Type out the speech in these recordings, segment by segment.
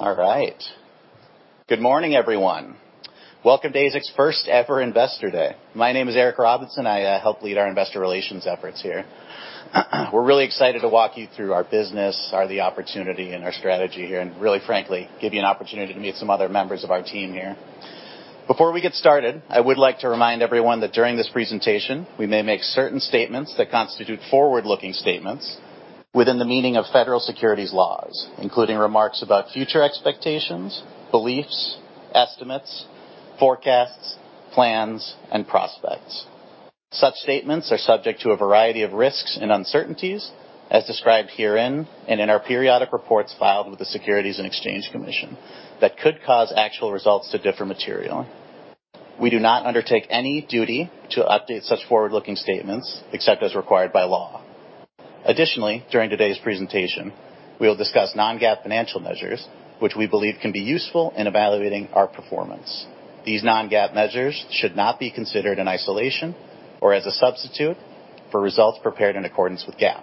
All right. Good morning, everyone. Welcome to AZEK's first-ever investor day. My name is Eric Robinson. I help lead our investor relations efforts here. We're really excited to walk you through our business, the opportunity and our strategy here, and really frankly, give you an opportunity to meet some other members of our team here. Before we get started, I would like to remind everyone that during this presentation, we may make certain statements that constitute forward-looking statements within the meaning of federal securities laws, including remarks about future expectations, beliefs, estimates, forecasts, plans, and prospects. Such statements are subject to a variety of risks and uncertainties as described herein and in our periodic reports filed with the Securities and Exchange Commission that could cause actual results to differ materially. We do not undertake any duty to update such forward-looking statements except as required by law. Additionally, during today's presentation, we will discuss non-GAAP financial measures, which we believe can be useful in evaluating our performance. These non-GAAP measures should not be considered in isolation or as a substitute for results prepared in accordance with GAAP.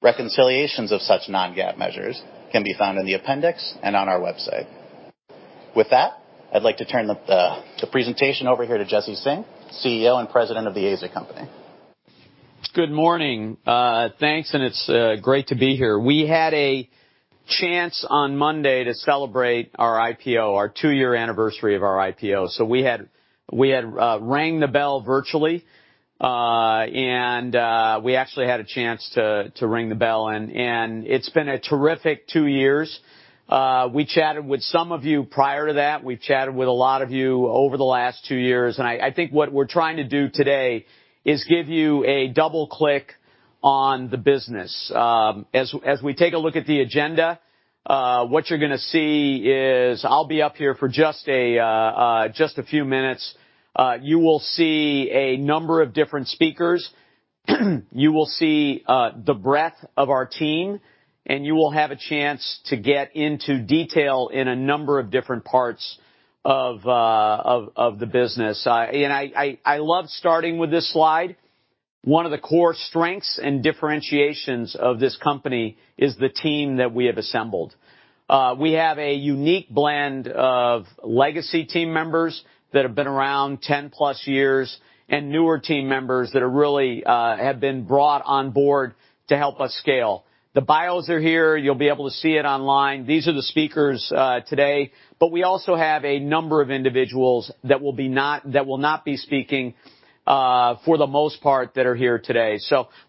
Reconciliations of such non-GAAP measures can be found in the appendix and on our website. With that, I'd like to turn the presentation over here to Jesse Singh, CEO and President of The AZEK Company. Good morning, thanks, and it's great to be here. We had a chance on Monday to celebrate our IPO, our two-year anniversary of our IPO. We had rang the bell virtually. We actually had a chance to ring the bell and it's been a terrific two years. We chatted with some of you prior to that. We've chatted with a lot of you over the last two years, and I think what we're trying to do today is give you a double click on the business. As we take a look at the agenda, what you're gonna see is I'll be up here for just a few minutes. You will see a number of different speakers. You will see the breadth of our team, and you will have a chance to get into detail in a number of different parts of the business. I love starting with this slide. One of the core strengths and differentiations of this company is the team that we have assembled. We have a unique blend of legacy team members that have been around 10+ years and newer team members that really have been brought on board to help us scale. The bios are here. You'll be able to see it online. These are the speakers today, but we also have a number of individuals that will not be speaking for the most part, that are here today.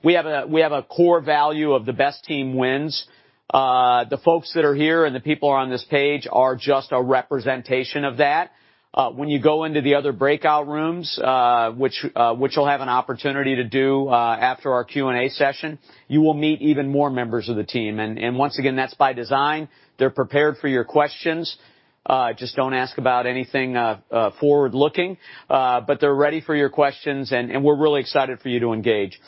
We have a core value of the best team wins. The folks that are here and the people are on this page are just a representation of that. When you go into the other breakout rooms, which you'll have an opportunity to do, after our Q&A session, you will meet even more members of the team. Once again, that's by design. They're prepared for your questions. Just don't ask about anything forward-looking, but they're ready for your questions, and we're really excited for you to engage.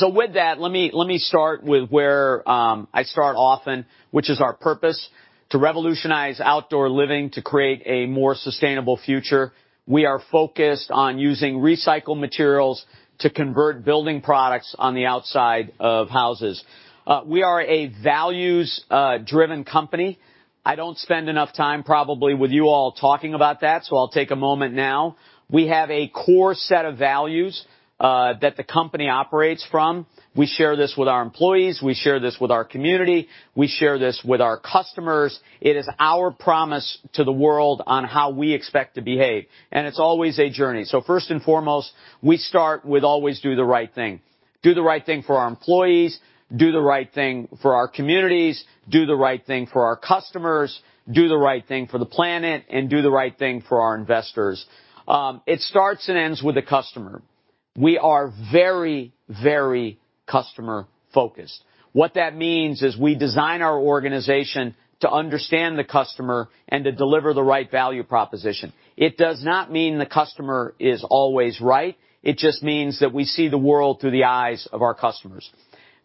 With that, let me start with where I start often, which is our purpose. To revolutionize outdoor living to create a more sustainable future. We are focused on using recycled materials to convert building products on the outside of houses. We are a values-driven company. I don't spend enough time probably with you all talking about that, so I'll take a moment now. We have a core set of values that the company operates from. We share this with our employees. We share this with our community. We share this with our customers. It is our promise to the world on how we expect to behave, and it's always a journey. First and foremost, we start with always do the right thing. Do the right thing for our employees, do the right thing for our communities, do the right thing for our customers, do the right thing for the planet, and do the right thing for our investors. It starts and ends with the customer. We are very, very customer-focused. What that means is we design our organization to understand the customer and to deliver the right value proposition. It does not mean the customer is always right. It just means that we see the world through the eyes of our customers.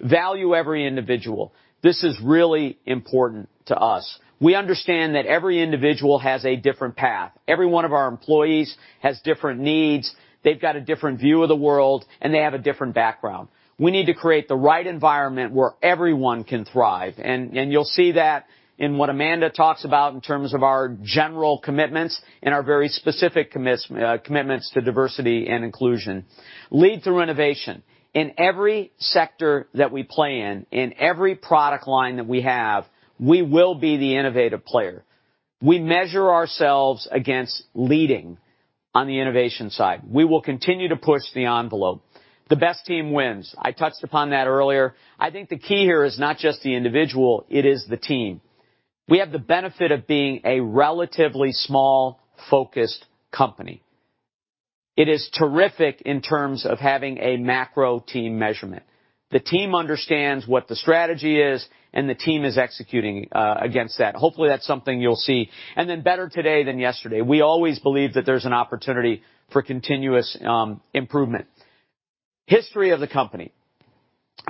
Value every individual. This is really important to us. We understand that every individual has a different path. Every one of our employees has different needs. They've got a different view of the world, and they have a different background. We need to create the right environment where everyone can thrive. You'll see that in what Amanda talks about in terms of our general commitments and our very specific commitments to diversity and inclusion. Lead through innovation. In every sector that we play in every product line that we have, we will be the innovative player. We measure ourselves against leading on the innovation side. We will continue to push the envelope. The best team wins. I touched upon that earlier. I think the key here is not just the individual, it is the team. We have the benefit of being a relatively small, focused company. It is terrific in terms of having a macro team measurement. The team understands what the strategy is, and the team is executing against that. Hopefully, that's something you'll see. Better today than yesterday. We always believe that there's an opportunity for continuous improvement. History of the company.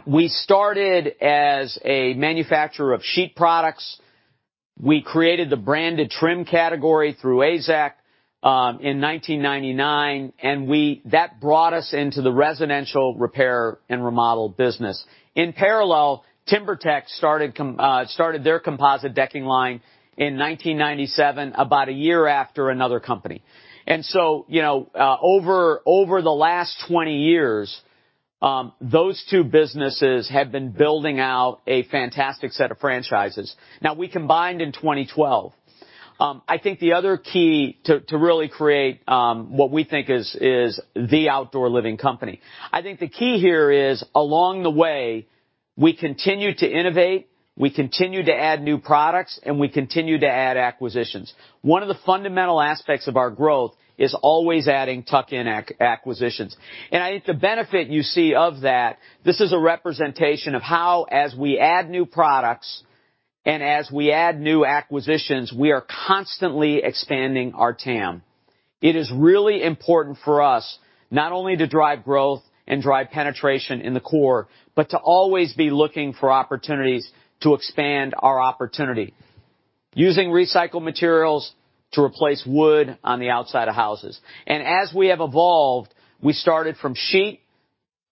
We started as a manufacturer of sheet products. We created the branded trim category through AZEK in 1999, and that brought us into the residential repair and remodel business. In parallel, TimberTech started their composite decking line in 1997, about a year after another company. You know, over the last 20 years, those two businesses have been building out a fantastic set of franchises. Now, we combined in 2012. I think the other key to really create what we think is the outdoor living company. I think the key here is, along the way, we continue to innovate, we continue to add new products, and we continue to add acquisitions. One of the fundamental aspects of our growth is always adding tuck-in acquisitions. I think the benefit you see of that, this is a representation of how, as we add new products and as we add new acquisitions, we are constantly expanding our TAM. It is really important for us not only to drive growth and drive penetration in the core, but to always be looking for opportunities to expand our opportunity. Using recycled materials to replace wood on the outside of houses. As we have evolved, we started from sheet.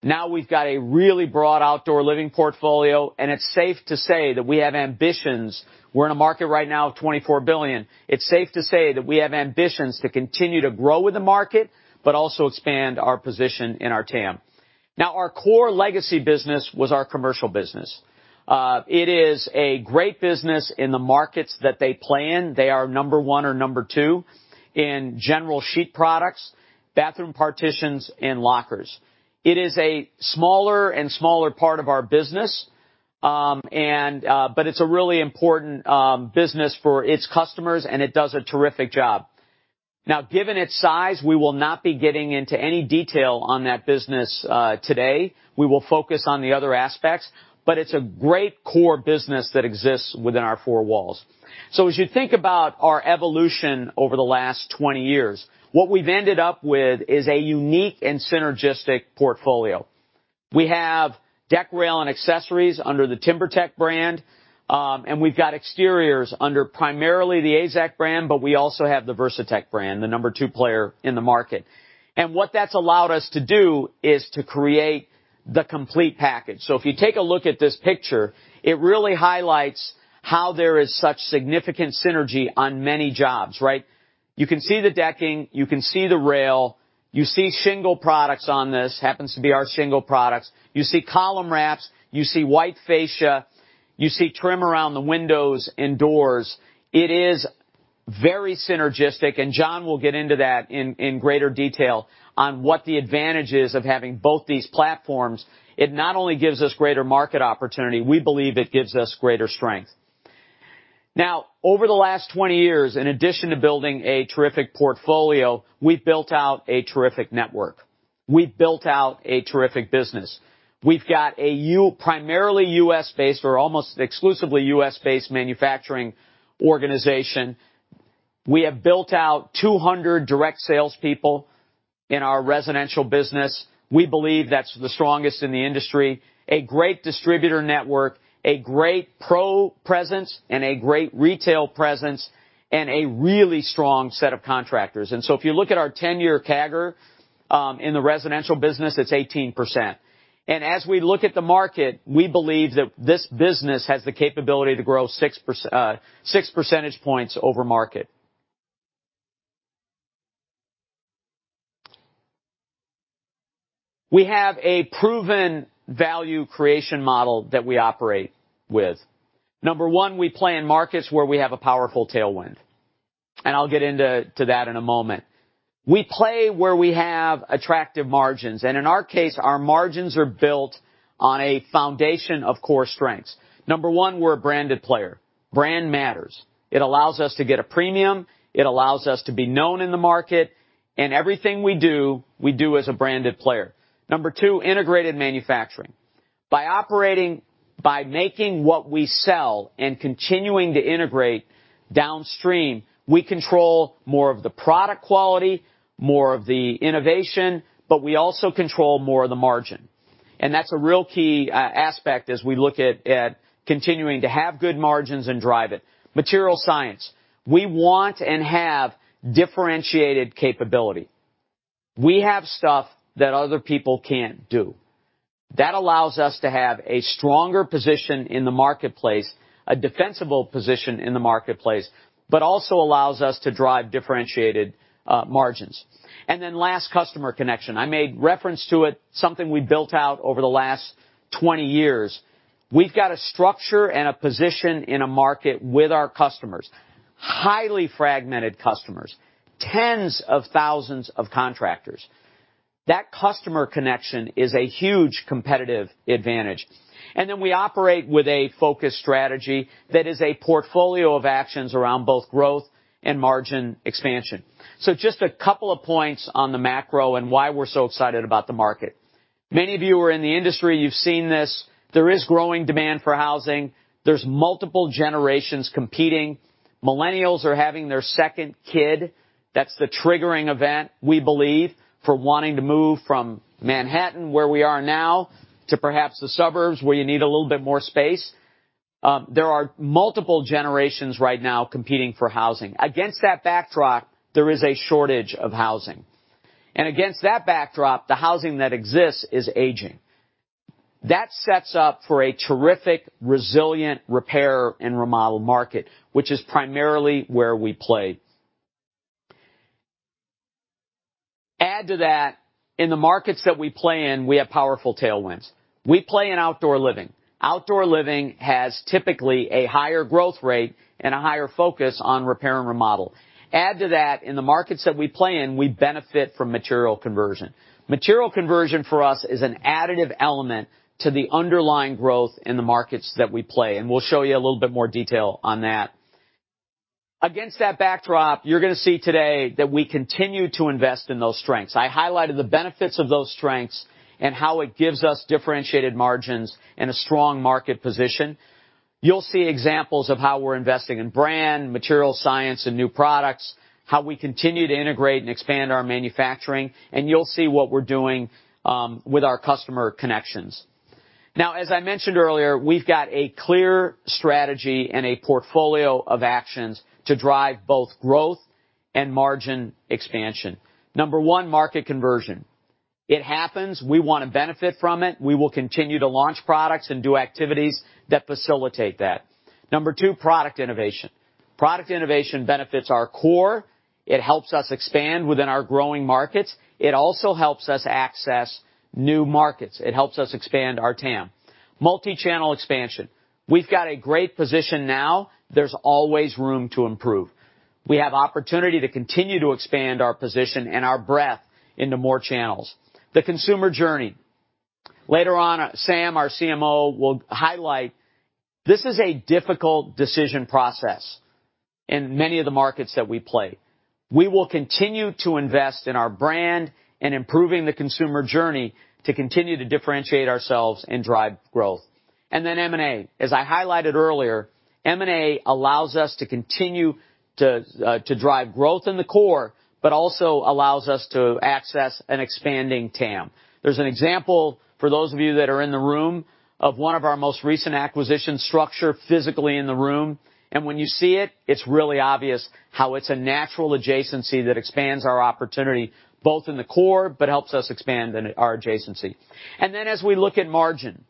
Now we've got a really broad outdoor living portfolio, and it's safe to say that we have ambitions. We're in a market right now of $24 billion. It's safe to say that we have ambitions to continue to grow with the market but also expand our position in our TAM. Now, our core legacy business was our commercial business. It is a great business in the markets that they play in. They are number one or number two in general sheet products, bathroom partitions, and lockers. It is a smaller and smaller part of our business, but it's a really important business for its customers, and it does a terrific job. Now, given its size, we will not be getting into any detail on that business today. We will focus on the other aspects, but it's a great core business that exists within our four walls. As you think about our evolution over the last 20 years, what we've ended up with is a unique and synergistic portfolio. We have deck rail and accessories under the TimberTech brand, and we've got exteriors under primarily the AZEK brand, but we also have the Versatex brand, the number two player in the market. And what that's allowed us to do is to create the complete package. If you take a look at this picture, it really highlights how there is such significant synergy on many jobs, right? You can see the decking, you can see the rail, you see shingle products on this, happens to be our shingle products. You see column wraps, you see white fascia, you see trim around the windows and doors. It is very synergistic, and John will get into that in greater detail on what the advantage is of having both these platforms. It not only gives us greater market opportunity, we believe it gives us greater strength. Now, over the last 20 years, in addition to building a terrific portfolio, we've built out a terrific network. We've built out a terrific business. We've got a primarily U.S.-based or almost exclusively U.S.-based manufacturing organization. We have built out 200 direct salespeople in our residential business. We believe that's the strongest in the industry, a great distributor network, a great pro presence and a great retail presence and a really strong set of contractors. If you look at our 10-year CAGR in the residential business, it's 18%. As we look at the market, we believe that this business has the capability to grow six percentage points over market. We have a proven value creation model that we operate with. Number one, we play in markets where we have a powerful tailwind, and I'll get into that in a moment. We play where we have attractive margins, and in our case, our margins are built on a foundation of core strengths. Number one, we're a branded player. Brand matters. It allows us to get a premium, it allows us to be known in the market, and everything we do, we do as a branded player. Number two, integrated manufacturing. By making what we sell and continuing to integrate downstream, we control more of the product quality, more of the innovation, but we also control more of the margin. That's a real key aspect as we look at continuing to have good margins and drive it. Material science. We want and have differentiated capability. We have stuff that other people can't do. That allows us to have a stronger position in the marketplace, a defensible position in the marketplace, but also allows us to drive differentiated margins. Last, customer connection. I made reference to it, something we built out over the last 20 years. We've got a structure and a position in a market with our customers, highly fragmented customers, tens of thousands of contractors. That customer connection is a huge competitive advantage. We operate with a focused strategy that is a portfolio of actions around both growth and margin expansion. Just a couple of points on the macro and why we're so excited about the market. Many of you are in the industry, you've seen this. There is growing demand for housing. There's multiple generations competing. Millennials are having their second kid. That's the triggering event, we believe, for wanting to move from Manhattan, where we are now, to perhaps the suburbs, where you need a little bit more space. There are multiple generations right now competing for housing. Against that backdrop, there is a shortage of housing. Against that backdrop, the housing that exists is aging. That sets up for a terrific, resilient repair and remodel market, which is primarily where we play. Add to that, in the markets that we play in, we have powerful tailwinds. We play in outdoor living. Outdoor living has typically a higher growth rate and a higher focus on repair and remodel. Add to that, in the markets that we play in, we benefit from material conversion. Material conversion for us is an additive element to the underlying growth in the markets that we play, and we'll show you a little bit more detail on that. Against that backdrop, you're gonna see today that we continue to invest in those strengths. I highlighted the benefits of those strengths and how it gives us differentiated margins and a strong market position. You'll see examples of how we're investing in brand, material science, and new products, how we continue to integrate and expand our manufacturing, and you'll see what we're doing with our customer connections. Now, as I mentioned earlier, we've got a clear strategy and a portfolio of actions to drive both growth and margin expansion. Number one, market conversion. It happens. We wanna benefit from it. We will continue to launch products and do activities that facilitate that. Number two, product innovation. Product innovation benefits our core. It helps us expand within our growing markets. It also helps us access new markets. It helps us expand our TAM. Multichannel expansion. We've got a great position now. There's always room to improve. We have opportunity to continue to expand our position and our breadth into more channels. The consumer journey. Later on, Sam, our CMO, will highlight this is a difficult decision process in many of the markets that we play. We will continue to invest in our brand and improving the consumer journey to continue to differentiate ourselves and drive growth. M&A. As I highlighted earlier, M&A allows us to continue to drive growth in the core but also allows us to access an expanding TAM. There's an example for those of you that are in the room of one of our most recent acquisition StruXure physically in the room. When you see it's really obvious how it's a natural adjacency that expands our opportunity, both in the core, but helps us expand in our adjacency. As we look at margin,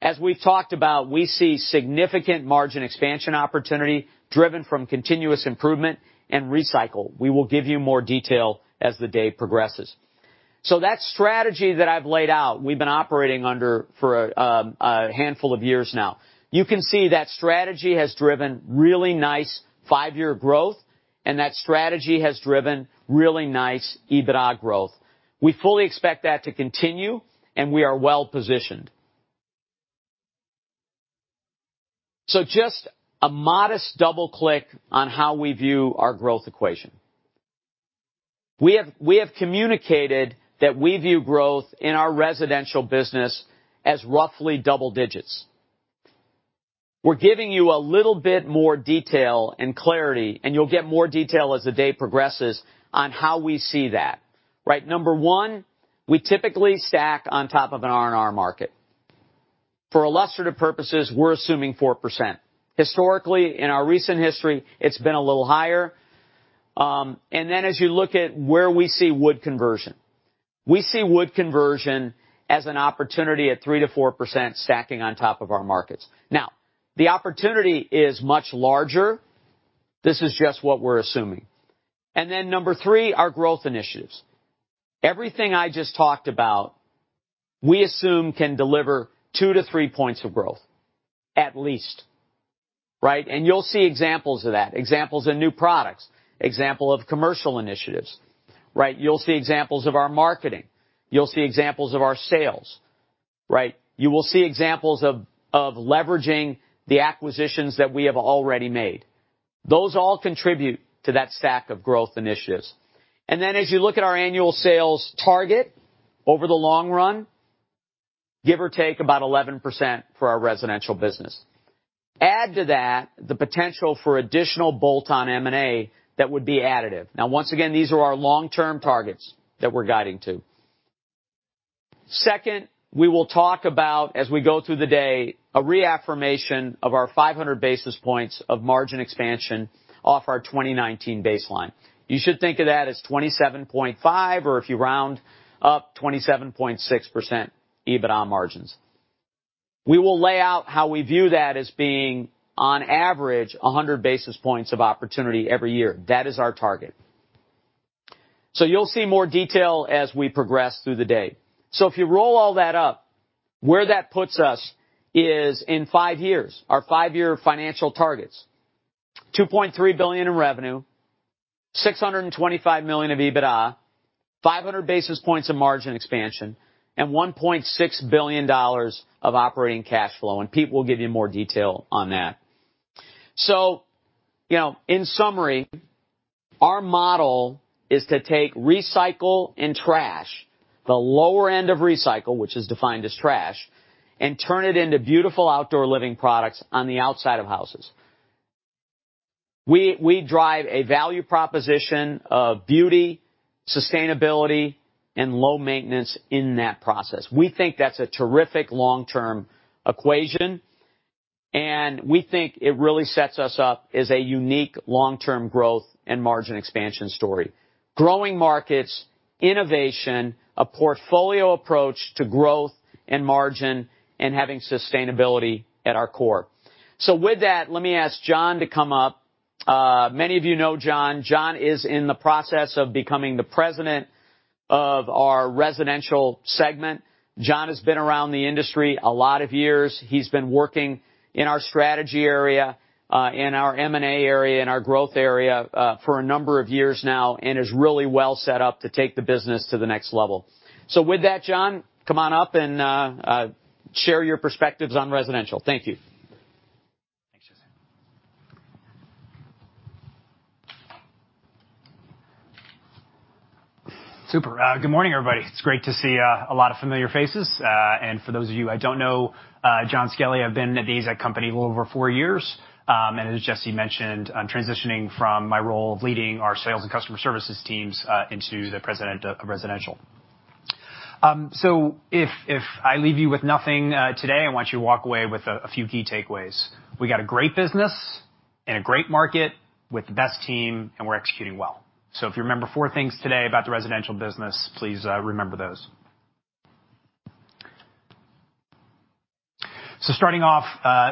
as we've talked about, we see significant margin expansion opportunity driven from continuous improvement and recycle. We will give you more detail as the day progresses. That strategy that I've laid out, we've been operating under for a handful of years now. You can see that strategy has driven really nice 5-year growth, and that strategy has driven really nice EBITDA growth. We fully expect that to continue, and we are well-positioned. Just a modest double-click on how we view our growth equation. We have communicated that we view growth in our residential business as roughly double digits. We're giving you a little bit more detail and clarity, and you'll get more detail as the day progresses on how we see that, right? Number one, we typically stack on top of an R&R market. For illustrative purposes, we're assuming 4%. Historically, in our recent history, it's been a little higher. As you look at where we see wood conversion, we see wood conversion as an opportunity at 3%-4% stacking on top of our markets. The opportunity is much larger. This is just what we're assuming. Number three, our growth initiatives. Everything I just talked about, we assume can deliver 2-3 points of growth, at least, right? You'll see examples of that, examples in new products, example of commercial initiatives, right? You'll see examples of our marketing. You'll see examples of our sales, right? You will see examples of leveraging the acquisitions that we have already made. Those all contribute to that stack of growth initiatives. As you look at our annual sales target over the long run, give or take about 11% for our residential business. Add to that the potential for additional bolt-on M&A that would be additive. Now, once again, these are our long-term targets that we're guiding to. Second, we will talk about, as we go through the day, a reaffirmation of our 500 basis points of margin expansion off our 2019 baseline. You should think of that as 27.5%, or if you round up, 27.6% EBITDA margins. We will lay out how we view that as being, on average, 100 basis points of opportunity every year. That is our target. You'll see more detail as we progress through the day. If you roll all that up, where that puts us is in 5 years, our 5-year financial targets. $2.3 billion in revenue, $625 million of EBITDA, 500 basis points of margin expansion, and $1.6 billion of operating cash flow. Pete will give you more detail on that. You know, in summary, our model is to take recycle and trash, the lower end of recycle, which is defined as trash, and turn it into beautiful outdoor living products on the outside of houses. We drive a value proposition of beauty, sustainability, and low maintenance in that process. We think that's a terrific long-term equation, and we think it really sets us up as a unique long-term growth and margin expansion story. Growing markets, innovation, a portfolio approach to growth and margin, and having sustainability at our core. With that, let me ask Jon to come up. Many of you know Jon. Jon is in the process of becoming the president of our residential segment. Jon has been around the industry a lot of years. He's been working in our strategy area, in our M&A area, in our growth area, for a number of years now, and is really well set up to take the business to the next level. With that, Jon, come on up and share your perspectives on residential. Thank you. Thanks, Jesse. Super. Good morning, everybody. It's great to see a lot of familiar faces. For those of you I don't know, Jon Skelly, I've been at The AZEK Company a little over 4 years. As Jesse mentioned, I'm transitioning from my role of leading our sales and customer services teams into the President of Residential. If I leave you with nothing today, I want you to walk away with a few key takeaways. We got a great business and a great market with the best team, and we're executing well. If you remember 4 things today about the residential business, please remember those. Starting off,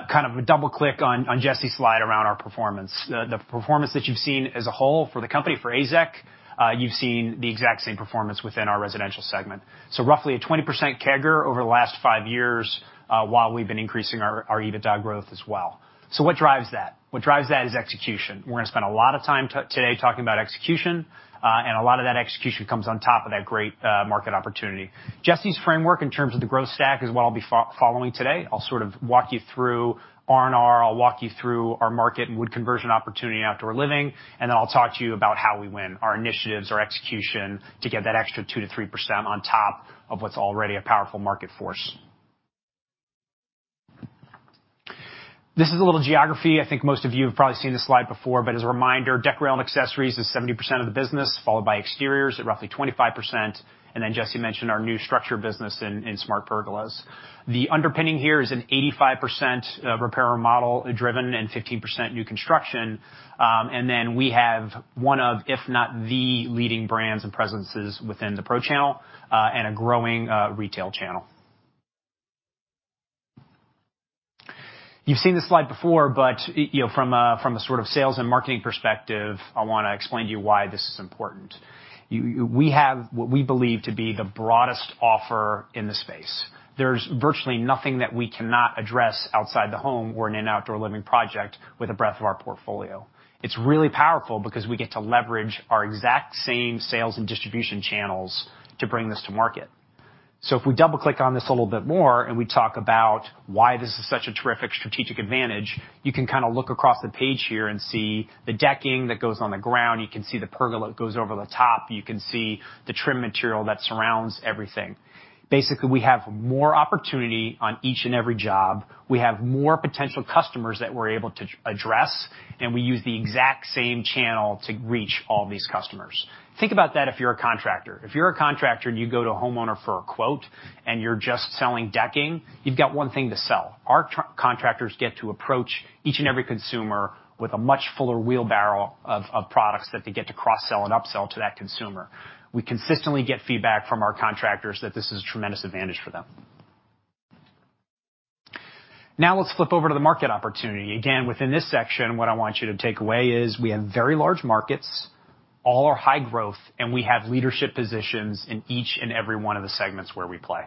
kind of a double click on Jesse's slide around our performance. The performance that you've seen as a whole for the company, for AZEK, you've seen the exact same performance within our residential segment. Roughly a 20% CAGR over the last five years, while we've been increasing our EBITDA growth as well. What drives that? What drives that is execution. We're gonna spend a lot of time today talking about execution, and a lot of that execution comes on top of that great market opportunity. Jesse's framework in terms of the growth stack is what I'll be following today. I'll sort of walk you through R&R, I'll walk you through our market and wood conversion opportunity in outdoor living, and then I'll talk to you about how we win, our initiatives, our execution to get that extra 2%-3% on top of what's already a powerful market force. This is a little geography. I think most of you have probably seen this slide before, but as a reminder, deck, rail and accessories is 70% of the business, followed by exteriors at roughly 25%, and then Jesse mentioned our new StruXure business in smart pergolas. The underpinning here is an 85% repair or remodel driven and 15% new construction. We have one of, if not the leading brands and presence within the pro channel, and a growing retail channel. You've seen this slide before, but you know, from a sort of sales and marketing perspective, I wanna explain to you why this is important. We have what we believe to be the broadest offer in the space. There's virtually nothing that we cannot address outside the home or in an outdoor living project with the breadth of our portfolio. It's really powerful because we get to leverage our exact same sales and distribution channels to bring this to market. If we double-click on this a little bit more, and we talk about why this is such a terrific strategic advantage, you can kinda look across the page here and see the decking that goes on the ground. You can see the pergola that goes over the top. You can see the trim material that surrounds everything. Basically, we have more opportunity on each and every job. We have more potential customers that we're able to address, and we use the exact same channel to reach all these customers. Think about that if you're a contractor. If you're a contractor and you go to a homeowner for a quote and you're just selling decking, you've got one thing to sell. Our contractors get to approach each and every consumer with a much fuller wheelbarrow of products that they get to cross-sell and upsell to that consumer. We consistently get feedback from our contractors that this is a tremendous advantage for them. Now, let's flip over to the market opportunity. Again, within this section, what I want you to take away is we have very large markets, all are high growth, and we have leadership positions in each and every one of the segments where we play.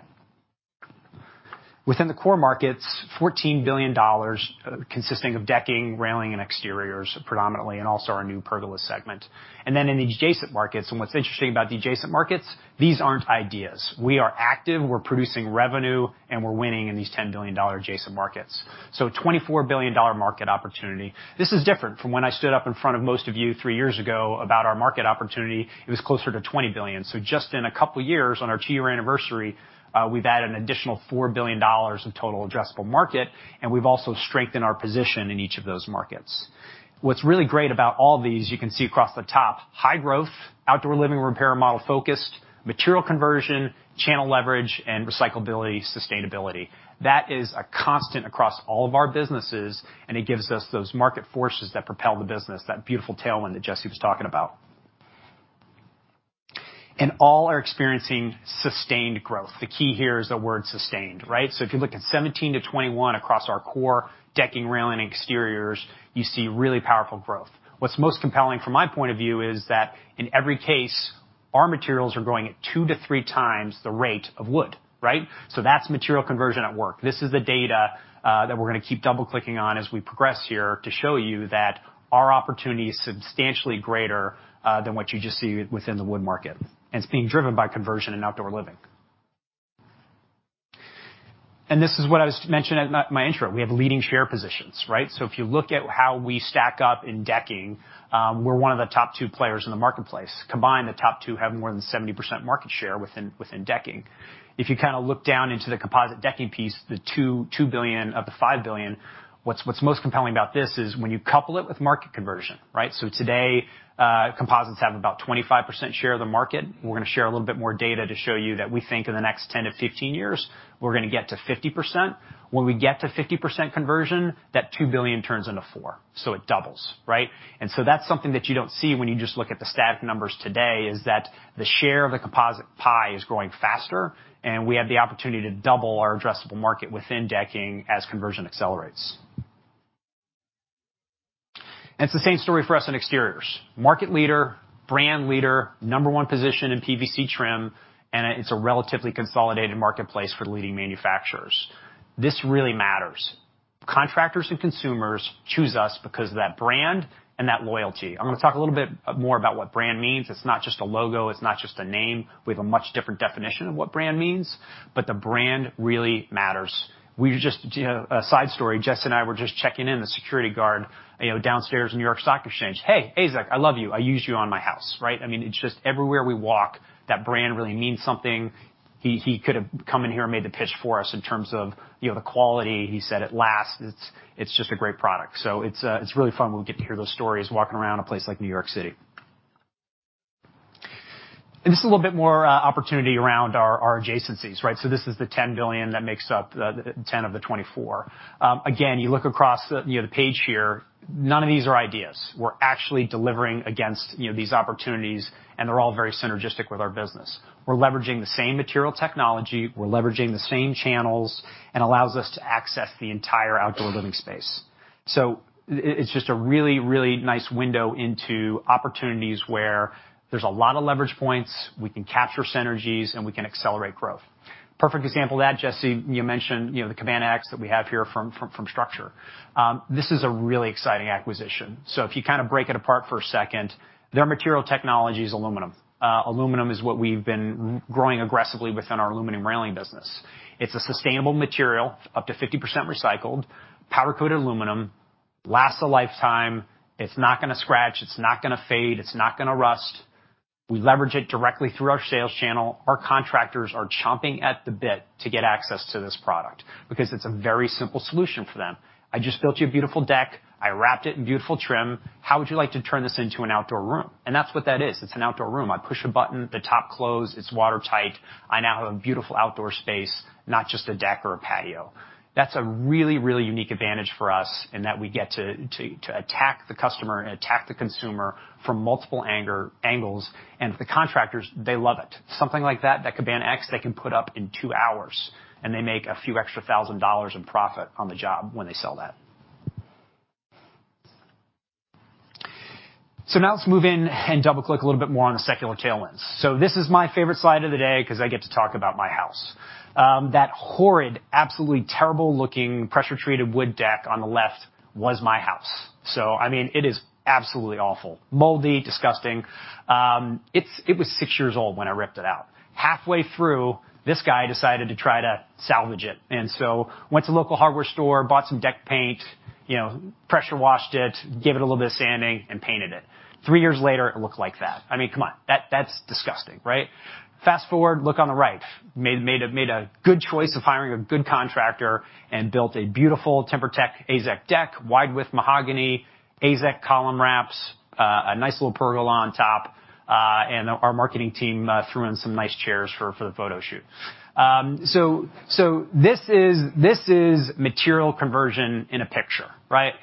Within the core markets, $14 billion consisting of decking, railing, and exteriors predominantly, and also our new pergola segment. In the adjacent markets, and what's interesting about the adjacent markets, these aren't ideas. We are active, we're producing revenue, and we're winning in these $10 billion adjacent markets. A $24 billion market opportunity. This is different from when I stood up in front of most of you three years ago about our market opportunity. It was closer to $20 billion. Just in a couple of years, on our 2-year anniversary, we've added an additional $4 billion of total addressable market, and we've also strengthened our position in each of those markets. What's really great about all of these, you can see across the top, high growth, outdoor living repair model-focused, material conversion, channel leverage, and recyclability, sustainability. That is a constant across all of our businesses, and it gives us those market forces that propel the business, that beautiful tailwind that Jesse was talking about. All are experiencing sustained growth. The key here is the word sustained, right? If you look at 2017-2021 across our core decking, railing, and exteriors, you see really powerful growth. What's most compelling from my point of view is that in every case, our materials are growing at 2x-3x the rate of wood, right? That's material conversion at work. This is the data that we're gonna keep double-clicking on as we progress here to show you that our opportunity is substantially greater than what you just see within the wood market, and it's being driven by conversion and outdoor living. This is what I mentioned at my intro. We have leading share positions, right? If you look at how we stack up in decking, we're one of the top two players in the marketplace. Combined, the top two have more than 70% market share within decking. If you kinda look down into the composite decking piece, the $2 billion of the $5 billion, what's most compelling about this is when you couple it with market conversion, right? Today, composites have about 25% share of the market. We're gonna share a little bit more data to show you that we think in the next 10-15 years, we're gonna get to 50%. When we get to 50% conversion, that $2 billion turns into $4 billion, so it doubles, right? That's something that you don't see when you just look at the static numbers today, is that the share of the composite pie is growing faster, and we have the opportunity to double our addressable market within decking as conversion accelerates. It's the same story for us in exteriors. Market leader, brand leader, number one position in PVC trim, and it's a relatively consolidated marketplace for leading manufacturers. This really matters. Contractors and consumers choose us because of that brand and that loyalty. I'm gonna talk a little bit more about what brand means. It's not just a logo, it's not just a name. We have a much different definition of what brand means, but the brand really matters. We just. A side story, Jesse and I were just checking in with the security guard, you know, downstairs in New York Stock Exchange. "Hey, AZEK, I love you. I use you on my house," right? I mean, it's just everywhere we walk, that brand really means something. He could have come in here and made the pitch for us in terms of, you know, the quality. He said it lasts. It's just a great product. It's really fun when we get to hear those stories walking around a place like New York City. Just a little bit more opportunity around our adjacencies, right? This is the $10 billion that makes up the $10 billion of the $24 billion. Again, you look across the page here, you know, none of these are ideas. We're actually delivering against, you know, these opportunities, and they're all very synergistic with our business. We're leveraging the same material technology, we're leveraging the same channels, and allows us to access the entire outdoor living space. It's just a really nice window into opportunities where there's a lot of leverage points, we can capture synergies, and we can accelerate growth. Perfect example of that, Jesse, you mentioned, you know, the Cabana X that we have here from StruXure. This is a really exciting acquisition. If you kinda break it apart for a second, their material technology is aluminum. Aluminum is what we've been growing aggressively within our aluminum railing business. It's a sustainable material, up to 50% recycled, powder-coated aluminum, lasts a lifetime. It's not gonna scratch, it's not gonna fade, it's not gonna rust. We leverage it directly through our sales channel. Our contractors are chomping at the bit to get access to this product because it's a very simple solution for them. I just built you a beautiful deck. I wrapped it in beautiful trim. How would you like to turn this into an outdoor room? That's what that is. It's an outdoor room. I push a button, the top closes, it's watertight. I now have a beautiful outdoor space, not just a deck or a patio. That's a really, really unique advantage for us, in that we get to attack the customer and attack the consumer from multiple angles. The contractors, they love it. Something like that Cabana X, they can put up in 2 hours, and they make a few extra thousand dollars in profit on the job when they sell that. Now let's move in and double-click a little bit more on the secular tailwinds. This is my favorite slide of the day 'cause I get to talk about my house. That horrid, absolutely terrible-looking pressure-treated wood deck on the left was my house. I mean, it is absolutely awful. Moldy, disgusting. It was six years old when I ripped it out. Halfway through, this guy decided to try to salvage it, and so went to a local hardware store, bought some deck paint, you know, pressure washed it, gave it a little bit of sanding, and painted it. Three years later, it looked like that. I mean, come on. That's disgusting, right? Fast-forward, look on the right. Made a good choice of hiring a good contractor and built a beautiful TimberTech AZEK deck, wide with mahogany, AZEK column wraps, a nice little pergola on top, and our marketing team threw in some nice chairs for the photo shoot. This is material conversion in a picture, right?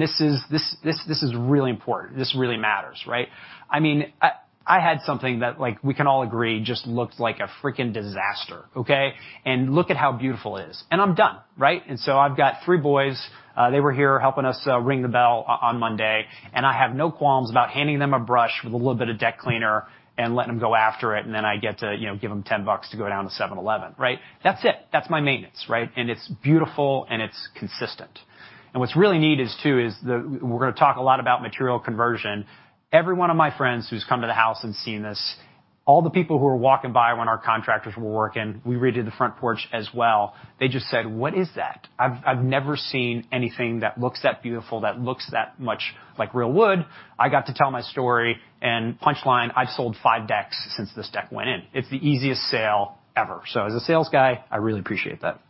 This is really important. This really matters, right? I mean, I had something that, like, we can all agree just looked like a freaking disaster, okay? Look at how beautiful it is. I'm done, right? I've got 3 boys, they were here helping us ring the bell on Monday, and I have no qualms about handing them a brush with a little bit of deck cleaner and letting them go after it, and then I get to, you know, give them $10 to go down to $7,$11, right? That's it. That's my maintenance, right? It's beautiful, and it's consistent. What's really neat is the. We're gonna talk a lot about material conversion. Every one of my friends who's come to the house and seen this, all the people who are walking by when our contractors were working, we redid the front porch as well. They just said, "What is that? I've never seen anything that looks that beautiful, that looks that much like real wood." I got to tell my story and punchline, I've sold 5 decks since this deck went in. It's the easiest sale ever. As a sales guy, I really appreciate that.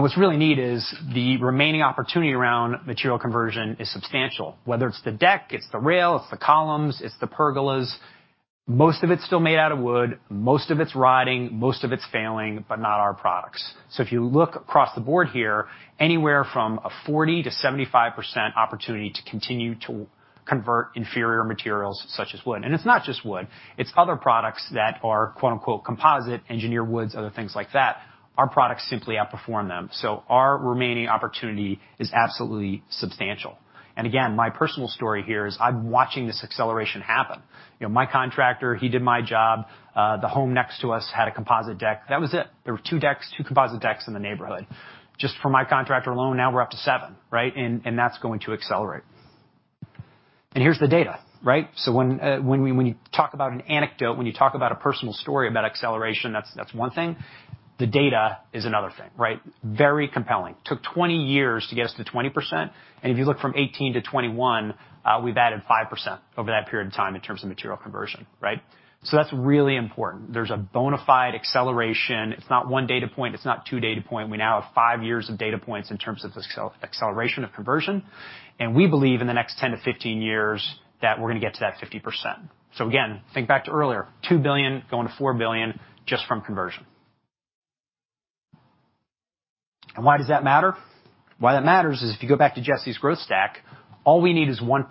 What's really neat is the remaining opportunity around material conversion is substantial. Whether it's the deck, it's the rail, it's the columns, it's the pergolas, most of it's still made out of wood, most of it's rotting, most of it's failing, but not our products. If you look across the board here, anywhere from a 40%-75% opportunity to continue to convert inferior materials such as wood. It's not just wood. It's other products that are quote-unquote, composite, engineered woods, other things like that. Our products simply outperform them. Our remaining opportunity is absolutely substantial. Again, my personal story here is I'm watching this acceleration happen. You know, my contractor, he did my job. The home next to us had a composite deck. That was it. There were two decks, two composite decks in the neighborhood. Just for my contractor alone, now we're up to seven, right? And that's going to accelerate. Here's the data, right? When you talk about an anecdote, when you talk about a personal story about acceleration, that's one thing. The data is another thing, right? Very compelling. Took 20 years to get us to 20%. If you look from 2018 to 2021, we've added 5% over that period of time in terms of material conversion, right? That's really important. There's a bona fide acceleration. It's not one data point, it's not two data point. We now have 5 years of data points in terms of acceleration of conversion, and we believe in the next 10-15 years that we're gonna get to that 50%. Again, think back to earlier, $2 billion going to $4 billion just from conversion. Why does that matter? Why that matters is if you go back to Jesse's growth stack, all we need is 1%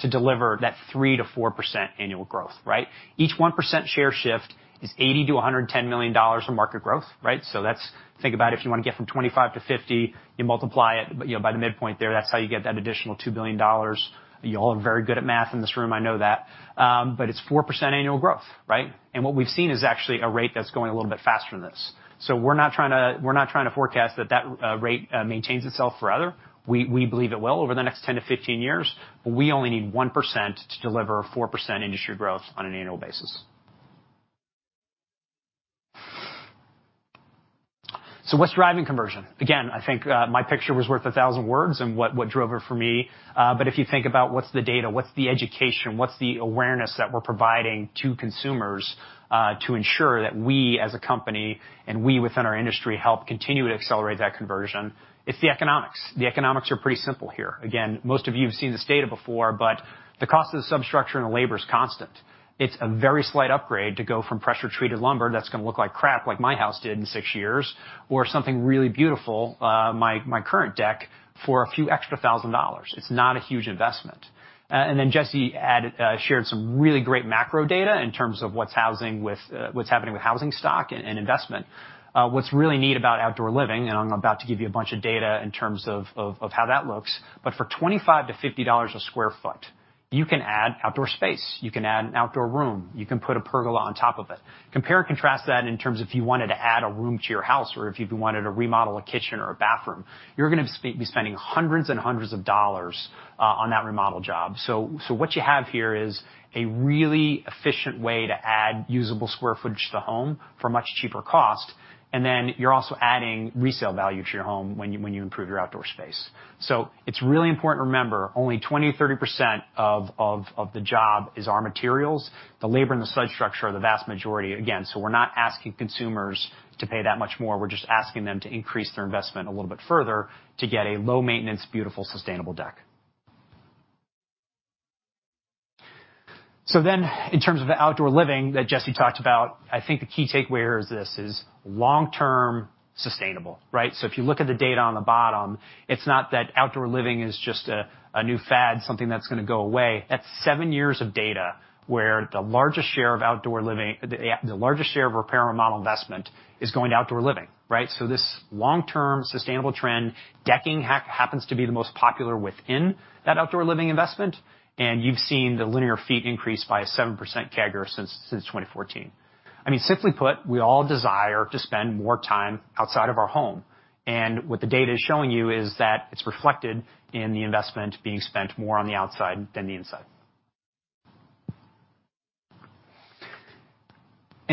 to deliver that 3%-4% annual growth, right? Each 1% share shift is $80 million-$110 million of market growth, right? That's. Think about it, if you wanna get from 25 to 50, you multiply it, you know, by the midpoint there, that's how you get that additional $2 billion. You all are very good at math in this room, I know that. It's 4% annual growth, right? What we've seen is actually a rate that's going a little bit faster than this. We're not trying to forecast that rate maintains itself forever. We believe it will over the next 10 to 15 years, but we only need 1% to deliver 4% industry growth on an annual basis. What's driving conversion? Again, I think my picture was worth 1,000 words and what drove it for me. If you think about what's the data, what's the education, what's the awareness that we're providing to consumers to ensure that we, as a company, and we within our industry help continue to accelerate that conversion. It's the economics. The economics are pretty simple here. Again, most of you have seen this data before, but the cost of the substructure and the labor is constant. It's a very slight upgrade to go from pressure-treated lumber that's gonna look like crap like my house did in six years or something really beautiful, my current deck, for a few extra thousand dollars. It's not a huge investment. Jesse shared some really great macro data in terms of what's happening with housing stock and investment. What's really neat about outdoor living, and I'm about to give you a bunch of data in terms of how that looks, but for $25-$50 a sq ft, you can add outdoor space, you can add an outdoor room, you can put a pergola on top of it. Compare and contrast that in terms of if you wanted to add a room to your house or if you wanted to remodel a kitchen or a bathroom. You're gonna be spending hundreds and hundreds of dollars on that remodel job. What you have here is a really efficient way to add usable square footage to the home for much cheaper cost, and then you're also adding resale value to your home when you improve your outdoor space. It's really important to remember, only 20%-30% of the job is our materials. The labor and the substructure are the vast majority. Again, we're not asking consumers to pay that much more. We're just asking them to increase their investment a little bit further to get a low-maintenance, beautiful, sustainable deck. In terms of the outdoor living that Jesse talked about, I think the key takeaway here is this is long-term sustainable, right? If you look at the data on the bottom, it's not that outdoor living is just a new fad, something that's gonna go away. That's 7 years of data where the largest share of repair and remodel investment is going to outdoor living, right? This long-term sustainable trend, decking happens to be the most popular within that outdoor living investment, and you've seen the linear feet increase by a 7% CAGR since 2014. I mean, simply put, we all desire to spend more time outside of our home, and what the data is showing you is that it's reflected in the investment being spent more on the outside than the inside.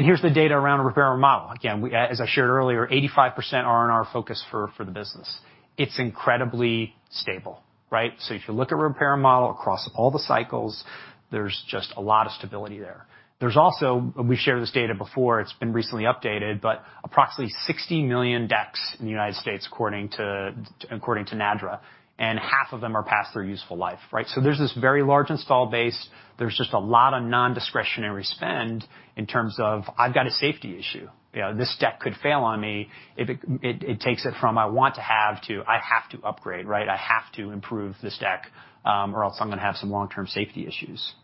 Here's the data around repair and remodel. Again, as I shared earlier, 85% R&R focus for the business. It's incredibly stable, right? If you look at repair and remodel across all the cycles, there's just a lot of stability there. There's also. We shared this data before, it's been recently updated, but approximately 60 million decks in the United States according to NADRA, and half of them are past their useful life, right? There's this very large install base. There's just a lot of non-discretionary spend in terms of, "I've got a safety issue. You know, this deck could fail on me." It takes it from, "I want to have," to, "I have to upgrade," right? I have to improve this deck, or else I'm gonna have some long-term safety issues."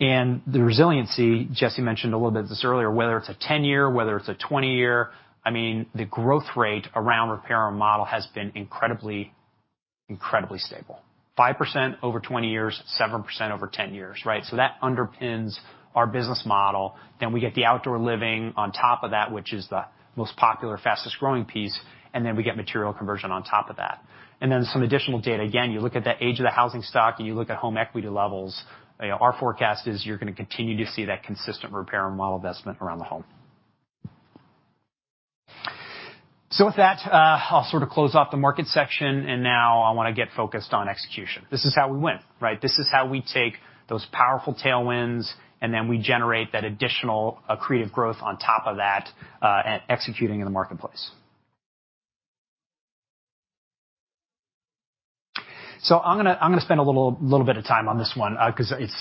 The resiliency, Jesse mentioned a little bit of this earlier, whether it's a 10-year, whether it's a 20-year, I mean, the growth rate around repair and remodel has been incredibly stable. 5% over 20 years, 7% over 10 years, right? That underpins our business model. We get the outdoor living on top of that, which is the most popular, fastest-growing piece, and then we get material conversion on top of that. Some additional data. Again, you look at the age of the housing stock, and you look at home equity levels. You know, our forecast is you're gonna continue to see that consistent repair and remodel investment around the home. With that, I'll sort of close off the market section, and now I wanna get focused on execution. This is how we win, right? This is how we take those powerful tailwinds, and then we generate that additional accretive growth on top of that, at executing in the marketplace. I'm gonna spend a little bit of time on this one, 'cause it's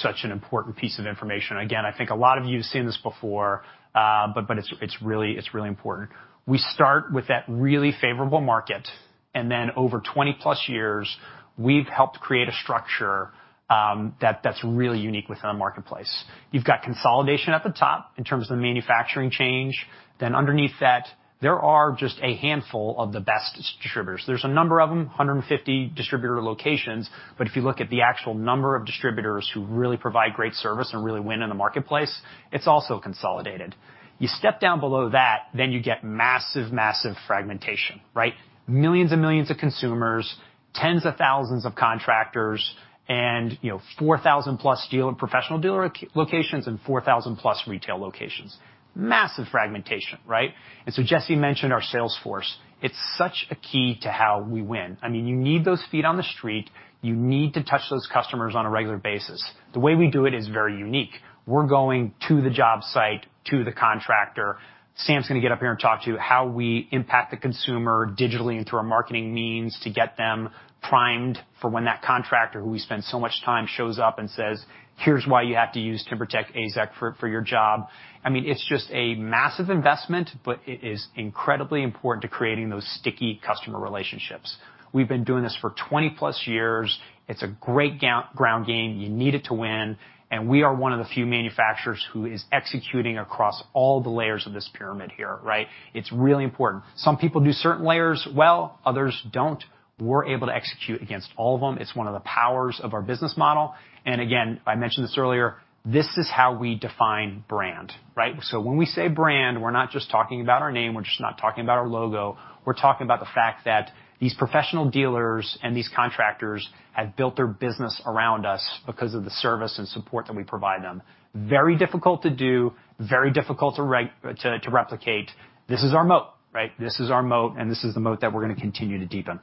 such an important piece of information. Again, I think a lot of you have seen this before, but it's really important. We start with that really favorable market, and then over 20+ years, we've helped create a structure, that's really unique within the marketplace. You've got consolidation at the top in terms of the manufacturing chain. Then underneath that, there are just a handful of the best distributors. There's a number of them, 150 distributor locations, but if you look at the actual number of distributors who really provide great service and really win in the marketplace, it's also consolidated. You step down below that, then you get massive fragmentation, right? Millions and millions of consumers. Tens of thousands of contractors and, you know, 4,000+ professional dealer locations and 4,000+ retail locations. Massive fragmentation, right? Jesse mentioned our sales force. It's such a key to how we win. I mean, you need those feet on the street. You need to touch those customers on a regular basis. The way we do it is very unique. We're going to the job site, to the contractor. Sam's gonna get up here and talk to you how we impact the consumer digitally and through our marketing means to get them primed for when that contractor, who we spend so much time, shows up and says, "Here's why you have to use TimberTech AZEK for your job." I mean, it's just a massive investment, but it is incredibly important to creating those sticky customer relationships. We've been doing this for 20+ years. It's a great ground game. You need it to win, and we are one of the few manufacturers who is executing across all the layers of this pyramid here, right? It's really important. Some people do certain layers well, others don't. We're able to execute against all of them. It's one of the powers of our business model. Again, I mentioned this earlier, this is how we define brand, right? When we say brand, we're not just talking about our name, we're just not talking about our logo. We're talking about the fact that these professional dealers and these contractors have built their business around us because of the service and support that we provide them. Very difficult to replicate. This is our moat, right? This is the moat that we're gonna continue to deepen.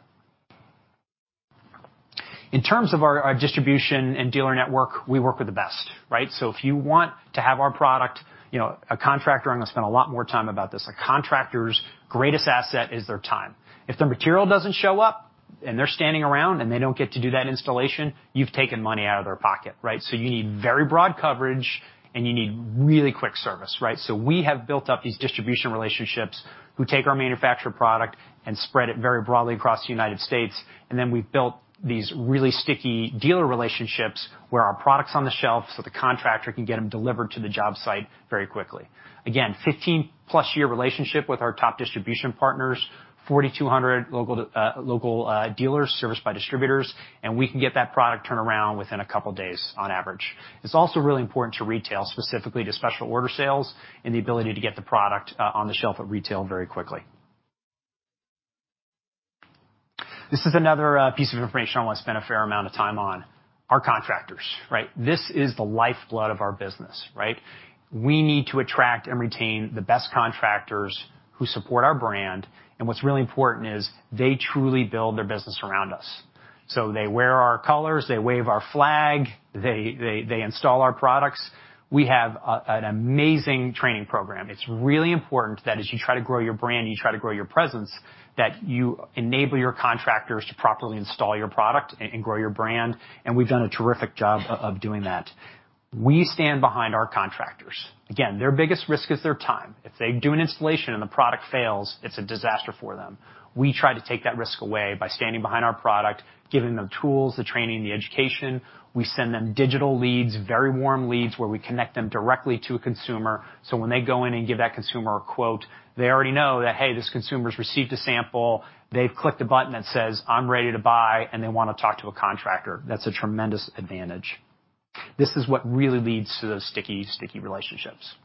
In terms of our distribution and dealer network, we work with the best, right? If you want to have our product, you know, a contractor. I'm gonna spend a lot more time about this. A contractor's greatest asset is their time. If the material doesn't show up, and they're standing around, and they don't get to do that installation, you've taken money out of their pocket, right? You need very broad coverage, and you need really quick service, right? We have built up these distribution relationships who take our manufactured product and spread it very broadly across the United States, and then we've built these really sticky dealer relationships where our product's on the shelf, so the contractor can get them delivered to the job site very quickly. Again, 15+ year relationship with our top distribution partners, 4,200 local dealers serviced by distributors, and we can get that product turnaround within a couple days on average. It's also really important to retail, specifically to special order sales and the ability to get the product on the shelf at retail very quickly. This is another piece of information I wanna spend a fair amount of time on, our contractors, right? This is the lifeblood of our business, right? We need to attract and retain the best contractors who support our brand, and what's really important is they truly build their business around us. They wear our colors, they wave our flag, they install our products. We have an amazing training program. It's really important that as you try to grow your brand, you try to grow your presence, that you enable your contractors to properly install your product and grow your brand, and we've done a terrific job of doing that. We stand behind our contractors. Again, their biggest risk is their time. If they do an installation and the product fails, it's a disaster for them. We try to take that risk away by standing behind our product, giving them tools, the training, the education. We send them digital leads, very warm leads, where we connect them directly to a consumer, so when they go in and give that consumer a quote, they already know that, hey, this consumer's received a sample. They've clicked a button that says, "I'm ready to buy," and they wanna talk to a contractor. That's a tremendous advantage. This is what really leads to those sticky relationships.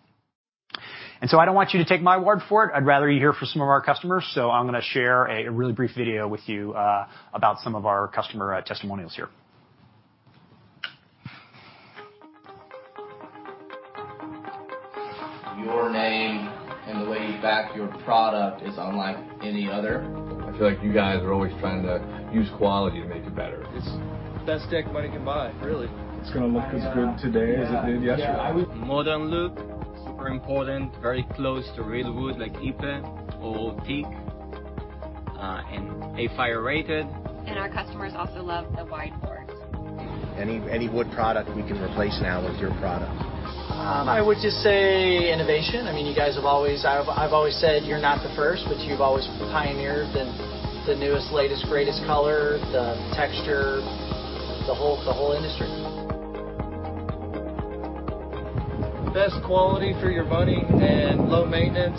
I don't want you to take my word for it. I'd rather you hear from some of our customers. I'm gonna share a really brief video with you about some of our customer testimonials here. Your name and the way you back your product is unlike any other. I feel like you guys are always trying to use quality to make it better. It's the best deck money can buy, really. It's gonna look as good today as it did yesterday. Yeah. Yeah. Modern look, super important. Very close to real wood like Ipe or Teak, and A-fire rated. Our customers also love the wide boards. Any wood product we can replace now with your product. I would just say innovation. I mean, I've always said you're not the first, but you've always pioneered the newest, latest, greatest color, the texture, the whole industry. Best quality for your money and low maintenance.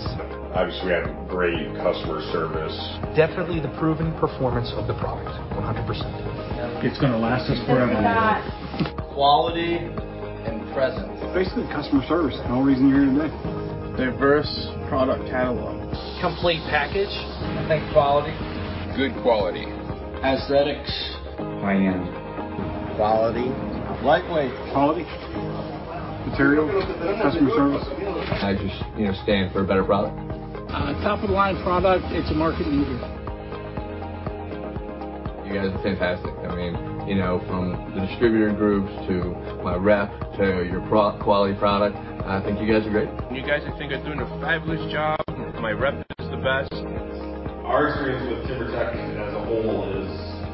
Obviously we have great customer service. Definitely the proven performance of the product, 100%. It's gonna last us forever. It's durable. Quality and presence. Basically, the customer service. Only reason you're here today. Diverse product catalog. Complete package. I think quality. Good quality. Aesthetics. High end. Quality. Lightweight. Quality. Materials, customer service. I just, you know, stand for a better product. Top-of-the-line product. It's a market leader. You guys are fantastic. I mean, you know, from the distributor groups to my rep to your pro-quality product, I think you guys are great. You guys, I think you are doing a fabulous job. My rep is the best. Our experience with TimberTech as a whole is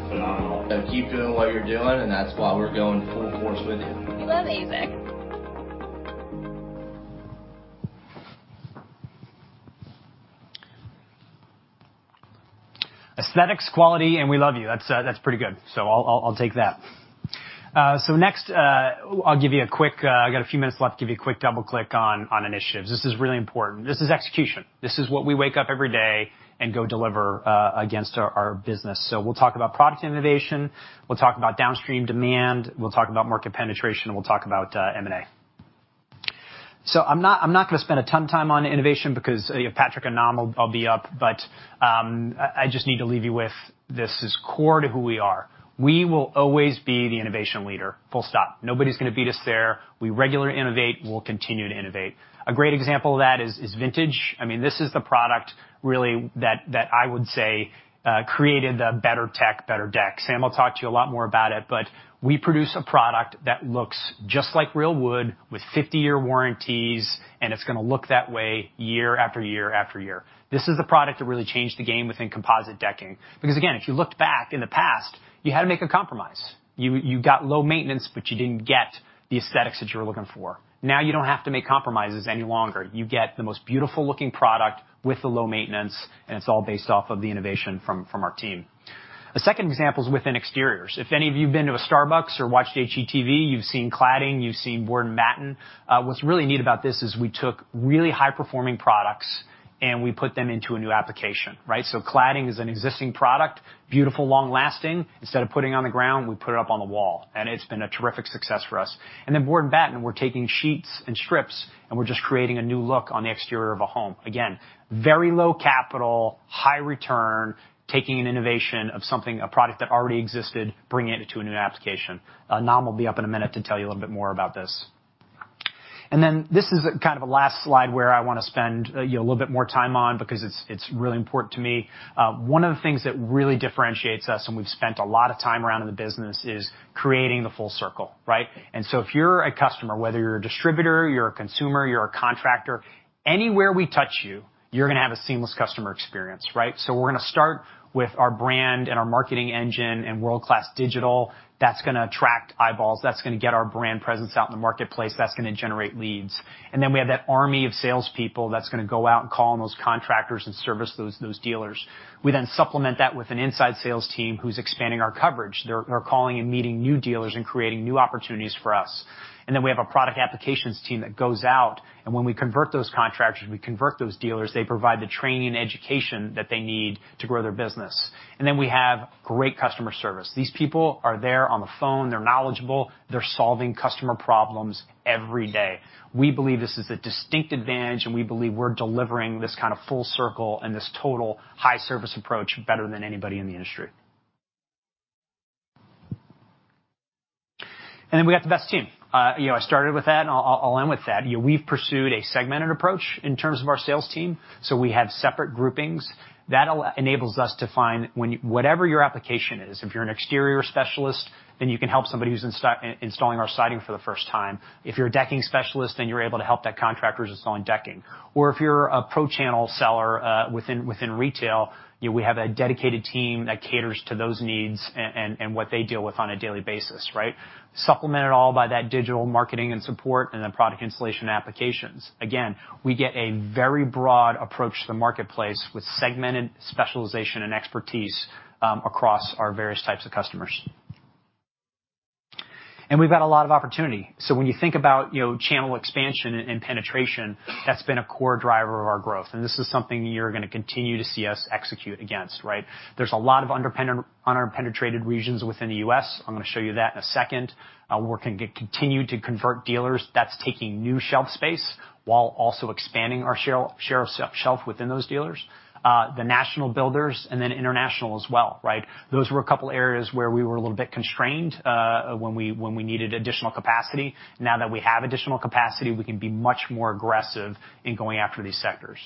phenomenal. Keep doing what you're doing, and that's why we're going full force with you. We love AZEK. Aesthetics, quality, and we love you. That's pretty good. I'll take that. Next, I've got a few minutes left to give you a quick double-click on initiatives. This is really important. This is execution. This is what we wake up every day and go deliver against our business. We'll talk about product innovation, we'll talk about downstream demand, we'll talk about market penetration, and we'll talk about M&A. I'm not gonna spend a ton of time on innovation because, you know, Patrick and Nam will be up. I just need to leave you with this is core to who we are. We will always be the innovation leader, full stop. Nobody's gonna beat us there. We regularly innovate, and we'll continue to innovate. A great example of that is Vintage. I mean, this is the product really that I would say created the TimberTech deck. Sam will talk to you a lot more about it, but we produce a product that looks just like real wood with 50-year warranties, and it's gonna look that way year after year after year. This is the product that really changed the game within composite decking because, again, if you looked back in the past, you had to make a compromise. You got low maintenance, but you didn't get the aesthetics that you were looking for. Now you don't have to make compromises any longer. You get the most beautiful-looking product with the low maintenance, and it's all based off of the innovation from our team. A second example is within exteriors. If any of you have been to a Starbucks or watched HGTV, you've seen Cladding, you've seen Board and Batten. What's really neat about this is we took really high-performing products, and we put them into a new application, right? Cladding is an existing product, beautiful, long-lasting. Instead of putting it on the ground, we put it up on the wall, and it's been a terrific success for us. Board and Batten, we're taking sheets and strips, and we're just creating a new look on the exterior of a home. Again, very low capital, high return, taking an innovation of something, a product that already existed, bringing it to a new application. Nam will be up in a minute to tell you a little bit more about this. This is kind of a last slide where I wanna spend, you know, a little bit more time on because it's really important to me. One of the things that really differentiates us, and we've spent a lot of time around in the business, is creating the full circle, right? If you're a customer, whether you're a distributor, you're a consumer, you're a contractor, anywhere we touch you're gonna have a seamless customer experience, right? We're gonna start with our brand and our marketing engine and world-class digital. That's gonna attract eyeballs. That's gonna get our brand presence out in the marketplace. That's gonna generate leads. Then we have that army of salespeople that's gonna go out and call on those contractors and service those dealers. We then supplement that with an inside sales team who's expanding our coverage. They're calling and meeting new dealers and creating new opportunities for us. Then we have a product applications team that goes out, and when we convert those contractors, we convert those dealers, they provide the training and education that they need to grow their business. Then we have great customer service. These people are there on the phone, they're knowledgeable, they're solving customer problems every day. We believe this is a distinct advantage, and we believe we're delivering this kind of full circle and this total high service approach better than anybody in the industry. Then we got the best team. You know, I started with that, and I'll end with that. You know, we've pursued a segmented approach in terms of our sales team, so we have separate groupings. That all enables us to find whatever your application is, if you're an exterior specialist, then you can help somebody who's installing our siding for the first time. If you're a decking specialist, then you're able to help that contractor who's installing decking. Or if you're a pro channel seller within retail, you know, we have a dedicated team that caters to those needs and what they deal with on a daily basis, right? Supplement it all by that digital marketing and support and the product installation applications. Again, we get a very broad approach to the marketplace with segmented specialization and expertise across our various types of customers. We've got a lot of opportunity. When you think about, you know, channel expansion and penetration, that's been a core driver of our growth, and this is something you're gonna continue to see us execute against, right? There's a lot of underpenetrated regions within the U.S. I'm gonna show you that in a second. We're gonna continue to convert dealers. That's taking new shelf space while also expanding our share of shelf within those dealers. The national builders and then international as well, right? Those were a couple areas where we were a little bit constrained, when we needed additional capacity. Now that we have additional capacity, we can be much more aggressive in going after these sectors.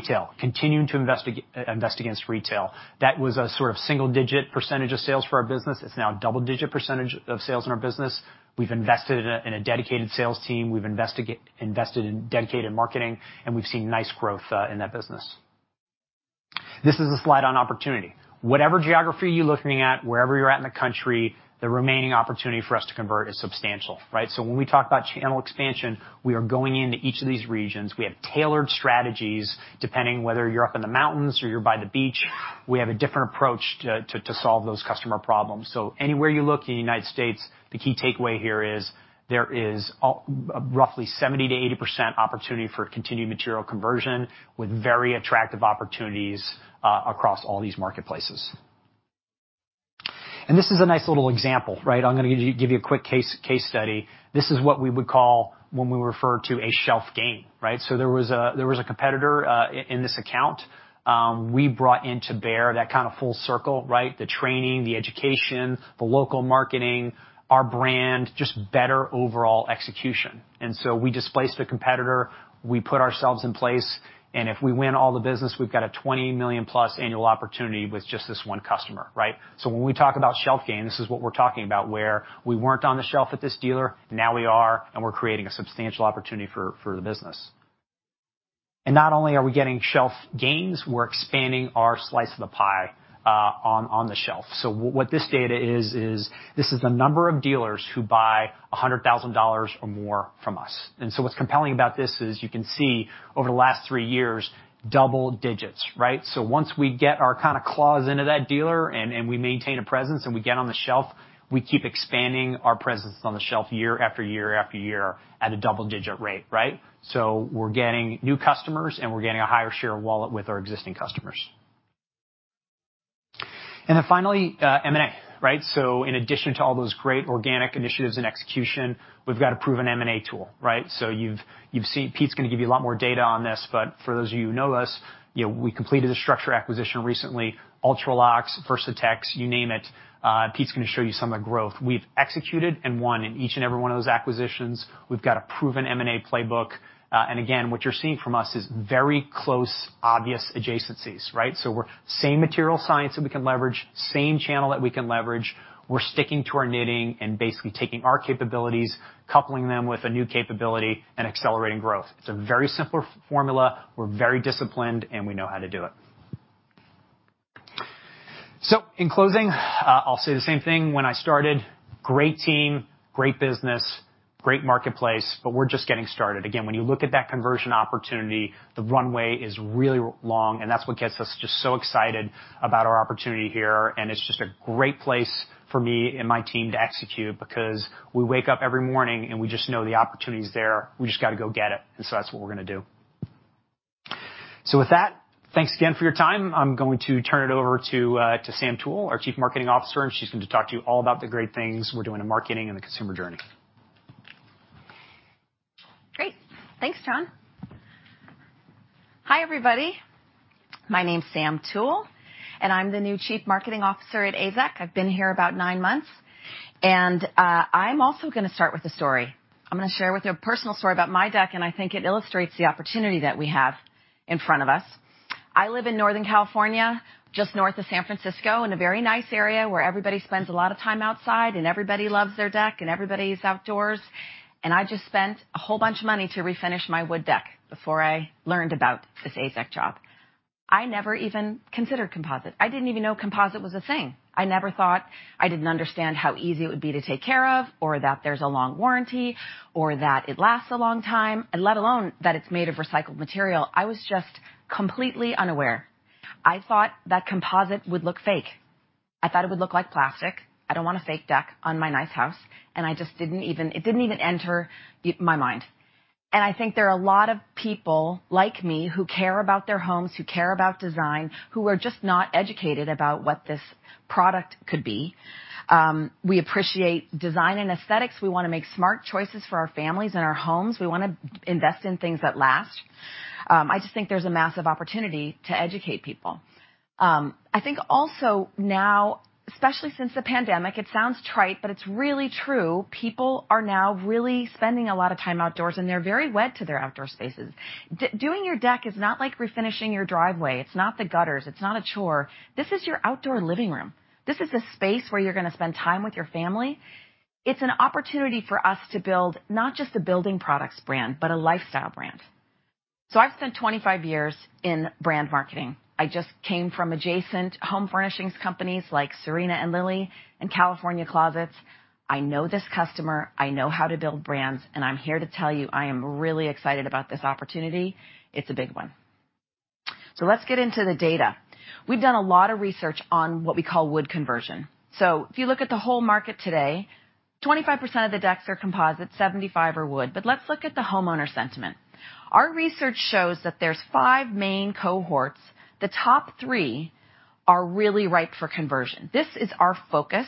Retail, continuing to invest against retail. That was a sort of single-digit percentage of sales for our business. It's now a double-digit percentage of sales in our business. We've invested in a dedicated sales team. We've invested in dedicated marketing, and we've seen nice growth in that business. This is a slide on opportunity. Whatever geography you're looking at, wherever you're at in the country, the remaining opportunity for us to convert is substantial, right? When we talk about channel expansion, we are going into each of these regions. We have tailored strategies, depending whether you're up in the mountains or you're by the beach, we have a different approach to solve those customer problems. Anywhere you look in the United States, the key takeaway here is there is roughly 70%-80% opportunity for continued material conversion with very attractive opportunities across all these marketplaces. This is a nice little example, right? I'm gonna give you a quick case study. This is what we would call when we refer to a shelf gain, right? There was a competitor in this account. We brought to bear that kind of full circle, right? The training, the education, the local marketing, our brand, just better overall execution. We displaced the competitor, we put ourselves in place, and if we win all the business, we've got a $20 million+ annual opportunity with just this one customer, right? When we talk about shelf gain, this is what we're talking about, where we weren't on the shelf at this dealer, now we are, and we're creating a substantial opportunity for the business. Not only are we getting shelf gains, we're expanding our slice of the pie on the shelf. What this data is is the number of dealers who buy $100,000 or more from us. What's compelling about this is you can see over the last three years, double digits, right? Once we get our kinda claws into that dealer and we maintain a presence and we get on the shelf, we keep expanding our presence on the shelf year after year after year at a double-digit rate, right? We're getting new customers, and we're getting a higher share of wallet with our existing customers. Finally, M&A, right? In addition to all those great organic initiatives and execution, we've got a proven M&A tool, right? You've seen. Pete's gonna give you a lot more data on this, but for those of you who know us, you know, we completed a StruXure acquisition recently, UltraLox, Versatex, you name it. Pete's gonna show you some of the growth. We've executed and won in each and every one of those acquisitions. We've got a proven M&A playbook, and again, what you're seeing from us is very close, obvious adjacencies, right? We're same material science that we can leverage, same channel that we can leverage. We're sticking to our knitting and basically taking our capabilities, coupling them with a new capability and accelerating growth. It's a very simple formula. We're very disciplined, and we know how to do it. In closing, I'll say the same thing when I started, great team, great business, great marketplace, but we're just getting started. Again, when you look at that conversion opportunity, the runway is really long, and that's what gets us just so excited about our opportunity here, and it's just a great place for me and my team to execute because we wake up every morning, and we just know the opportunity's there. We just gotta go get it, and so that's what we're gonna do. With that, thanks again for your time. I'm going to turn it over to Sam Toole, our Chief Marketing Officer, and she's going to talk to you all about the great things we're doing in marketing and the consumer journey. Great. Thanks, Jon. Hi, everybody. My name's Samara Toole, and I'm the new Chief Marketing Officer at AZEK. I've been here about nine months, and I'm also gonna start with a story. I'm gonna share with you a personal story about my deck, and I think it illustrates the opportunity that we have in front of us. I live in Northern California, just north of San Francisco, in a very nice area where everybody spends a lot of time outside, and everybody loves their deck, and everybody's outdoors. I just spent a whole bunch of money to refinish my wood deck before I learned about this AZEK job. I never even considered composite. I didn't even know composite was a thing. I never thought. I didn't understand how easy it would be to take care of or that there's a long warranty or that it lasts a long time, and let alone that it's made of recycled material. I was just completely unaware. I thought that composite would look fake. I thought it would look like plastic. I don't want a fake deck on my nice house, and I just didn't even. It didn't even enter my mind. I think there are a lot of people like me who care about their homes, who care about design, who are just not educated about what this product could be. We appreciate design and aesthetics. We wanna make smart choices for our families and our homes. We wanna invest in things that last. I just think there's a massive opportunity to educate people. I think also now, especially since the pandemic, it sounds trite, but it's really true, people are now really spending a lot of time outdoors, and they're very wed to their outdoor spaces. Doing your deck is not like refinishing your driveway. It's not the gutters. It's not a chore. This is your outdoor living room. This is the space where you're gonna spend time with your family. It's an opportunity for us to build not just a building products brand, but a lifestyle brand. I've spent 25 years in brand marketing. I just came from adjacent home furnishings companies like Serena and Lily and California Closets. I know this customer, I know how to build brands, and I'm here to tell you I am really excited about this opportunity. It's a big one. Let's get into the data. We've done a lot of research on what we call wood conversion. If you look at the whole market today, 25% of the decks are composite, 75% are wood. Let's look at the homeowner sentiment. Our research shows that there's 5 main cohorts. The top three are really ripe for conversion. This is our focus.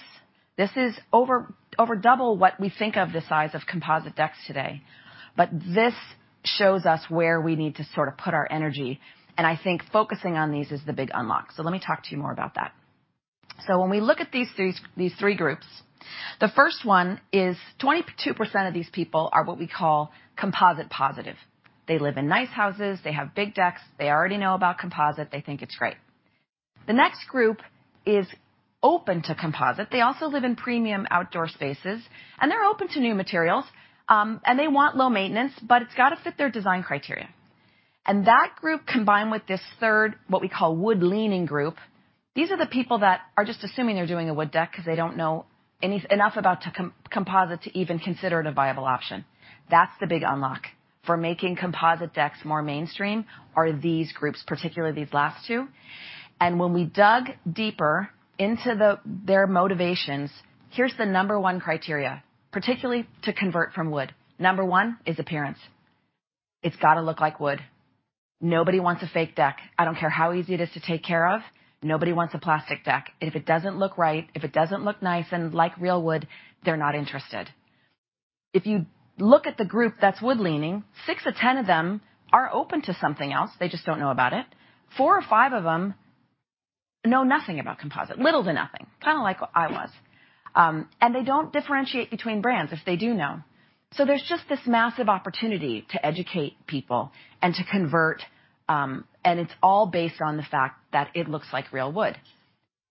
This is over double what we think of the size of composite decks today. This shows us where we need to sort of put our energy, and I think focusing on these is the big unlock. Let me talk to you more about that. When we look at these three, these three groups, the first one is 22% of these people are what we call composite positive. They live in nice houses. They have big decks. They already know about composite. They think it's great. The next group is open to composite. They also live in premium outdoor spaces, and they're open to new materials, and they want low maintenance, but it's gotta fit their design criteria. That group combined with this third, what we call wood leaning group, these are the people that are just assuming they're doing a wood deck because they don't know enough about composite to even consider it a viable option. That's the big unlock for making composite decks more mainstream are these groups, particularly these last two. When we dug deeper into their motivations, here's the number one criteria, particularly to convert from wood. Number one is appearance. It's gotta look like wood. Nobody wants a fake deck. I don't care how easy it is to take care of, nobody wants a plastic deck. If it doesn't look right, if it doesn't look nice and like real wood, they're not interested. If you look at the group that's wood leaning, 6 or 10 of them are open to something else. They just don't know about it. 4 or 5 of them know nothing about composite, little to nothing, kinda like I was. They don't differentiate between brands if they do know. There's just this massive opportunity to educate people and to convert, and it's all based on the fact that it looks like real wood.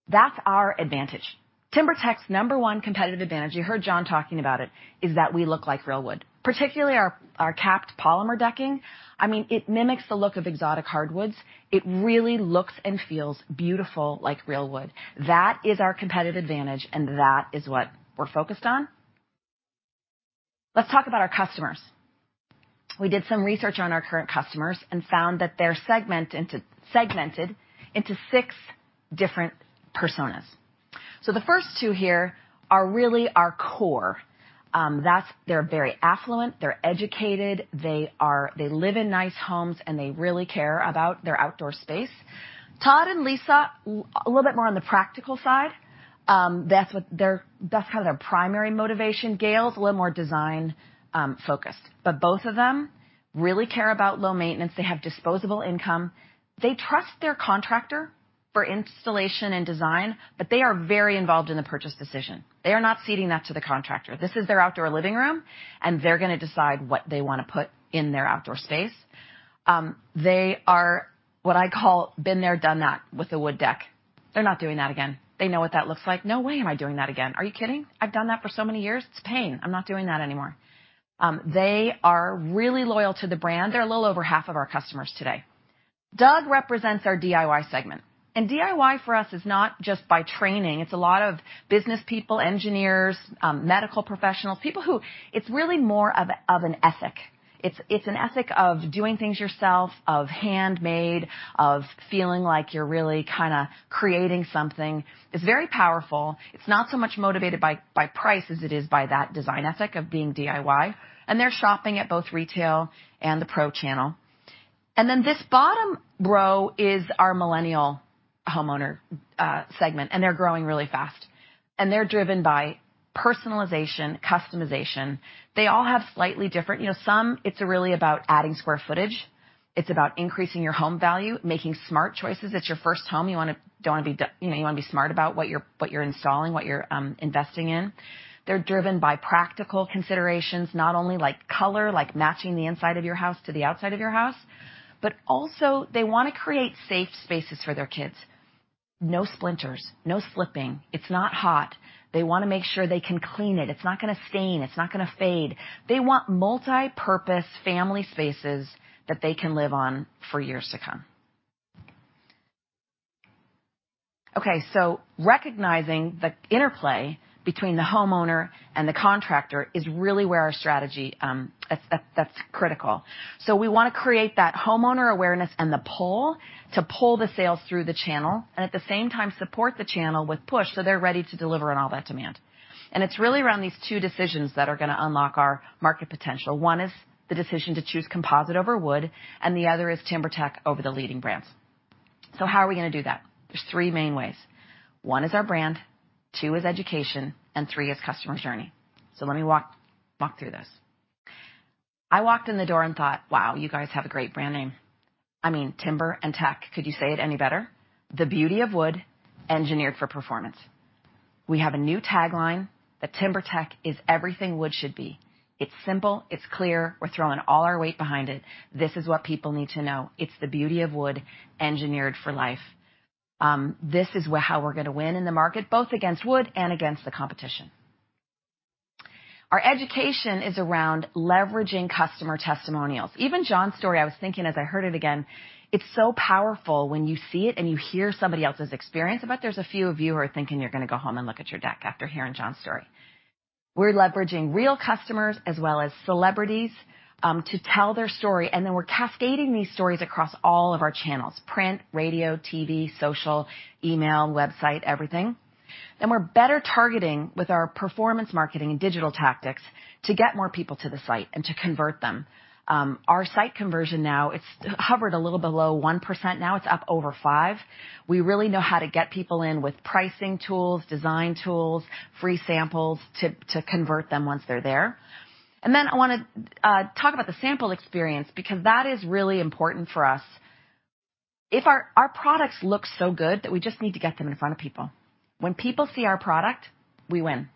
That's our advantage. TimberTech's number one competitive advantage, you heard Jon talking about it, is that we look like real wood, particularly our capped polymer decking. I mean, it mimics the look of exotic hardwoods. It really looks and feels beautiful like real wood. That is our competitive advantage, and that is what we're focused on. Let's talk about our customers. We did some research on our current customers and found that they're segmented into six different personas. The first two here are really our core. They're very affluent, they're educated, they live in nice homes, and they really care about their outdoor space. Todd and Lisa are a little bit more on the practical side. That's kind of their primary motivation. Gail's a little more design focused. Both of them really care about low maintenance. They have disposable income. They trust their contractor for installation and design, but they are very involved in the purchase decision. They are not ceding that to the contractor. This is their outdoor living room, and they're gonna decide what they wanna put in their outdoor space. They are what I call, "been there, done that" with the wood deck. They're not doing that again. They know what that looks like. "No way am I doing that again. Are you kidding? I've done that for so many years. It's pain. I'm not doing that anymore." They are really loyal to the brand. They're a little over half of our customers today. Doug represents our DIY segment, and DIY for us is not just by training. It's a lot of business people, engineers, medical professionals. People who... It's really more of an ethic. It's an ethic of doing things yourself, of handmade, of feeling like you're really kinda creating something. It's very powerful. It's not so much motivated by price as it is by that design ethic of being DIY, and they're shopping at both retail and the pro channel. This bottom row is our millennial homeowner segment, and they're growing really fast. They're driven by personalization, customization. They all have slightly different. You know, some, it's really about adding square footage. It's about increasing your home value, making smart choices. It's your first home. You wanna don't wanna be d you know, you wanna be smart about what you're, what you're installing, what you're investing in. They're driven by practical considerations, not only like color, like matching the inside of your house to the outside of your house, but also they wanna create safe spaces for their kids. No splinters, no slipping. It's not hot. They wanna make sure they can clean it. It's not gonna stain. It's not gonna fade. They want multipurpose family spaces that they can live on for years to come. Okay, recognizing the interplay between the homeowner and the contractor is really where our strategy, that's critical. We wanna create that homeowner awareness and the pull to pull the sales through the channel, and at the same time support the channel with push so they're ready to deliver on all that demand. It's really around these two decisions that are gonna unlock our market potential. One is the decision to choose composite over wood, and the other is TimberTech over the leading brands. How are we gonna do that? There's three main ways. One is our brand, two is education, and three is customer's journey. Let me walk through this. I walked in the door and thought, "Wow, you guys have a great brand name." I mean, TimberTech. Could you say it any better? The beauty of wood engineered for performance. We have a new tagline that TimberTech is everything wood should be. It's simple. It's clear. We're throwing all our weight behind it. This is what people need to know. It's the beauty of wood engineered for life. This is how we're gonna win in the market, both against wood and against the competition. Our education is around leveraging customer testimonials. Even Jon's story, I was thinking as I heard it again, it's so powerful when you see it and you hear somebody else's experience. I bet there's a few of you who are thinking you're gonna go home and look at your deck after hearing Jon's story. We're leveraging real customers as well as celebrities to tell their story, and then we're cascading these stories across all of our channels, print, radio, TV, social, email, website, everything. We're better targeting with our performance marketing and digital tactics to get more people to the site and to convert them. Our site conversion now, it's hovered a little below 1%. Now it's up over 5%. We really know how to get people in with pricing tools, design tools, free samples to convert them once they're there. I wanna talk about the sample experience because that is really important for us. Our products look so good that we just need to get them in front of people. When people see our product, we win.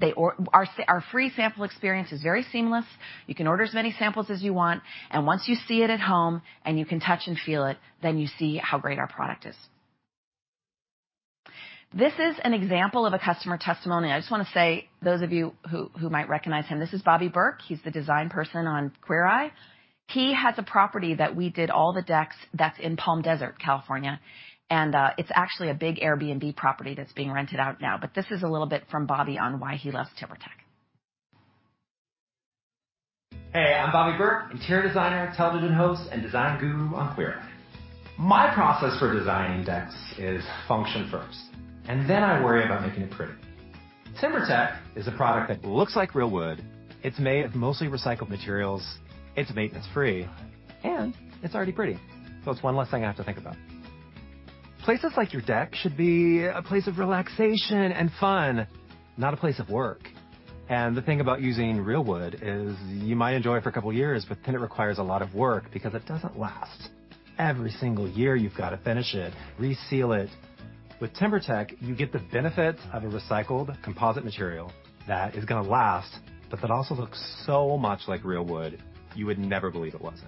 Our free sample experience is very seamless. You can order as many samples as you want, and once you see it at home, and you can touch and feel it, then you see how great our product is. This is an example of a customer testimony. I just wanna say, those of you who might recognize him, this is Bobby Berk. He's the design person on Queer Eye. He has a property that we did all the decks that's in Palm Desert, California, and it's actually a big Airbnb property that's being rented out now, but this is a little bit from Bobby on why he loves TimberTech. Hey, I'm Bobby Berk, interior designer, television host, and design guru on Queer Eye. My process for designing decks is function first, and then I worry about making it pretty. TimberTech is a product that looks like real wood. It's made of mostly recycled materials. It's maintenance-free, and it's already pretty, so it's one less thing I have to think about. Places like your deck should be a place of relaxation and fun, not a place of work. The thing about using real wood is you might enjoy it for a couple years, but then it requires a lot of work because it doesn't last. Every single year, you've got to finish it, reseal it. With TimberTech, you get the benefits of a recycled composite material that is gonna last but that also looks so much like real wood, you would never believe it wasn't.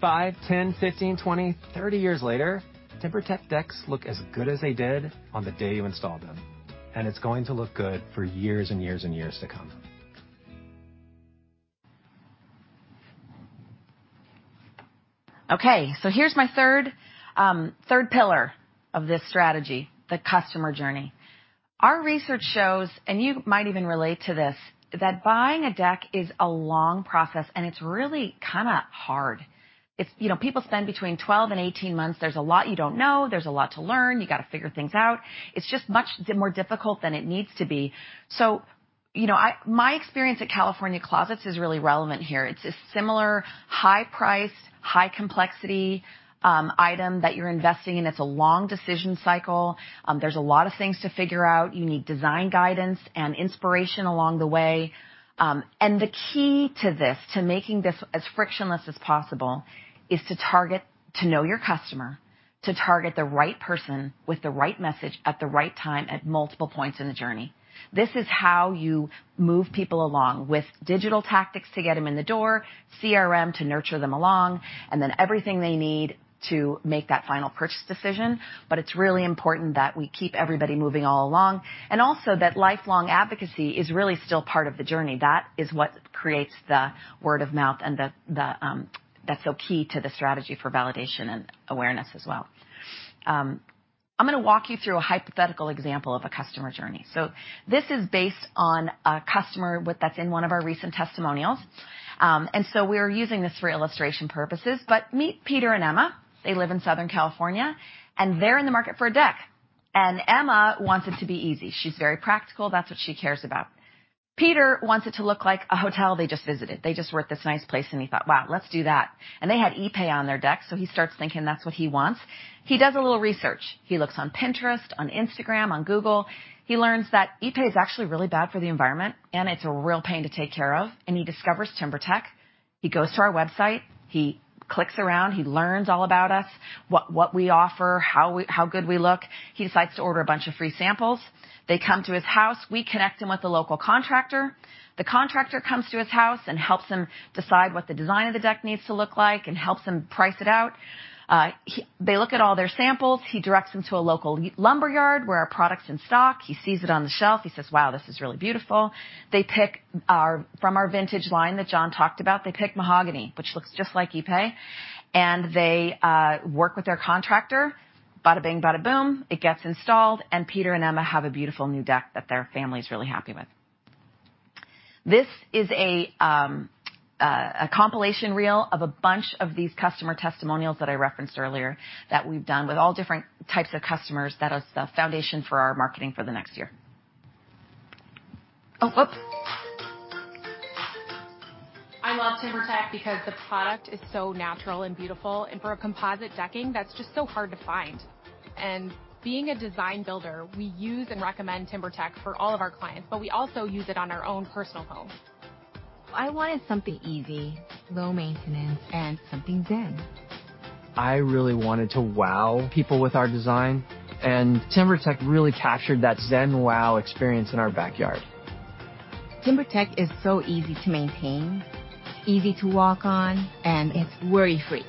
5, 10, 15, 20, 30 years later, TimberTech decks look as good as they did on the day you installed them, and it's going to look good for years and years and years to come. Here's my third pillar of this strategy, the customer journey. Our research shows, and you might even relate to this, that buying a deck is a long process, and it's really kinda hard. It's. You know, people spend between 12 and 18 months. There's a lot you don't know, there's a lot to learn. You gotta figure things out. It's just much more difficult than it needs to be. You know, my experience at California Closets is really relevant here. It's a similar high price, high complexity item that you're investing in. It's a long decision cycle. There's a lot of things to figure out. You need design, guidance, and inspiration along the way. The key to this, to making this as frictionless as possible is to target, to know your customer, to target the right person with the right message at the right time at multiple points in the journey. This is how you move people along with digital tactics to get them in the door, CRM to nurture them along, and then everything they need to make that final purchase decision. It's really important that we keep everybody moving all along, and also that lifelong advocacy is really still part of the journey. That is what creates the word of mouth and that's so key to the strategy for validation and awareness as well. I'm gonna walk you through a hypothetical example of a customer journey. This is based on a customer that's in one of our recent testimonials. We are using this for illustration purposes. Meet Peter and Emma. They live in Southern California, and they're in the market for a deck. Emma wants it to be easy. She's very practical. That's what she cares about. Peter wants it to look like a hotel they just visited. They just were at this nice place, and he thought, "Wow, let's do that." They had Ipe on their deck, so he starts thinking that's what he wants. He does a little research. He looks on Pinterest, on Instagram, on Google. He learns that Ipe is actually really bad for the environment, and it's a real pain to take care of, and he discovers TimberTech. He goes to our website, he clicks around, he learns all about us, what we offer, how good we look. He decides to order a bunch of free samples. They come to his house. We connect him with a local contractor. The contractor comes to his house and helps him decide what the design of the deck needs to look like and helps him price it out. They look at all their samples. He directs them to a local lumberyard where our product's in stock. He sees it on the shelf. He says, "Wow, this is really beautiful." They pick our from our Vintage line that Jon talked about. They pick mahogany, which looks just like Ipe, and they work with their contractor. Bada bing, bada boom, it gets installed, and Peter and Emma have a beautiful new deck that their family's really happy with. This is a compilation reel of a bunch of these customer testimonials that I referenced earlier that we've done with all different types of customers that is the foundation for our marketing for the next year. Oh, whoop. I love TimberTech because the product is so natural and beautiful. For a composite decking, that's just so hard to find. Being a design builder, we use and recommend TimberTech for all of our clients, but we also use it on our own personal homes. I wanted something easy, low maintenance, and something zen. I really wanted to wow people with our design, and TimberTech really captured that zen wow experience in our backyard. TimberTech is so easy to maintain, easy to walk on, and it's worry-free.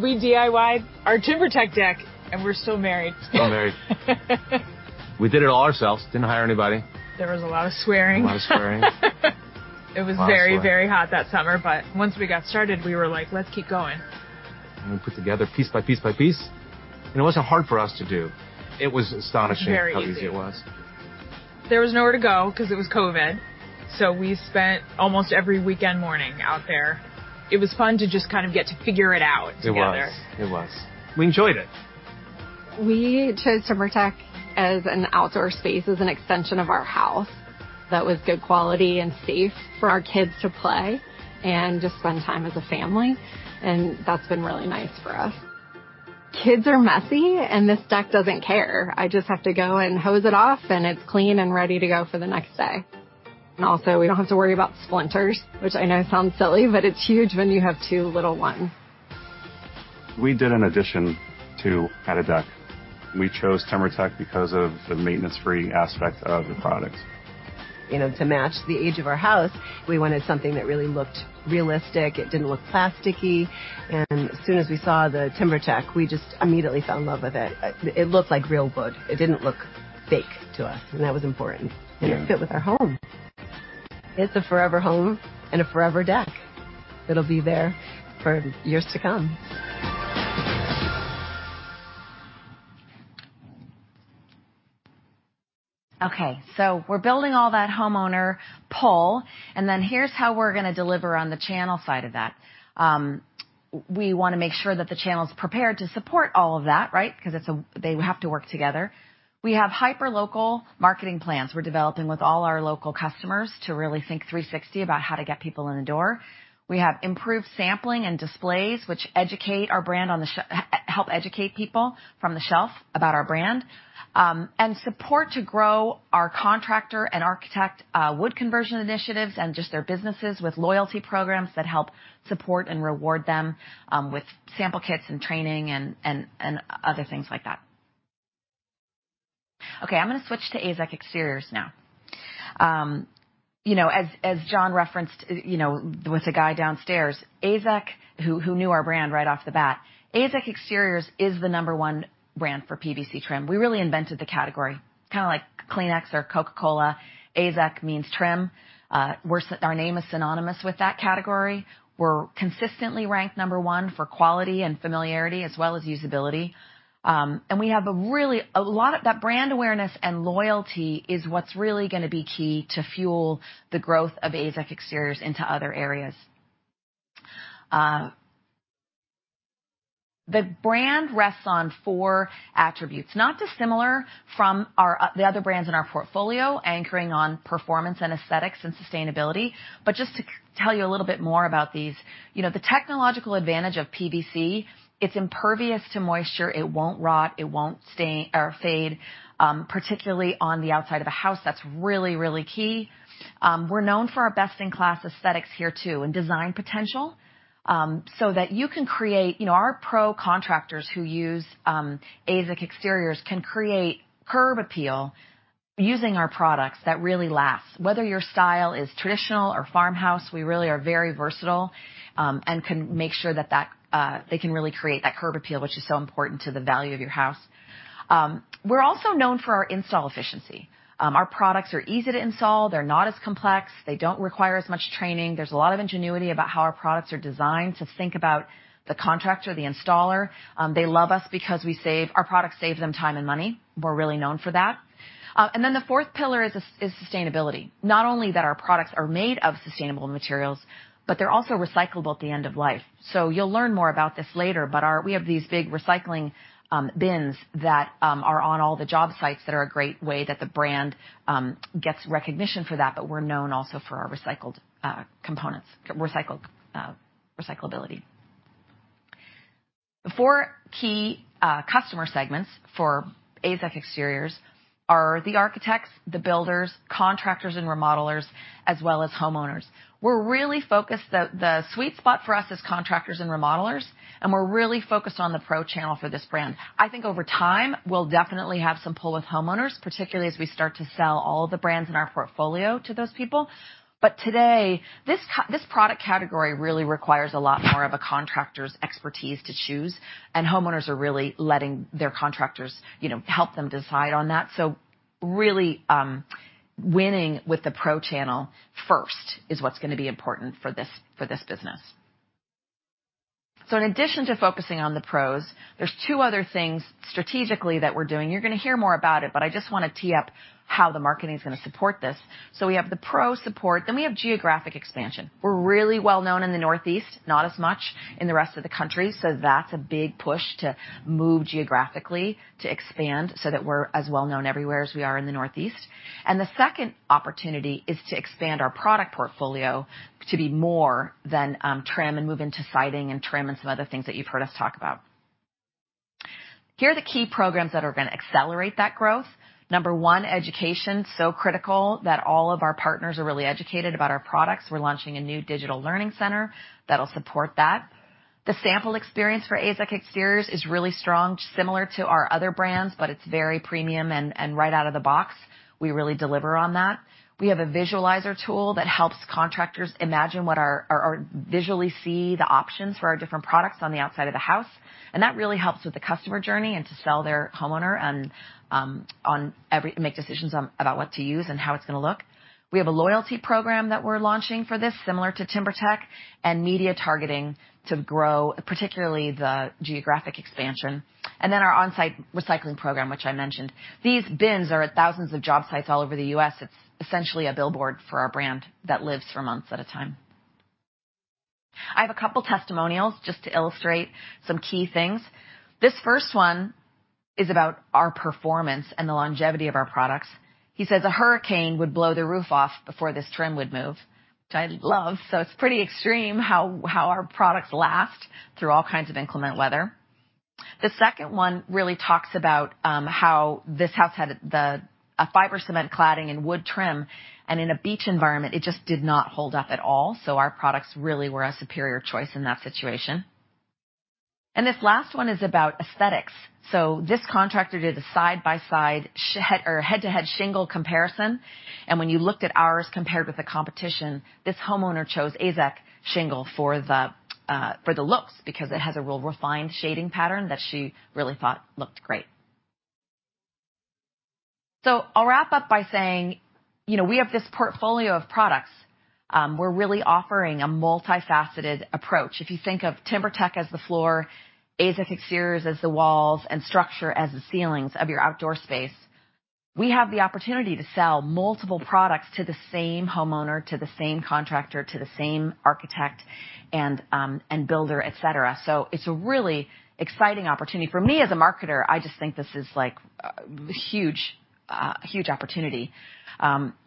We DIY'd our TimberTech deck, and we're still married. Still married. We did it all ourselves. Didn't hire anybody. There was a lot of swearing. A lot of swearing. It was very- A lot of swearing. Very hot that summer, but once we got started, we were like, "Let's keep going. We put together piece by piece by piece. It wasn't hard for us to do. It was astonishing. Very easy. how easy it was. There was nowhere to go 'cause it was COVID. We spent almost every weekend morning out there. It was fun to just kind of get to figure it out together. It was. We enjoyed it. We chose TimberTech as an outdoor space, as an extension of our house that was good quality and safe for our kids to play and just spend time as a family. That's been really nice for us. Kids are messy, and this deck doesn't care. I just have to go and hose it off, and it's clean and ready to go for the next day. Also, we don't have to worry about splinters, which I know sounds silly, but it's huge when you have two little ones. We did an addition to add a deck. We chose TimberTech because of the maintenance-free aspect of the product. You know, to match the age of our house, we wanted something that really looked realistic. It didn't look plasticky. As soon as we saw the TimberTech, we just immediately fell in love with it. It looked like real wood. It didn't look fake to us, and that was important. Yeah. It fit with our home. It's a forever home and a forever deck that'll be there for years to come. Okay, so we're building all that homeowner pull, and then here's how we're gonna deliver on the channel side of that. We wanna make sure that the channel's prepared to support all of that, right? Because it's a they have to work together. We have hyperlocal marketing plans we're developing with all our local customers to really think three-sixty about how to get people in the door. We have improved sampling and displays which educate our brand on the help educate people from the shelf about our brand. And support to grow our contractor and architect wood conversion initiatives and just their businesses with loyalty programs that help support and reward them, with sample kits and training and other things like that. Okay, I'm gonna switch to AZEK Exteriors now. You know, as Jon referenced, you know, with the guy downstairs, AZEK, who knew our brand right off the bat. AZEK Exteriors is the number one brand for PVC trim. We really invented the category, kinda like Kleenex or Coca-Cola, AZEK means trim. Our name is synonymous with that category. We're consistently ranked number one for quality and familiarity as well as usability. We have a really a lot of that brand awareness and loyalty is what's really gonna be key to fuel the growth of AZEK Exteriors into other areas. The brand rests on four attributes, not dissimilar from our the other brands in our portfolio, anchoring on performance and aesthetics and sustainability. Just to tell you a little bit more about these, you know, the technological advantage of PVC, it's impervious to moisture, it won't rot, it won't stain or fade, particularly on the outside of a house. That's really, really key. We're known for our best-in-class aesthetics here too, and design potential, so that you can create, you know, our pro contractors who use AZEK Exteriors can create curb appeal using our products that really last. Whether your style is traditional or farmhouse, we really are very versatile, and can make sure that they can really create that curb appeal which is so important to the value of your house. We're also known for our install efficiency. Our products are easy to install. They're not as complex. They don't require as much training. There's a lot of ingenuity about how our products are designed to think about the contractor, the installer, they love us because our products save them time and money. We're really known for that. The fourth pillar is sustainability. Not only that our products are made of sustainable materials, but they're also recyclable at the end of life. You'll learn more about this later, but we have these big recycling bins that are on all the job sites that are a great way that the brand gets recognition for that, but we're known also for our recycled components, recycled recyclability. The four key customer segments for AZEK Exteriors are the architects, the builders, contractors and remodelers, as well as homeowners. We're really focused. The sweet spot for us is contractors and remodelers, and we're really focused on the pro channel for this brand. I think over time, we'll definitely have some pull with homeowners, particularly as we start to sell all the brands in our portfolio to those people. Today, this product category really requires a lot more of a contractor's expertise to choose, and homeowners are really letting their contractors, you know, help them decide on that. Really, winning with the pro channel first is what's gonna be important for this business. In addition to focusing on the pros, there's two other things strategically that we're doing. You're gonna hear more about it, but I just wanna tee up how the marketing is gonna support this. We have the pro support, then we have geographic expansion. We're really well known in the Northeast, not as much in the rest of the country, so that's a big push to move geographically to expand so that we're as well known everywhere as we are in the Northeast. The second opportunity is to expand our product portfolio to be more than trim and move into siding and trim and some other things that you've heard us talk about. Here are the key programs that are gonna accelerate that growth. Number one, education. So critical that all of our partners are really educated about our products. We're launching a new digital learning center that'll support that. The sample experience for AZEK Exteriors is really strong, similar to our other brands, but it's very premium and right out of the box. We really deliver on that. We have a visualizer tool that helps contractors imagine what our. Visually see the options for our different products on the outside of the house. That really helps with the customer journey and to sell their homeowner on make decisions on about what to use and how it's gonna look. We have a loyalty program that we're launching for this similar to TimberTech and media targeting to grow, particularly the geographic expansion. Our on-site recycling program, which I mentioned. These bins are at thousands of job sites all over the U.S. It's essentially a billboard for our brand that lives for months at a time. I have a couple testimonials just to illustrate some key things. This first one is about our performance and the longevity of our products. He says, "A hurricane would blow the roof off before this trim would move," which I love. It's pretty extreme how our products last through all kinds of inclement weather. The second one really talks about how this house had a fiber cement cladding and wood trim, and in a beach environment, it just did not hold up at all. Our products really were a superior choice in that situation. This last one is about aesthetics. This contractor did a side-by-side or head-to-head shingle comparison, and when you looked at ours compared with the competition, this homeowner chose AZEK Shingle for the looks because it has a real refined shading pattern that she really thought looked great. I'll wrap up by saying, you know, we have this portfolio of products. We're really offering a multifaceted approach. If you think of TimberTech as the floor, AZEK Exteriors as the walls, and StruXure as the ceilings of your outdoor space, we have the opportunity to sell multiple products to the same homeowner, to the same contractor, to the same architect, and builder, et cetera. It's a really exciting opportunity for me as a marketer. I just think this is like, huge, a huge opportunity.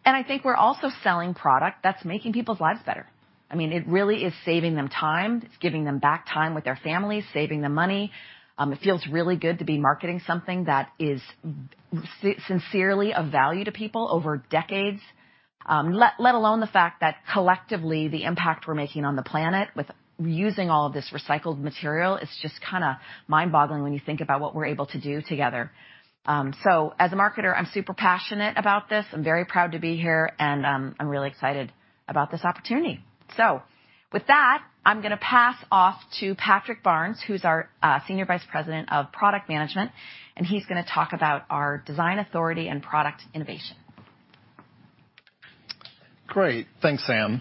I think we're also selling product that's making people's lives better. I mean, it really is saving them time. It's giving them back time with their families, saving them money. It feels really good to be marketing something that is sincerely of value to people over decades, let alone the fact that collectively, the impact we're making on the planet with using all of this recycled material is just kinda mind-boggling when you think about what we're able to do together. As a marketer, I'm super passionate about this. I'm very proud to be here, and I'm really excited about this opportunity. With that, I'm gonna pass off to Patrick Barnds, who's our Senior Vice President of Product Management, and he's gonna talk about our design authority and product innovation. Great. Thanks, Sam.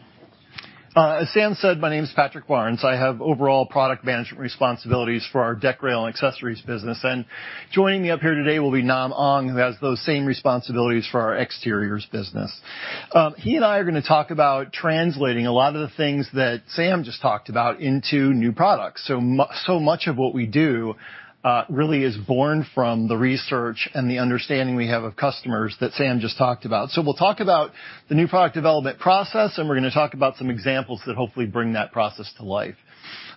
As Sam said, my name is Patrick Barnds. I have overall product management responsibilities for our deck, rail, and accessories business, and joining me up here today will be Nam Ong, who has those same responsibilities for our exteriors business. He and I are gonna talk about translating a lot of the things that Sam just talked about into new products. Much of what we do, really is born from the research and the understanding we have of customers that Sam just talked about. We'll talk about the new product development process, and we're gonna talk about some examples that hopefully bring that process to life.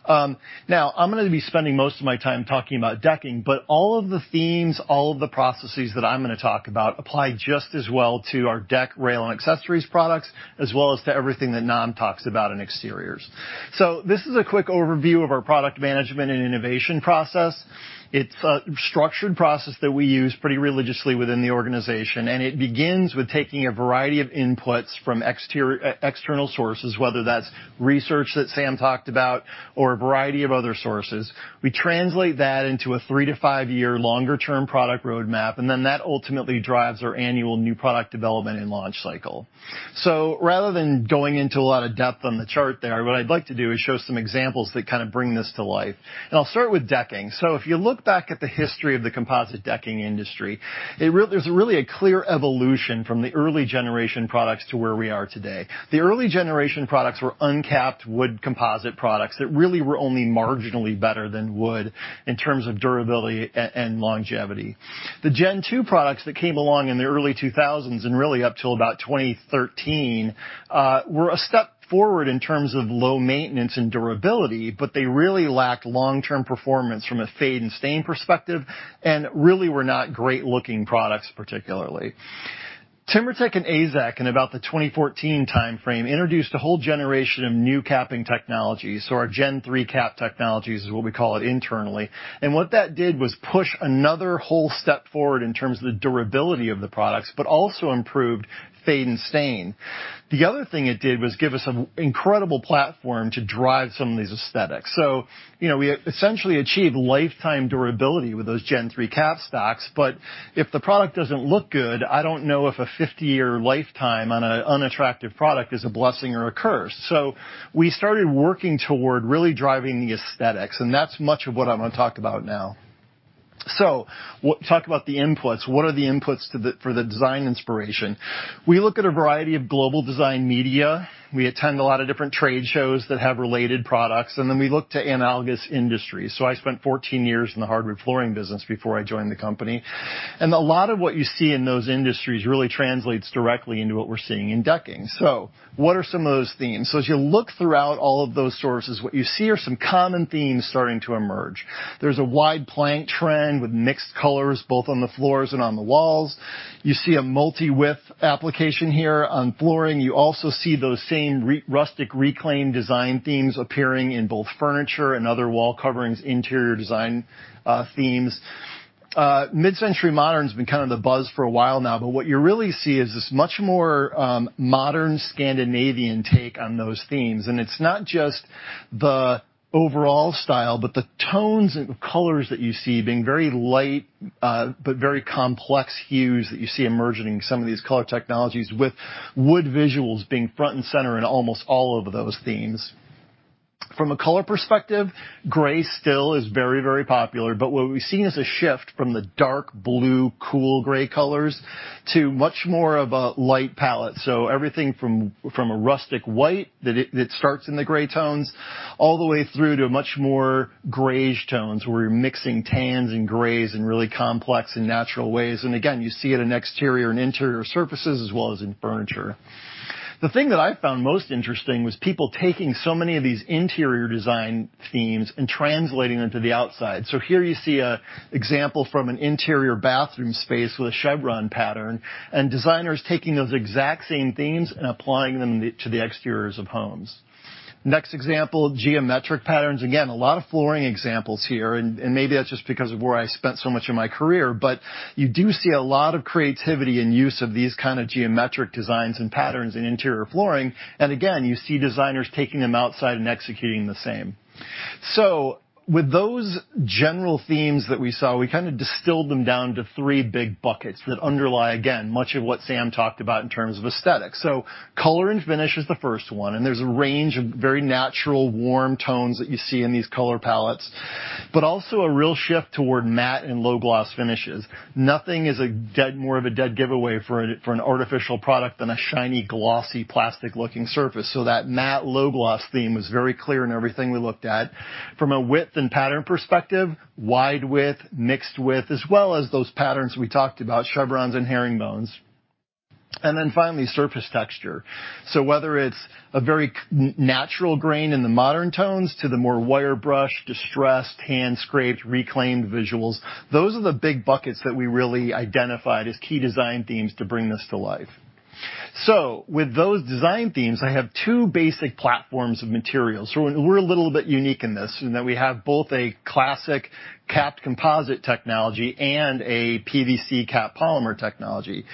Now, I'm gonna be spending most of my time talking about decking, but all of the themes, all of the processes that I'm gonna talk about apply just as well to our deck, rail, and accessories products, as well as to everything that Nam talks about in exteriors. This is a quick overview of our product management and innovation process. It's a structured process that we use pretty religiously within the organization, and it begins with taking a variety of inputs from external sources, whether that's research that Sam talked about or a variety of other sources. We translate that into a 3- to 5-year longer term product roadmap, and then that ultimately drives our annual new product development and launch cycle. Rather than going into a lot of depth on the chart there, what I'd like to do is show some examples that kinda bring this to life, and I'll start with decking. If you look back at the history of the composite decking industry, there's really a clear evolution from the early generation products to where we are today. The early generation products were uncapped wood composite products that really were only marginally better than wood in terms of durability and longevity. The gen two products that came along in the early 2000s and really up till about 2013 were a step forward in terms of low maintenance and durability, but they really lacked long-term performance from a fade and stain perspective and really were not great-looking products particularly. TimberTech and AZEK, in about the 2014 timeframe, introduced a whole generation of new capping technologies or our Gen 3 cap technologies is what we call it internally. What that did was push another whole step forward in terms of the durability of the products, but also improved fade and stain. The other thing it did was give us an incredible platform to drive some of these aesthetics. You know, we essentially achieved lifetime durability with those Gen 3 cap stocks, but if the product doesn't look good, I don't know if a 50-year lifetime on an unattractive product is a blessing or a curse. We started working toward really driving the aesthetics, and that's much of what I'm gonna talk about now. Talk about the inputs. What are the inputs for the design inspiration? We look at a variety of global design media, we attend a lot of different trade shows that have related products, and then we look to analogous industries. I spent 14 years in the hardwood flooring business before I joined the company, and a lot of what you see in those industries really translates directly into what we're seeing in decking. What are some of those themes? As you look throughout all of those sources, what you see are some common themes starting to emerge. There's a wide plank trend with mixed colors, both on the floors and on the walls. You see a multi-width application here on flooring. You also see those same rustic, reclaimed design themes appearing in both furniture and other wall coverings, interior design themes. Mid-century modern's been kind of the buzz for a while now, but what you really see is this much more modern Scandinavian take on those themes, and it's not just the overall style, but the tones and colors that you see being very light, but very complex hues that you see emerging in some of these color technologies with wood visuals being front and center in almost all of those themes. From a color perspective, gray still is very, very popular, but what we've seen is a shift from the dark blue, cool gray colors to much more of a light palette. Everything from a rustic white that starts in the gray tones all the way through to much more greige tones, where you're mixing tans and grays in really complex and natural ways. Again, you see it in exterior and interior surfaces as well as in furniture. The thing that I found most interesting was people taking so many of these interior design themes and translating them to the outside. Here you see an example from an interior bathroom space with a chevron pattern, and designers taking those exact same themes and applying them to the exteriors of homes. Next example, geometric patterns. Again, a lot of flooring examples here, and maybe that's just because of where I spent so much of my career, but you do see a lot of creativity and use of these kinda geometric designs and patterns in interior flooring. Again, you see designers taking them outside and executing the same. With those general themes that we saw, we kinda distilled them down to three big buckets that underlie, again, much of what Sam talked about in terms of aesthetics. Color and finish is the first one, and there's a range of very natural warm tones that you see in these color palettes, but also a real shift toward matte and low gloss finishes. Nothing is more of a dead giveaway for an artificial product than a shiny, glossy, plastic-looking surface. That matte low gloss theme was very clear in everything we looked at. From a width and pattern perspective, wide width, mixed width, as well as those patterns we talked about, chevrons and herringbones. Then finally, surface texture. Whether it's a very natural grain in the modern tones to the more wire brush, distressed, hand scraped, reclaimed visuals, those are the big buckets that we really identified as key design themes to bring this to life. With those design themes, I have two basic platforms of materials. We're a little bit unique in this, in that we have both a classic capped composite technology and a PVC capped polymer technology.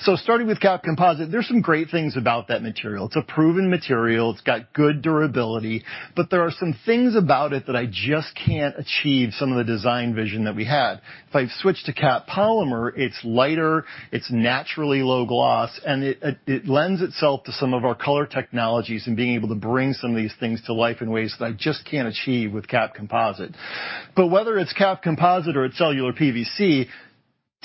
Starting with capped composite, there's some great things about that material. It's a proven material. It's got good durability, but there are some things about it that I just can't achieve some of the design vision that we had. If I switch to capped polymer, it's lighter, it's naturally low gloss, and it lends itself to some of our color technologies and being able to bring some of these things to life in ways that I just can't achieve with capped composite. Whether it's capped composite or it's cellular PVC,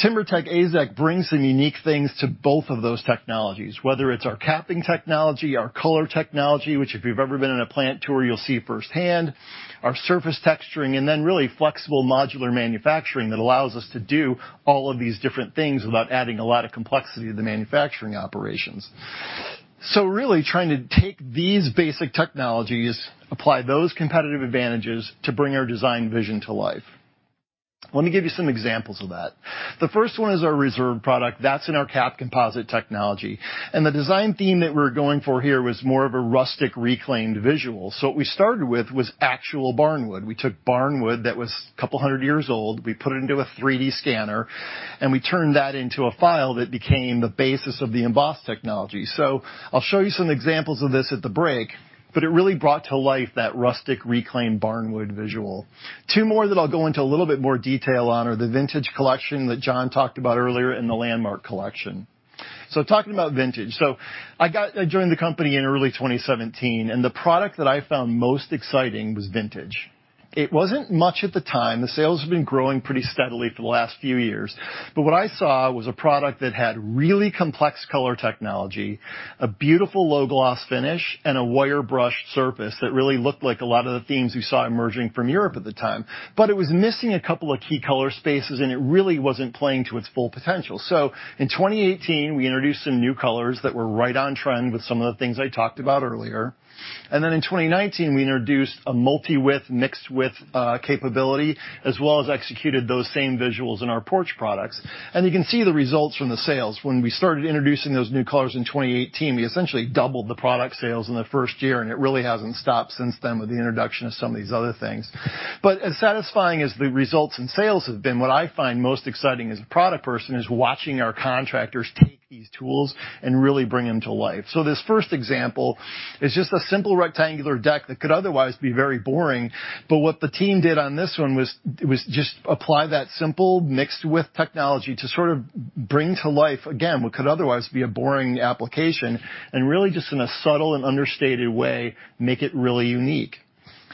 TimberTech AZEK brings some unique things to both of those technologies, whether it's our capping technology, our color technology, which if you've ever been in a plant tour, you'll see firsthand, our surface texturing, and then really flexible modular manufacturing that allows us to do all of these different things without adding a lot of complexity to the manufacturing operations. Really trying to take these basic technologies, apply those competitive advantages to bring our design vision to life. Let me give you some examples of that. The first one is our Reserve product that's in our capped composite technology. The design theme that we're going for here was more of a rustic, reclaimed visual. What we started with was actual barn wood. We took barn wood that was a couple hundred years old. We put it into a 3-D scanner, and we turned that into a file that became the basis of the embossing technology. I'll show you some examples of this at the break, but it really brought to life that rustic, reclaimed barn wood visual. Two more that I'll go into a little bit more detail on are the Vintage Collection that Jon talked about earlier and the Landmark Collection. Talking about Vintage. I joined the company in early 2017, and the product that I found most exciting was Vintage. It wasn't much at the time. The sales have been growing pretty steadily for the last few years, but what I saw was a product that had really complex color technology, a beautiful low-gloss finish, and a wire brush surface that really looked like a lot of the themes we saw emerging from Europe at the time. It was missing a couple of key color spaces, and it really wasn't playing to its full potential. In 2018, we introduced some new colors that were right on trend with some of the things I talked about earlier. Then in 2019, we introduced a multi-width, mixed-width, capability, as well as executed those same visuals in our porch products. You can see the results from the sales. When we started introducing those new colors in 2018, we essentially doubled the product sales in the first year, and it really hasn't stopped since then with the introduction of some of these other things. As satisfying as the results in sales have been, what I find most exciting as a product person is watching our contractors take these tools and really bring them to life. This first example is just a simple rectangular deck that could otherwise be very boring, but what the team did on this one was just apply that simple mixed-width technology to sort of bring to life again what could otherwise be a boring application and really just in a subtle and understated way, make it really unique.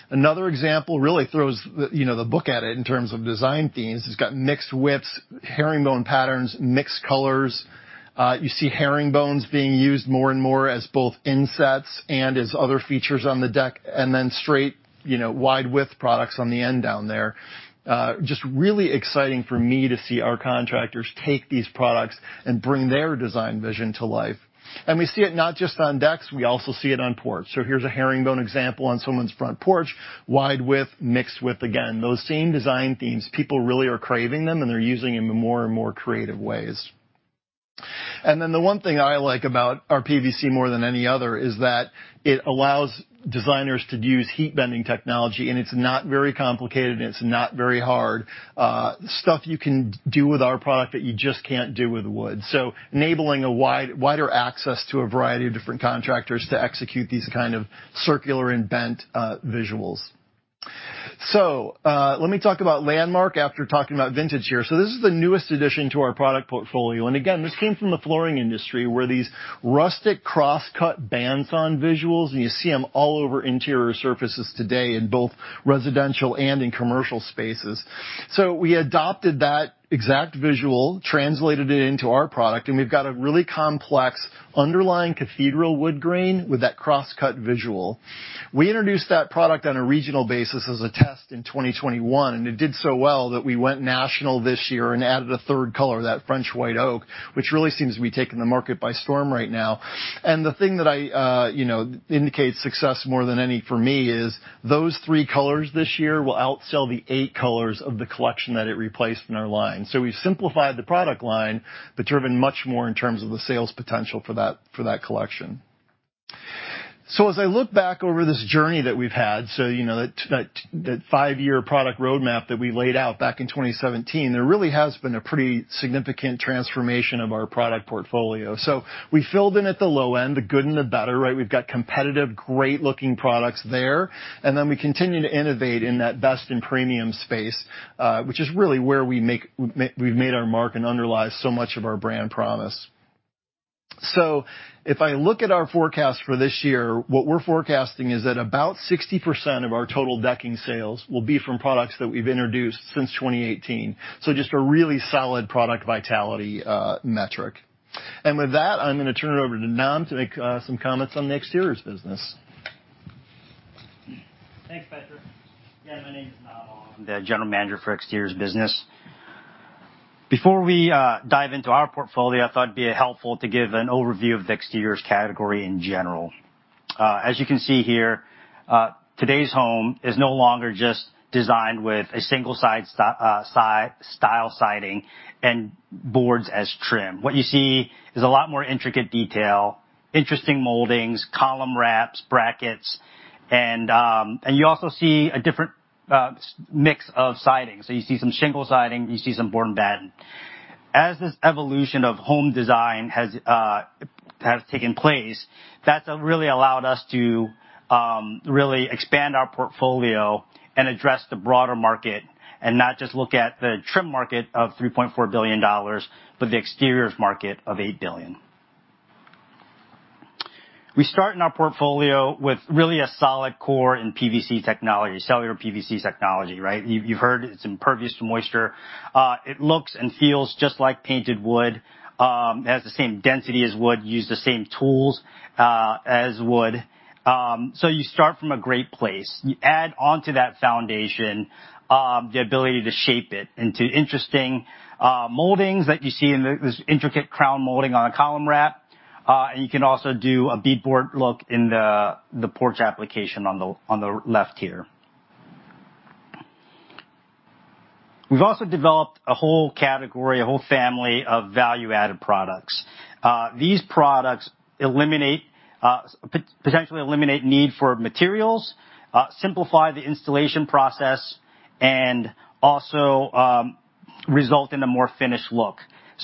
Another example really throws the, you know, the book at it in terms of design themes. It's got mixed widths, herringbone patterns, mixed colors. You see herringbones being used more and more as both insets and as other features on the deck, and then straight, you know, wide-width products on the end down there. Just really exciting for me to see our contractors take these products and bring their design vision to life. We see it not just on decks, we also see it on porch. Here's a herringbone example on someone's front porch, wide-width, mixed-width again. Those same design themes. People really are craving them, and they're using them in more and more creative ways. The one thing I like about our PVC more than any other is that it allows designers to use heat bending technology, and it's not very complicated, and it's not very hard. Stuff you can do with our product that you just can't do with wood. Enabling a wider access to a variety of different contractors to execute these kind of circular and bent visuals. Let me talk about Landmark after talking about Vintage here. This is the newest addition to our product portfolio. Again, this came from the flooring industry, where these rustic cross-cut bandsawn visuals, and you see them all over interior surfaces today in both residential and in commercial spaces. We adopted that exact visual, translated it into our product, and we've got a really complex underlying cathedral wood grain with that cross-cut visual. We introduced that product on a regional basis as a test in 2021, and it did so well that we went national this year and added a third color, that French White Oak, which really seems to be taking the market by storm right now. The thing that I, you know, indicates success more than any for me is those three colors this year will outsell the 8 colors of the collection that it replaced in our line. We've simplified the product line, but driven much more in terms of the sales potential for that collection. As I look back over this journey that we've had, you know, that 5-year product roadmap that we laid out back in 2017, there really has been a pretty significant transformation of our product portfolio. We filled in at the low end, the good and the better, right? We've got competitive, great-looking products there, and then we continue to innovate in that best and premium space, which is really where we've made our mark and underlies so much of our brand promise. If I look at our forecast for this year, what we're forecasting is that about 60% of our total decking sales will be from products that we've introduced since 2018. Just a really solid product vitality metric. With that, I'm gonna turn it over to Nam to make some comments on the Exteriors business. Thanks, Patrick. Yeah, my name is Nam Ong. I'm the general manager for Exteriors business. Before we dive into our portfolio, I thought it'd be helpful to give an overview of the Exteriors category in general. As you can see here, today's home is no longer just designed with a single style siding and boards as trim. What you see is a lot more intricate detail, interesting moldings, column wraps, brackets, and you also see a different mix of siding. You see some shingle siding, you see some Board and Batten. As this evolution of home design has taken place, that's really allowed us to really expand our portfolio and address the broader market and not just look at the trim market of $3.4 billion, but the exteriors market of $8 billion. We start in our portfolio with really a solid core in PVC technology, cellular PVC technology, right? You've heard it's impervious to moisture. It looks and feels just like painted wood. It has the same density as wood, use the same tools as wood. You start from a great place. You add onto that foundation, the ability to shape it into interesting moldings that you see in this intricate crown molding on a column wrap. You can also do a bead board look in the porch application on the left here. We've also developed a whole category, a whole family of value-added products. These products eliminate potentially need for materials, simplify the installation process and also result in a more finished look.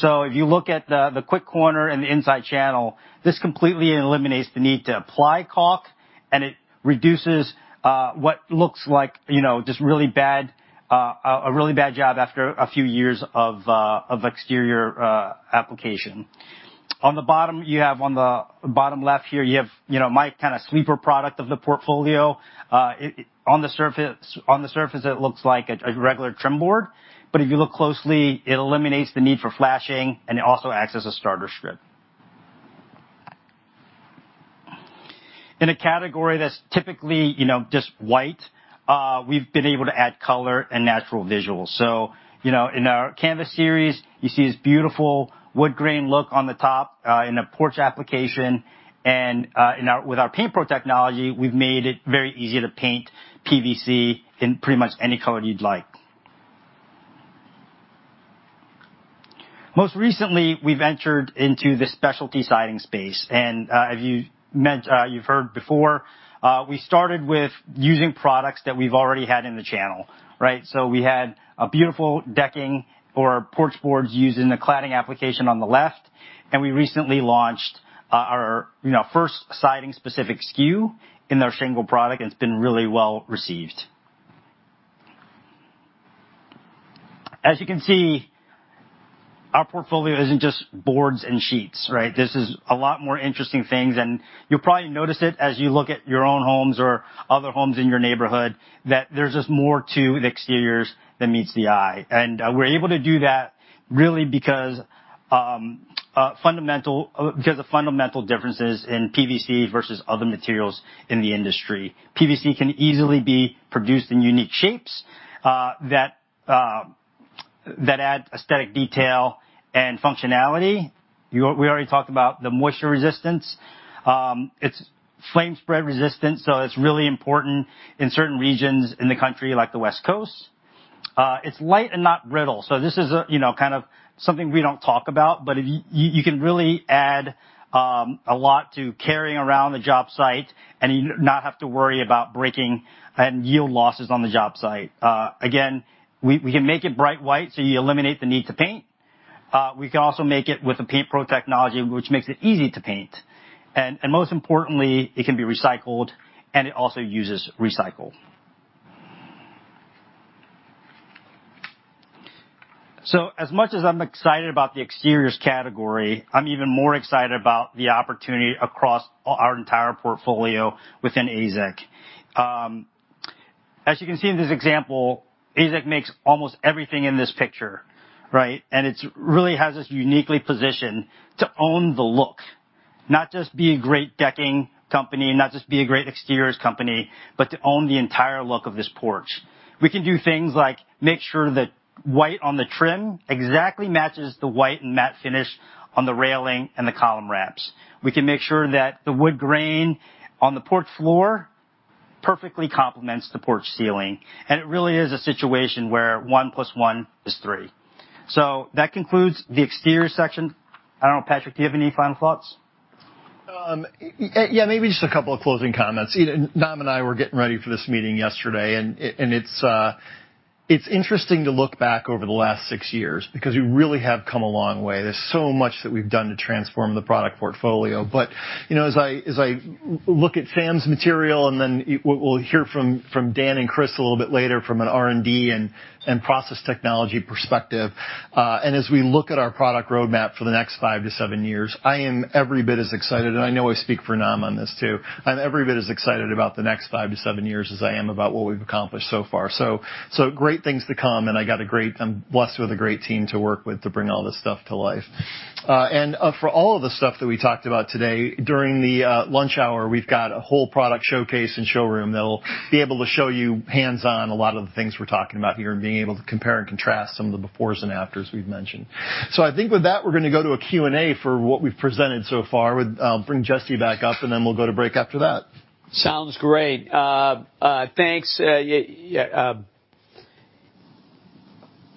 If you look at the quick corner and the inside channel, this completely eliminates the need to apply caulk, and it reduces what looks like, you know, just really bad, a really bad job after a few years of exterior application. On the bottom left here, you have you know, my kinda sweeper product of the portfolio. On the surface it looks like a regular trim board, but if you look closely, it eliminates the need for flashing, and it also acts as a starter strip. In a category that's typically, you know, just white, we've been able to add color and natural visuals. You know, in our Canvas Series, you see this beautiful wood grain look on the top in a porch application, and with our PaintPro technology, we've made it very easy to paint PVC in pretty much any color you'd like. Most recently, we've entered into the specialty siding space. As you've heard before, we started with using products that we've already had in the channel, right? We had a beautiful decking or porch boards used in the cladding application on the left, and we recently launched our, you know, first siding-specific SKU in our shingle product, and it's been really well received. As you can see, our portfolio isn't just boards and sheets, right? This is a lot more interesting things, and you'll probably notice it as you look at your own homes or other homes in your neighborhood that there's just more to the exteriors than meets the eye. We're able to do that really because the fundamental differences in PVC versus other materials in the industry. PVC can easily be produced in unique shapes that add aesthetic detail and functionality. We already talked about the moisture resistance. It's flame spread resistance, so it's really important in certain regions in the country like the West Coast. It's light and not brittle, so this is a, you know, kind of something we don't talk about, but if you can really add a lot to carrying around the job site and you not have to worry about breaking and yield losses on the job site. Again, we can make it bright white, so you eliminate the need to paint. We can also make it with a PaintPro technology, which makes it easy to paint. Most importantly, it can be recycled, and it also uses recycled. As much as I'm excited about the exteriors category, I'm even more excited about the opportunity across our entire portfolio within AZEK. As you can see in this example, AZEK makes almost everything in this picture, right? It really has us uniquely positioned to own the look, not just be a great decking company, not just be a great exteriors company, but to own the entire look of this porch. We can do things like make sure the white on the trim exactly matches the white and matte finish on the railing and the column wraps. We can make sure that the wood grain on the porch floor perfectly complements the porch ceiling. It really is a situation where one plus one is three. That concludes the exterior section. I don't know, Patrick, do you have any final thoughts? Yeah, maybe just a couple of closing comments. You know, Nam and I were getting ready for this meeting yesterday and it's interesting to look back over the last 6 years because we really have come a long way. There's so much that we've done to transform the product portfolio. You know, as I look at Sam's material, and then we'll hear from Dan and Chris a little bit later from an R&D and process technology perspective, and as we look at our product roadmap for the next 5-7 years, I am every bit as excited, and I know I speak for Nam on this too, I'm every bit as excited about the next 5-7 years as I am about what we've accomplished so far. Great things to come, and I got a great. I'm blessed with a great team to work with to bring all this stuff to life. For all of the stuff that we talked about today, during the lunch hour, we've got a whole product showcase and showroom that'll be able to show you hands-on a lot of the things we're talking about here and being able to compare and contrast some of the befores and afters we've mentioned. I think with that, we're gonna go to a Q&A for what we've presented so far. We'll bring Jesse back up, and then we'll go to break after that. Sounds great. Thanks,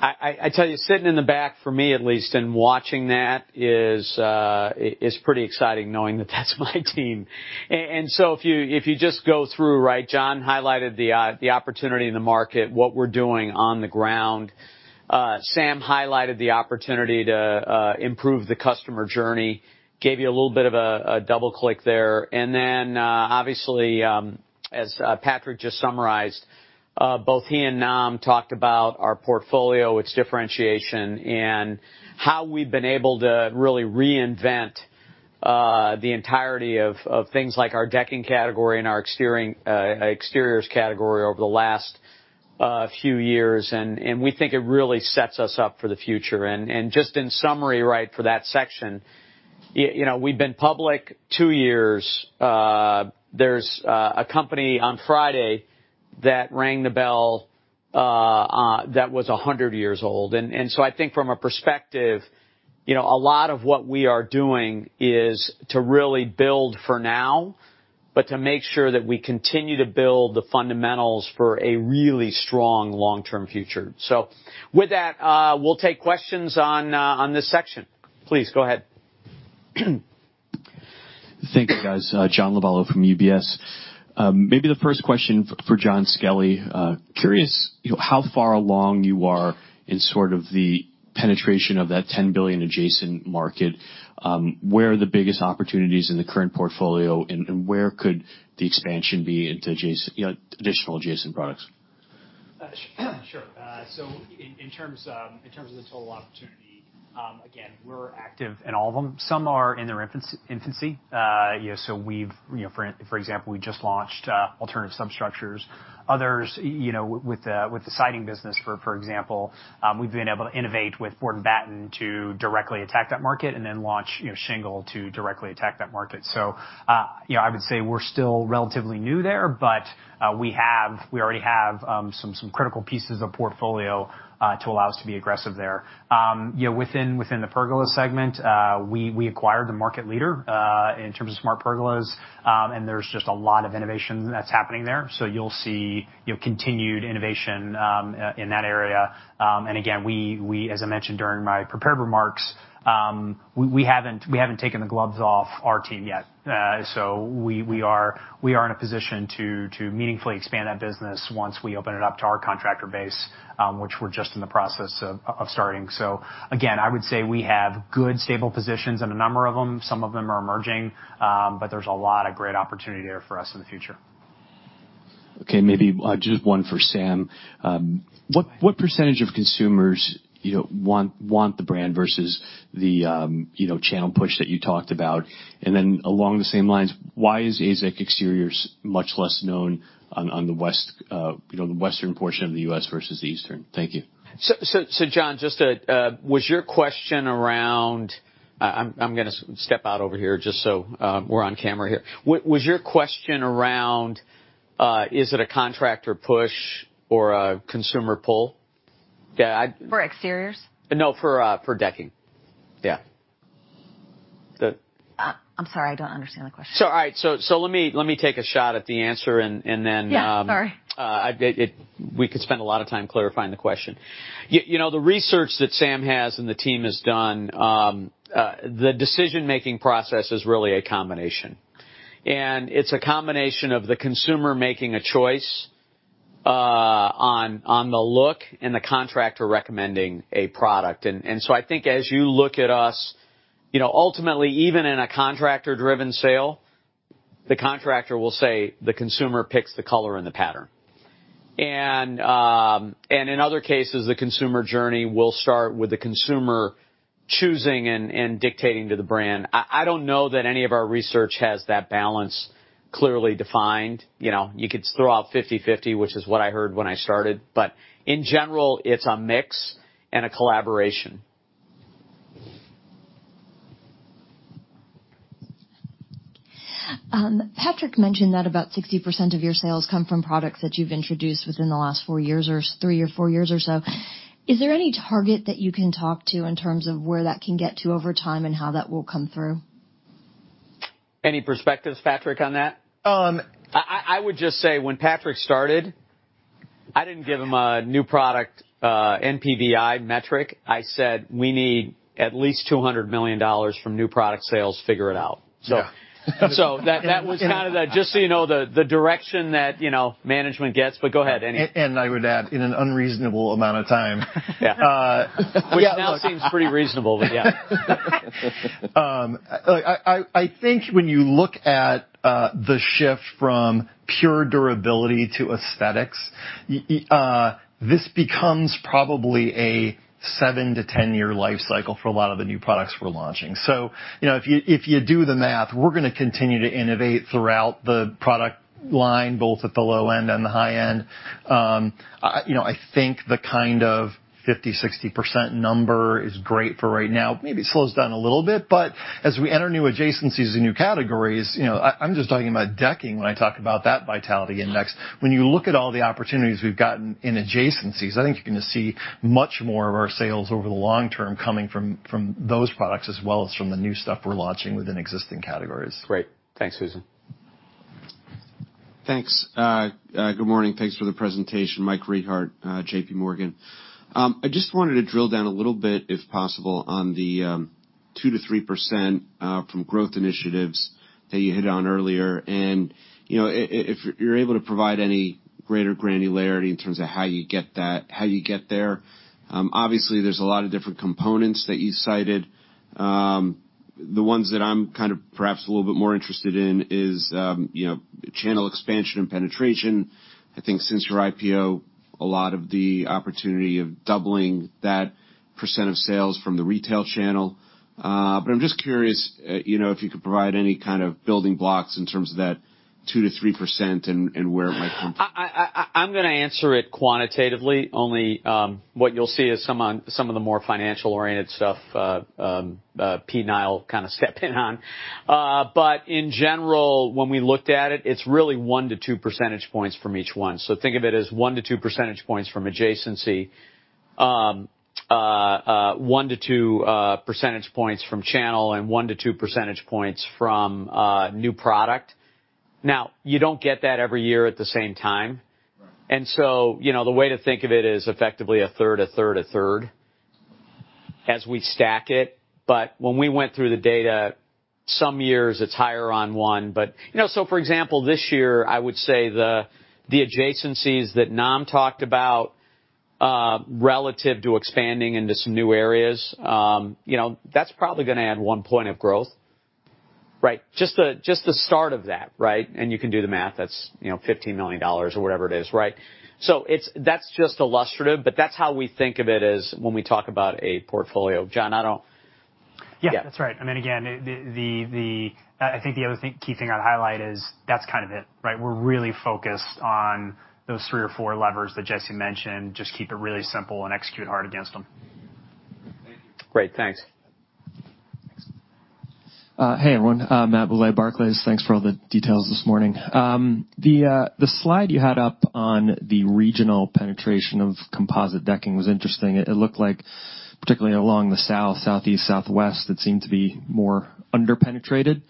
I tell you, sitting in the back for me at least and watching that is pretty exciting knowing that that's my team. If you just go through, right, Jon highlighted the opportunity in the market, what we're doing on the ground. Sam highlighted the opportunity to improve the customer journey, gave you a little bit of a double click there. Then- Obviously, as Patrick just summarized, both he and Nam talked about our portfolio, its differentiation, and how we've been able to really reinvent the entirety of things like our decking category and our exteriors category over the last few years, and we think it really sets us up for the future. Just in summary, right, for that section, you know, we've been public two years. There's a company on Friday that rang the bell that was 100 years old. I think from a perspective, you know, a lot of what we are doing is to really build for now, but to make sure that we continue to build the fundamentals for a really strong long-term future. With that, we'll take questions on this section. Please go ahead. Thank you, guys. John Lovallo from UBS. Maybe the first question for Jon Skelly. Curious, you know, how far along you are in sort of the penetration of that $10 billion adjacent market. Where are the biggest opportunities in the current portfolio, and where could the expansion be into additional adjacent products? Sure. In terms of the total opportunity, again, we're active in all of them. Some are in their infancy. You know, for example, we just launched alternative substructures. Others, you know, with the siding business, for example, we've been able to innovate with Board and Batten to directly attack that market and then launch, you know, Shingle to directly attack that market. You know, I would say we're still relatively new there, but we already have some critical pieces of portfolio to allow us to be aggressive there. You know, within the pergola segment, we acquired the market leader in terms of smart pergolas, and there's just a lot of innovation that's happening there. You'll see, you know, continued innovation in that area. Again, as I mentioned during my prepared remarks, we haven't taken the gloves off our team yet. We are in a position to meaningfully expand that business once we open it up to our contractor base, which we're just in the process of starting. Again, I would say we have good stable positions in a number of them. Some of them are emerging, but there's a lot of great opportunity there for us in the future. Okay, maybe just one for Sam. What percentage of consumers, you know, want the brand versus the, you know, channel push that you talked about? Then along the same lines, why is AZEK Exteriors much less known on the west, you know, the western portion of the U.S. versus the eastern? Thank you. John, was your question around? I'm gonna step out over here just so we're on camera here. Was your question around, is it a contractor push or a consumer pull? Yeah, I- For exteriors? No, for decking. Yeah. I'm sorry, I don't understand the question. All right. Let me take a shot at the answer and then Yeah, sorry. We could spend a lot of time clarifying the question. You know, the research that Sam has and the team has done, the decision-making process is really a combination. It's a combination of the consumer making a choice, on the look and the contractor recommending a product. So I think as you look at us, you know, ultimately, even in a contractor-driven sale, the contractor will say the consumer picks the color and the pattern. In other cases, the consumer journey will start with the consumer choosing and dictating to the brand. I don't know that any of our research has that balance clearly defined. You know, you could throw out 50/50, which is what I heard when I started. In general, it's a mix and a collaboration. Patrick mentioned that about 60% of your sales come from products that you've introduced within the last four years or three or four years or so. Is there any target that you can talk to in terms of where that can get to over time and how that will come through? Any perspectives, Patrick, on that? Um- I would just say when Patrick started, I didn't give him a new product NPVI metric. I said, "We need at least $200 million from new product sales. Figure it out. Yeah. Just so you know the direction that you know management gets. Go ahead. Any I would add in an unreasonable amount of time. Yeah. Which now seems pretty reasonable, but yeah. I think when you look at the shift from pure durability to aesthetics, this becomes probably a 7-10-year life cycle for a lot of the new products we're launching. You know, if you do the math, we're gonna continue to innovate throughout the product line, both at the low end and the high end. You know, I think the kind of 50%-60% number is great for right now. Maybe it slows down a little bit, but as we enter new adjacencies and new categories, you know, I'm just talking about decking when I talk about that vitality index. When you look at all the opportunities we've gotten in adjacencies, I think you're gonna see much more of our sales over the long term coming from those products as well as from the new stuff we're launching within existing categories. Great. Thanks, Susan. Thanks. Good morning. Thanks for the presentation. Mike Rehaut, JPMorgan. I just wanted to drill down a little bit, if possible, on the 2%-3% from growth initiatives that you hit on earlier. You know, if you're able to provide any greater granularity in terms of how you get there. Obviously, there's a lot of different components that you cited. The ones that I'm kind of perhaps a little bit more interested in is, you know, channel expansion and penetration. I think since your IPO, a lot of the opportunity of doubling that % of sales from the retail channel. I'm just curious, you know, if you could provide any kind of building blocks in terms of that 2%-3% and where it might come from. I'm gonna answer it quantitatively only. What you'll see is some of the more financial-oriented stuff, P. Niall kind of step in on. In general, when we looked at it's really 1-2 percentage points from each one. Think of it as 1-2 percentage points from adjacency, 1-2 percentage points from channel, and 1-2 percentage points from new product. Now, you don't get that every year at the same time. Right. You know, the way to think of it is effectively a third, a third, a third as we stack it. When we went through the data, some years it's higher on one. You know, for example, this year, I would say the adjacencies that Nam talked about relative to expanding into some new areas, you know, that's probably gonna add 1% growth, right? Just the start of that, right? You can do the math. That's you know $15 million or whatever it is, right? It's. That's just illustrative, but that's how we think of it as when we talk about a portfolio. Jon, add on. Yeah, that's right. I mean, again, the key thing I'd highlight is that's kind of it, right? We're really focused on those three or four levers that Jesse mentioned. Just keep it really simple and execute hard against them. Thank you. Great. Thanks. Hey, everyone. I'm Matthew Bouley, Barclays. Thanks for all the details this morning. The slide you had up on the regional penetration of composite decking was interesting. It looked like particularly along the south, southeast, southwest, it seemed to be more under-penetrated.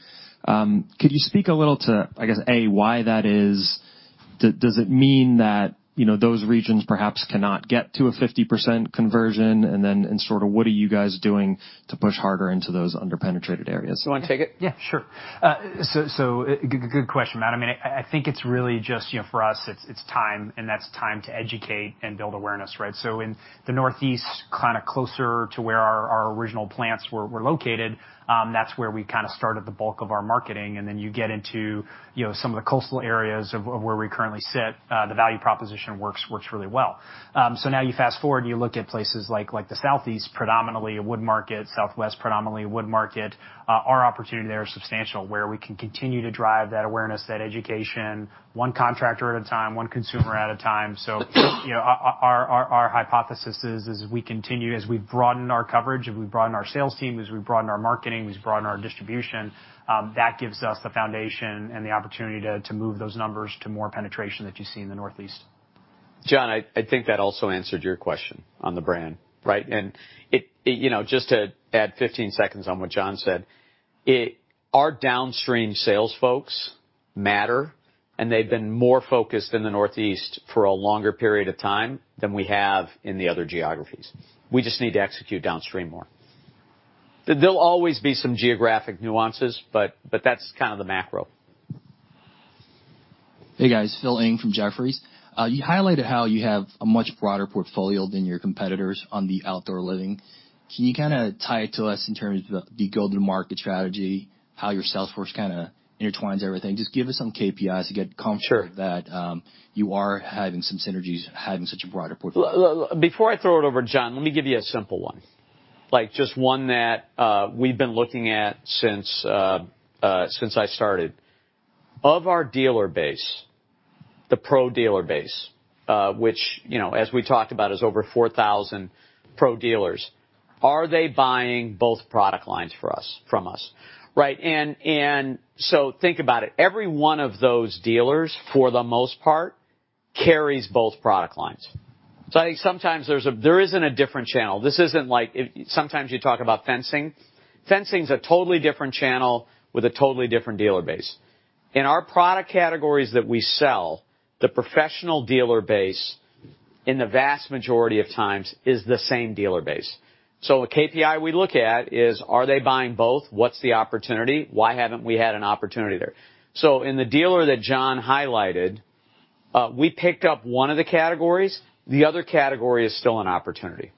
Could you speak a little to, I guess, A, why that is? Does it mean that, you know, those regions perhaps cannot get to a 50% conversion? In sort of what are you guys doing to push harder into those under-penetrated areas? You wanna take it? Yeah, sure. Good question, Matt. I mean, I think it's really just, you know, for us, it's time, and that's time to educate and build awareness, right? In the Northeast, kinda closer to where our original plants were located, that's where we kinda started the bulk of our marketing. Then you get into, you know, some of the coastal areas of where we currently sit, the value proposition works really well. Now you fast-forward, you look at places like the Southeast, predominantly a wood market, Southwest predominantly a wood market, our opportunity there is substantial, where we can continue to drive that awareness, that education one contractor at a time, one consumer at a time. You know, our hypothesis is we continue as we broaden our coverage, as we broaden our sales team, as we broaden our marketing, as we broaden our distribution, that gives us the foundation and the opportunity to move those numbers to more penetration that you see in the Northeast. Jon, I think that also answered your question on the brand, right? You know, just to add 15 seconds on what Jon said, our downstream sales folks matter, and they've been more focused in the Northeast for a longer period of time than we have in the other geographies. We just need to execute downstream more. There'll always be some geographic nuances, but that's kind of the macro. Hey, guys. Philip Ng from Jefferies. You highlighted how you have a much broader portfolio than your competitors on the outdoor living. Can you kinda tie it to us in terms of the go-to-market strategy, how your sales force kinda intertwines everything? Just give us some KPIs to get comfort- Sure. that you are having some synergies, having such a broader portfolio. Look, before I throw it over, Jon, let me give you a simple one, like just one that we've been looking at since I started. Of our dealer base, the pro dealer base, which, you know, as we talked about is over 4,000 pro dealers, are they buying both product lines from us, right? So think about it. Every one of those dealers, for the most part, carries both product lines. I think sometimes there isn't a different channel. This isn't like sometimes you talk about fencing. Fencing's a totally different channel with a totally different dealer base. In our product categories that we sell, the professional dealer base, in the vast majority of times, is the same dealer base. So the KPI we look at is, are they buying both? What's the opportunity? Why haven't we had an opportunity there? In the dealer that John highlighted, we picked up one of the categories. The other category is still an opportunity,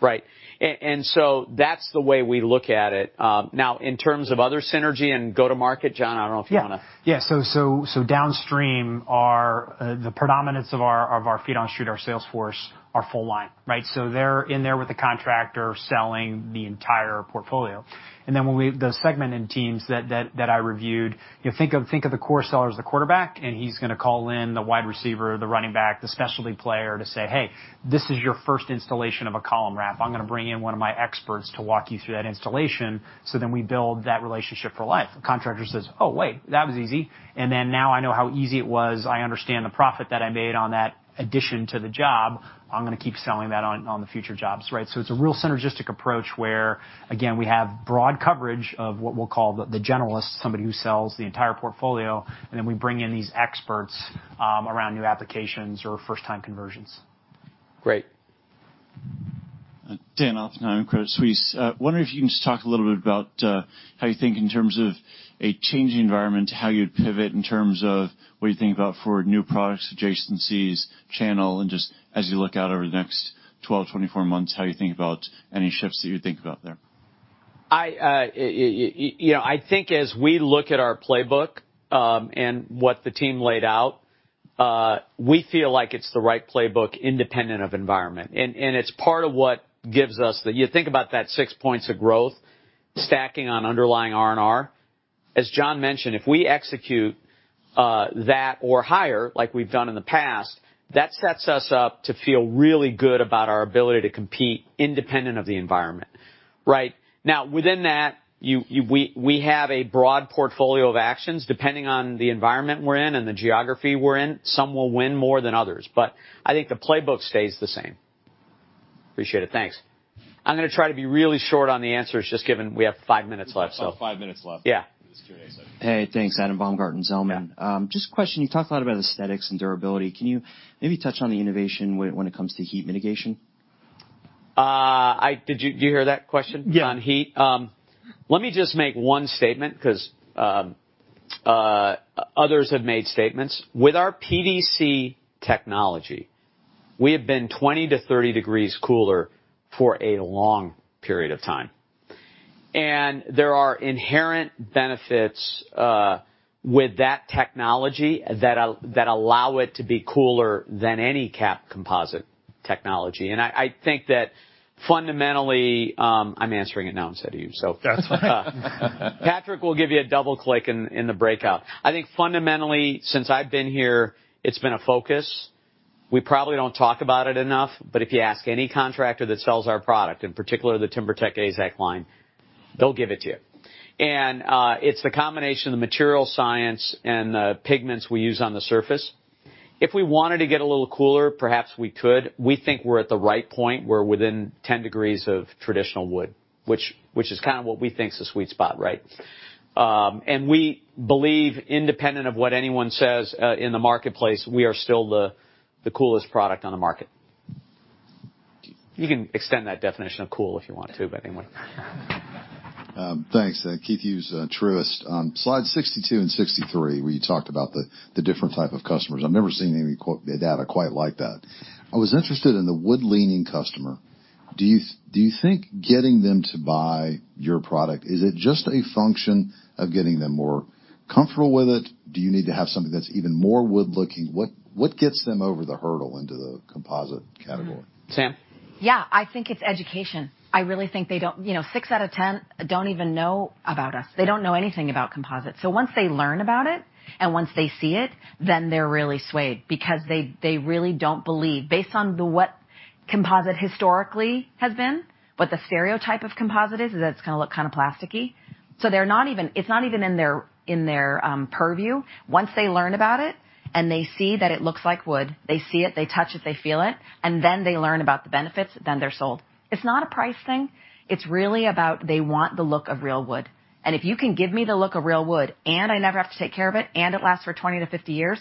right? That's the way we look at it. Now in terms of other synergy and go-to-market, Jon, I don't know if you wanna- So downstream are the predominance of our feet on the street, our sales force, are full line, right? They're in there with the contractor selling the entire portfolio. The segmented teams that I reviewed, you know, think of the core seller as the quarterback, and he's gonna call in the wide receiver, the running back, the specialty player to say, "Hey, this is your first installation of a column wrap. I'm gonna bring in one of my experts to walk you through that installation," so then we build that relationship for life. The contractor says, "Oh, wait, that was easy. Then now I know how easy it was. I understand the profit that I made on that addition to the job. I'm gonna keep selling that on the future jobs," right? It's a real synergistic approach where again, we have broad coverage of what we'll call the generalist, somebody who sells the entire portfolio, and then we bring in these experts around new applications or first-time conversions. Great. Dan Oppenheim, Credit Suisse. Wondering if you can just talk a little bit about how you think in terms of a changing environment, how you'd pivot in terms of what you think about for new products, adjacencies, channel, and just as you look out over the next 12, 24 months, how you think about any shifts that you think about there? You know, I think as we look at our playbook, and what the team laid out, we feel like it's the right playbook independent of environment. It's part of what gives us the. You think about that six points of growth stacking on underlying RNR. As Jon Skelly mentioned, if we execute, that or higher like we've done in the past, that sets us up to feel really good about our ability to compete independent of the environment. Right? Now, within that, we have a broad portfolio of actions depending on the environment we're in and the geography we're in. Some will win more than others, but I think the playbook stays the same. Appreciate it. Thanks. I'm gonna try to be really short on the answers just given we have five minutes left, so. We've got about five minutes left. Yeah. This Q&A session. Hey, thanks. Adam Baumgarten, Zelman. Yeah. Just a question. You talked a lot about aesthetics and durability. Can you maybe touch on the innovation when it comes to heat mitigation? Did you hear that question? Yeah. On heat? Let me just make one statement 'cause others have made statements. With our PVC technology, we have been 20-30 degrees cooler for a long period of time. There are inherent benefits with that technology that allow it to be cooler than any capped composite technology. I think that fundamentally, I'm answering it now instead of you, so. That's fine. Patrick will give you a double-click in the breakout. I think fundamentally since I've been here, it's been a focus. We probably don't talk about it enough, but if you ask any contractor that sells our product, in particular the TimberTech AZEK line, they'll give it to you. It's the combination of the material science and the pigments we use on the surface. If we wanted to get a little cooler, perhaps we could. We think we're at the right point. We're within 10 degrees of traditional wood, which is kinda what we think is the sweet spot, right? We believe, independent of what anyone says, in the marketplace, we are still the coolest product on the market. You can extend that definition of cool if you want to, but anyway. Thanks. Keith Hughes, Truist. Slide 62 and 63, where you talked about the different type of customers. I've never seen any quoted data quite like that. I was interested in the wood-leaning customer. Do you think getting them to buy your product is just a function of getting them more comfortable with it? Do you need to have something that's even more wood-looking? What gets them over the hurdle into the composite category? Sam? Yeah. I think it's education. I really think they don't. You know, six out of ten don't even know about us. They don't know anything about composites. Once they learn about it, and once they see it, then they're really swayed because they really don't believe. Based on what composite historically has been, what the stereotype of composite is that it's gonna look kinda plasticky. It's not even in their purview. Once they learn about it and they see that it looks like wood, they see it, they touch it, they feel it, and then they learn about the benefits, then they're sold. It's not a price thing. It's really about they want the look of real wood. If you can give me the look of real wood, and I never have to take care of it, and it lasts for 20-50 years,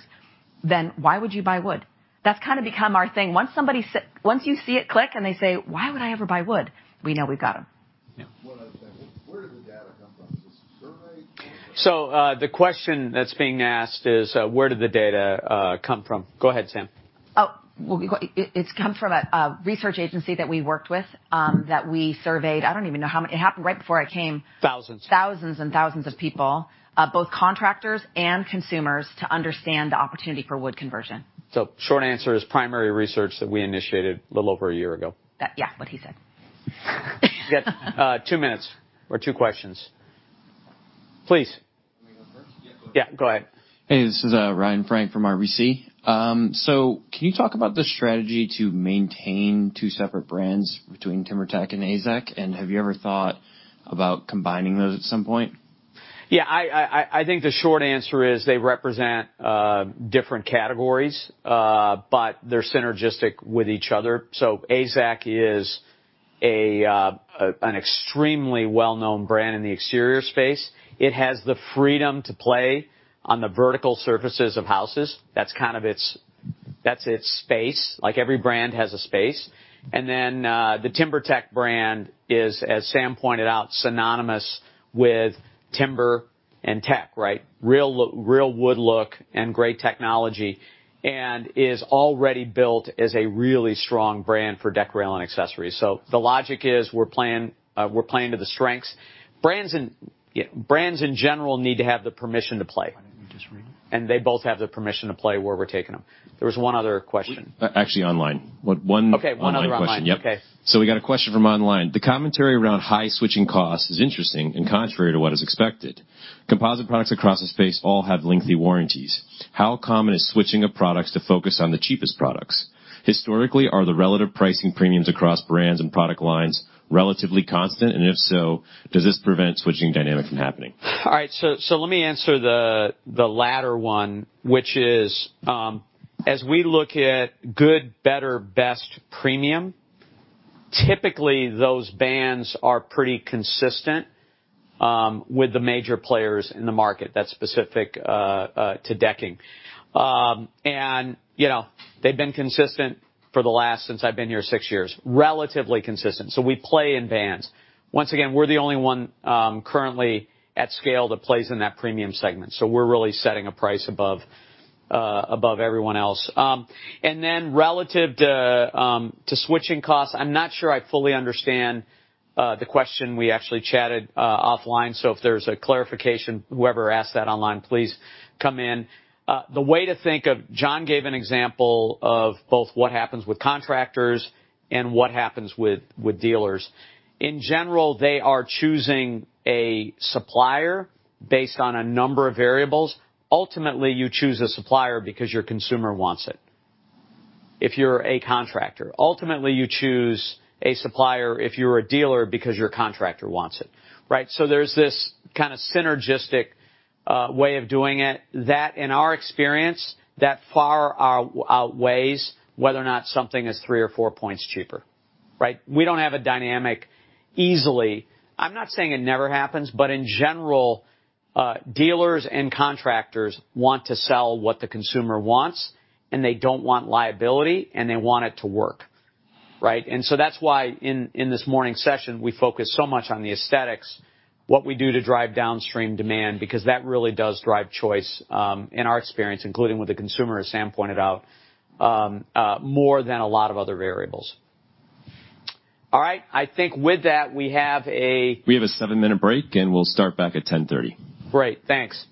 then why would you buy wood? That's kinda become our thing. Once you see it click, and they say, "Why would I ever buy wood?" We know we've got them. Yeah. Where did the data come from? Is this a survey? The question that's being asked is, where did the data come from? Go ahead, Sam. Well, it's come from a research agency that we worked with, that we surveyed. It happened right before I came. Thousands. Thousands and thousands of people, both contractors and consumers, to understand the opportunity for wood conversion. Short answer is primary research that we initiated a little over a year ago. Yeah, what he said. We got two minutes or two questions. Please. Can we go first? Yeah, go ahead. Hey, this is Ryan Frank from RBC. Can you talk about the strategy to maintain two separate brands between TimberTech and AZEK? Have you ever thought about combining those at some point? Yeah. I think the short answer is they represent different categories, but they're synergistic with each other. AZEK is an extremely well-known brand in the exterior space. It has the freedom to play on the vertical surfaces of houses. That's kind of its space. Like, every brand has a space. Then, the TimberTech brand is, as Sam pointed out, synonymous with timber and tech, right? Real wood look and great technology, and is already built as a really strong brand for deck, rail and accessories. The logic is we're playing to the strengths. Brands and, you know, brands in general need to have the permission to play. Why didn't you just ring him? They both have the permission to play where we're taking them. There was one other question. Actually online. One online question. Okay. One other online. Okay. Yep. We got a question from online. The commentary around high switching costs is interesting and contrary to what is expected. Composite products across the space all have lengthy warranties. How common is switching of products to focus on the cheapest products? Historically, are the relative pricing premiums across brands and product lines relatively constant? If so, does this prevent switching dynamic from happening? All right. Let me answer the latter one, which is, as we look at good, better, best premium. Typically, those bands are pretty consistent with the major players in the market that's specific to decking. You know, they've been consistent since I've been here six years, relatively consistent. We play in bands. Once again, we're the only one currently at scale that plays in that premium segment, so we're really setting a price above everyone else. Relative to switching costs, I'm not sure I fully understand the question. We actually chatted offline, so if there's a clarification, whoever asked that online, please come in. The way to think of, Jonathan Skelly gave an example of both what happens with contractors and what happens with dealers. In general, they are choosing a supplier based on a number of variables. Ultimately, you choose a supplier because your consumer wants it, if you're a contractor. Ultimately, you choose a supplier if you're a dealer because your contractor wants it, right? There's this kinda synergistic way of doing it. That in our experience, that far outweighs whether or not something is 3 or 4 points cheaper, right? We don't have a dynamic easily. I'm not saying it never happens, but in general, dealers and contractors want to sell what the consumer wants, and they don't want liability, and they want it to work, right? That's why in this morning's session, we focused so much on the aesthetics, what we do to drive downstream demand, because that really does drive choice, in our experience, including with the consumer, as Sam pointed out, more than a lot of other variables. All right. I think with that, we have a We have a 7-minute break, and we'll start back at 10:30 A.M. Great. Thanks.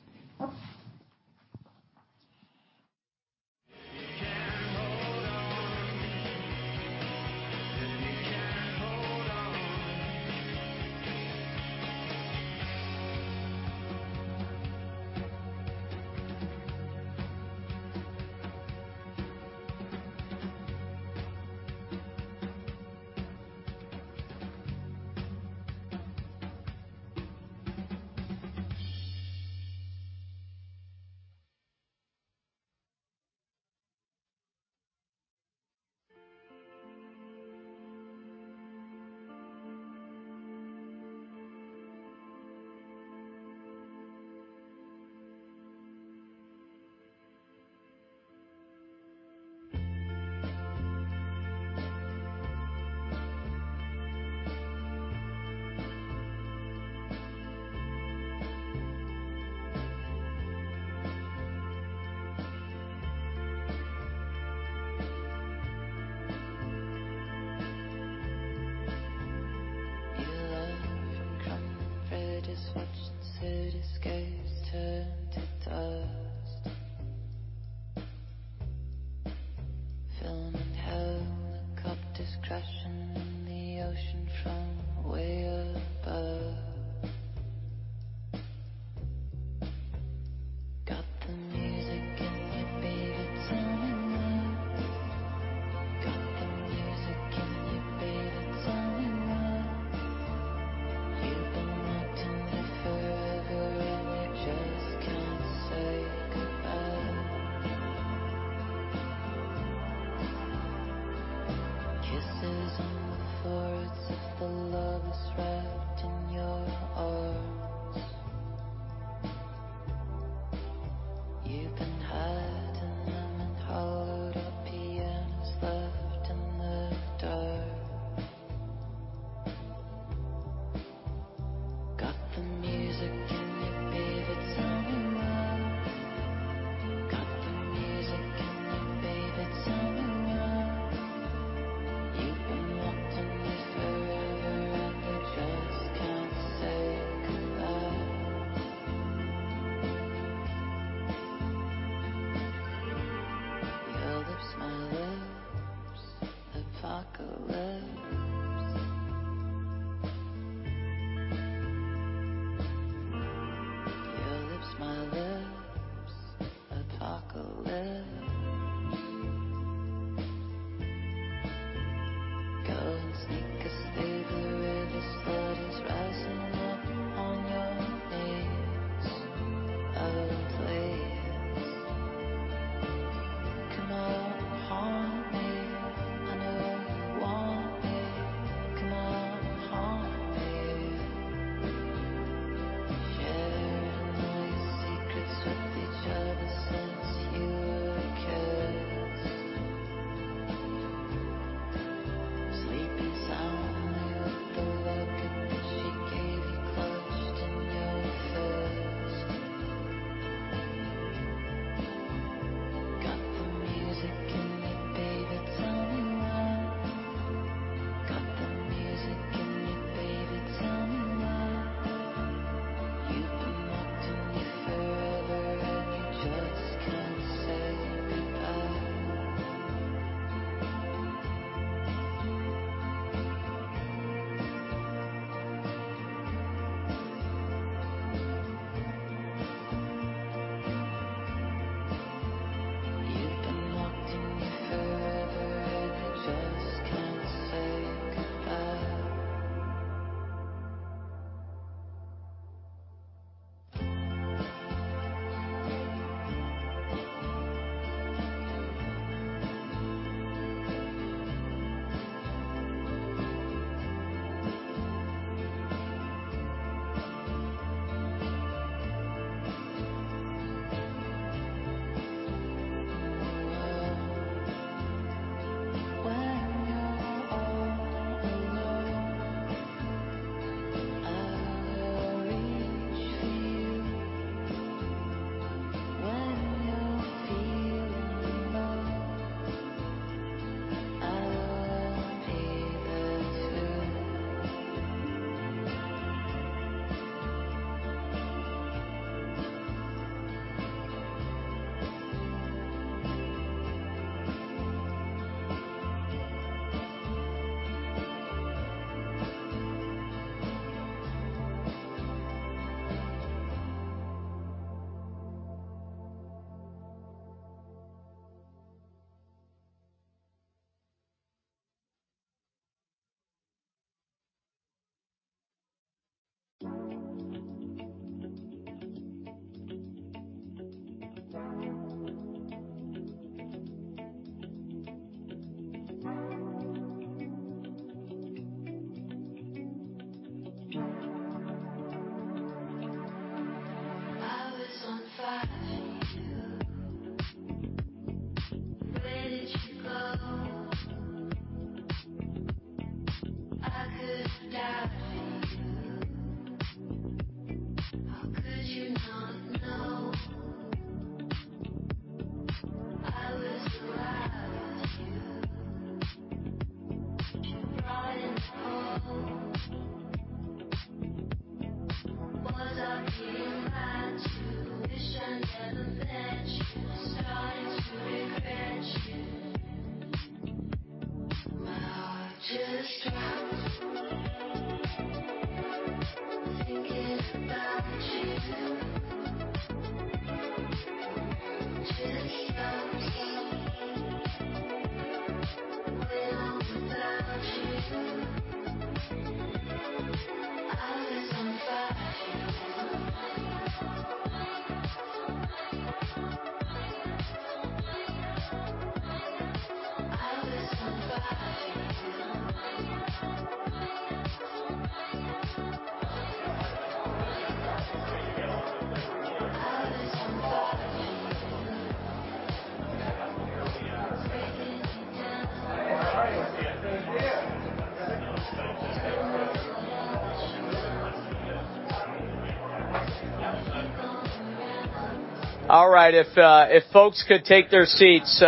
All right. If folks could take their seats,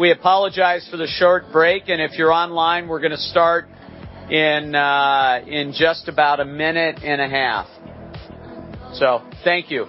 we apologize for the short break, and if you're online, we're gonna start in just about a minute and a half. Thank you.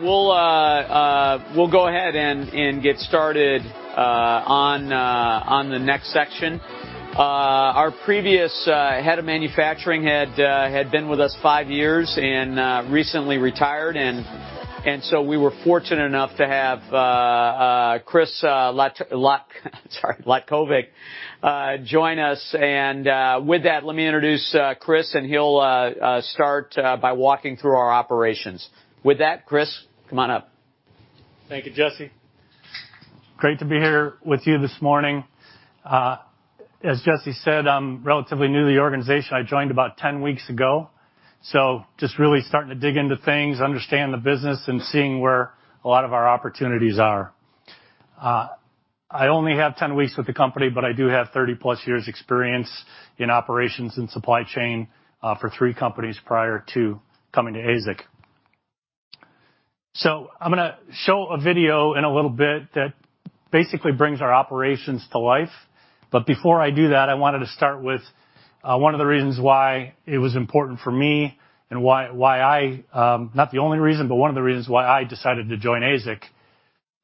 All right. We'll go ahead and get started on the next section. Our previous head of manufacturing had been with us five years and recently retired, and so we were fortunate enough to have Chris Latkovic join us. With that, let me introduce Chris, and he'll start by walking through our operations. With that, Chris, come on up. Thank you, Jesse. Great to be here with you this morning. As Jesse said, I'm relatively new to the organization. I joined about 10 weeks ago, so just really starting to dig into things, understand the business, and seeing where a lot of our opportunities are. I only have 10 weeks with the company, but I do have 30+ years experience in operations and supply chain, for three companies prior to coming to AZEK. I'm gonna show a video in a little bit that basically brings our operations to life. Before I do that, I wanted to start with one of the reasons why it was important for me and why I, not the only reason, but one of the reasons why I decided to join AZEK.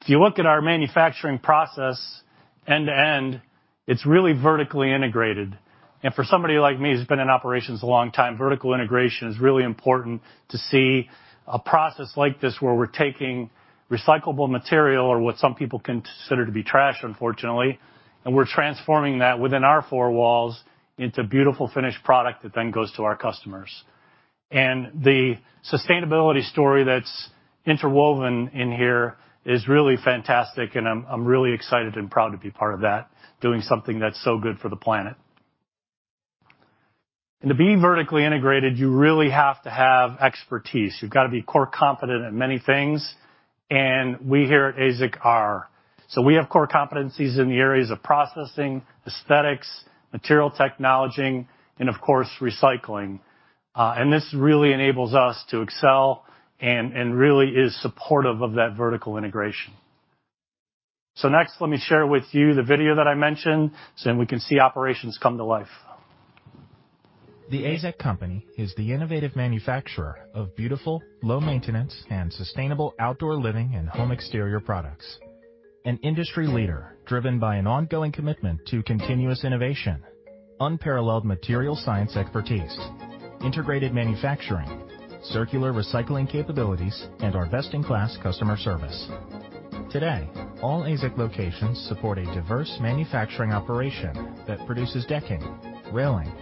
If you look at our manufacturing process end to end, it's really vertically integrated. For somebody like me who's been in operations a long time, vertical integration is really important to see a process like this where we're taking recyclable material or what some people consider to be trash unfortunately, and we're transforming that within our four walls into beautiful finished product that then goes to our customers. The sustainability story that's interwoven in here is really fantastic, and I'm really excited and proud to be part of that, doing something that's so good for the planet. To be vertically integrated, you really have to have expertise. You've gotta be core competent at many things, and we here at AZEK are. We have core competencies in the areas of processing, aesthetics, material technology and, of course, recycling. This really enables us to excel and really is supportive of that vertical integration. Next, let me share with you the video that I mentioned, so then we can see operations come to life. The AZEK Company is the innovative manufacturer of beautiful, low-maintenance, and sustainable outdoor living and home exterior products. An industry leader driven by an ongoing commitment to continuous innovation, unparalleled material science expertise, integrated manufacturing, circular recycling capabilities, and our best-in-class customer service. Today, all AZEK locations support a diverse manufacturing operation that produces decking, railing,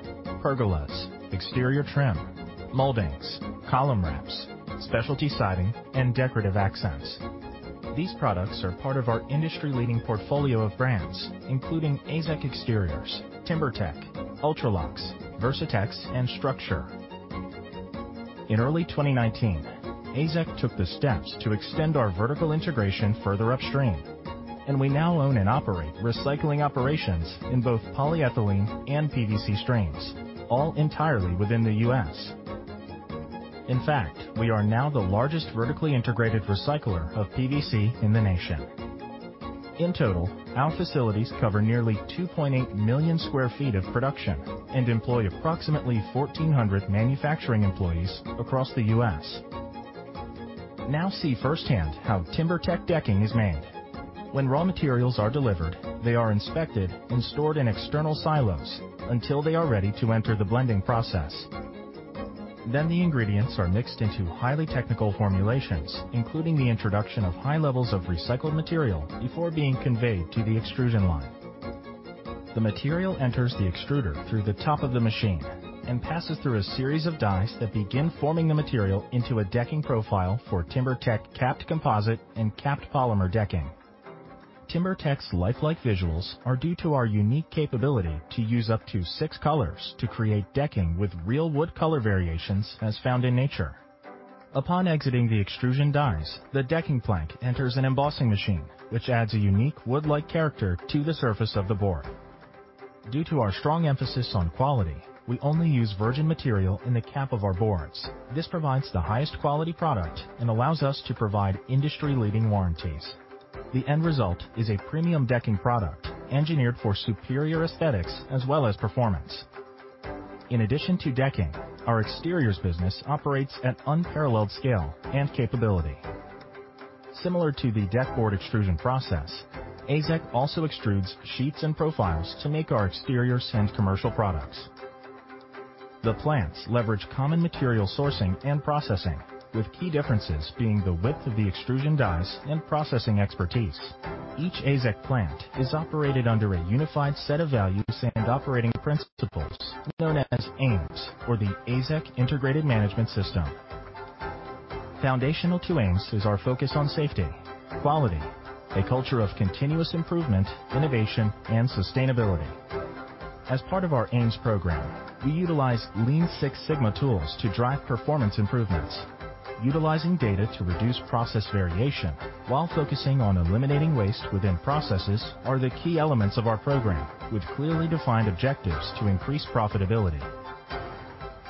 pergolas, exterior trim, moldings, column wraps, specialty siding, and decorative accents. These products are part of our industry-leading portfolio of brands, including AZEK Exteriors, TimberTech, UltraLox, Versatex, and StruXure. In early 2019, AZEK took the steps to extend our vertical integration further upstream, and we now own and operate recycling operations in both polyethylene and PVC streams, all entirely within the U.S. In fact, we are now the largest vertically integrated recycler of PVC in the nation. In total, our facilities cover nearly 2.8 million sq ft of production and employ approximately 1,400 manufacturing employees across the U.S. Now see firsthand how TimberTech decking is made. When raw materials are delivered, they are inspected and stored in external silos until they are ready to enter the blending process. The ingredients are mixed into highly technical formulations, including the introduction of high levels of recycled material before being conveyed to the extrusion line. The material enters the extruder through the top of the machine and passes through a series of dies that begin forming the material into a decking profile for TimberTech capped composite and capped polymer decking. TimberTech's lifelike visuals are due to our unique capability to use up to six colors to create decking with real wood color variations as found in nature. Upon exiting the extrusion dies, the decking plank enters an embossing machine, which adds a unique wood-like character to the surface of the board. Due to our strong emphasis on quality, we only use virgin material in the cap of our boards. This provides the highest quality product and allows us to provide industry-leading warranties. The end result is a premium decking product engineered for superior aesthetics as well as performance. In addition to decking, our exteriors business operates at unparalleled scale and capability. Similar to the deck board extrusion process, AZEK also extrudes sheets and profiles to make our exterior and commercial products. The plants leverage common material sourcing and processing, with key differences being the width of the extrusion dies and processing expertise. Each AZEK plant is operated under a unified set of values and operating principles known as AIMS, or the AZEK Integrated Management System. Foundational to AIMS is our focus on safety, quality, a culture of continuous improvement, innovation, and sustainability. As part of our AIMS program, we utilize Lean Six Sigma tools to drive performance improvements. Utilizing data to reduce process variation while focusing on eliminating waste within processes are the key elements of our program, with clearly defined objectives to increase profitability.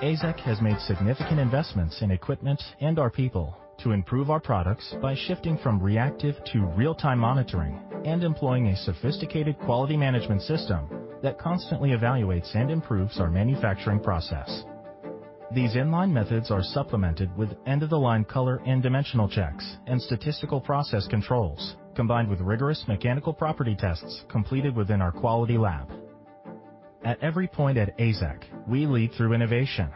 AZEK has made significant investments in equipment and our people to improve our products by shifting from reactive to real-time monitoring and employing a sophisticated quality management system that constantly evaluates and improves our manufacturing process. These inline methods are supplemented with end-of-the-line color and dimensional checks and statistical process controls, combined with rigorous mechanical property tests completed within our quality lab. At every point at AZEK, we lead through innovation.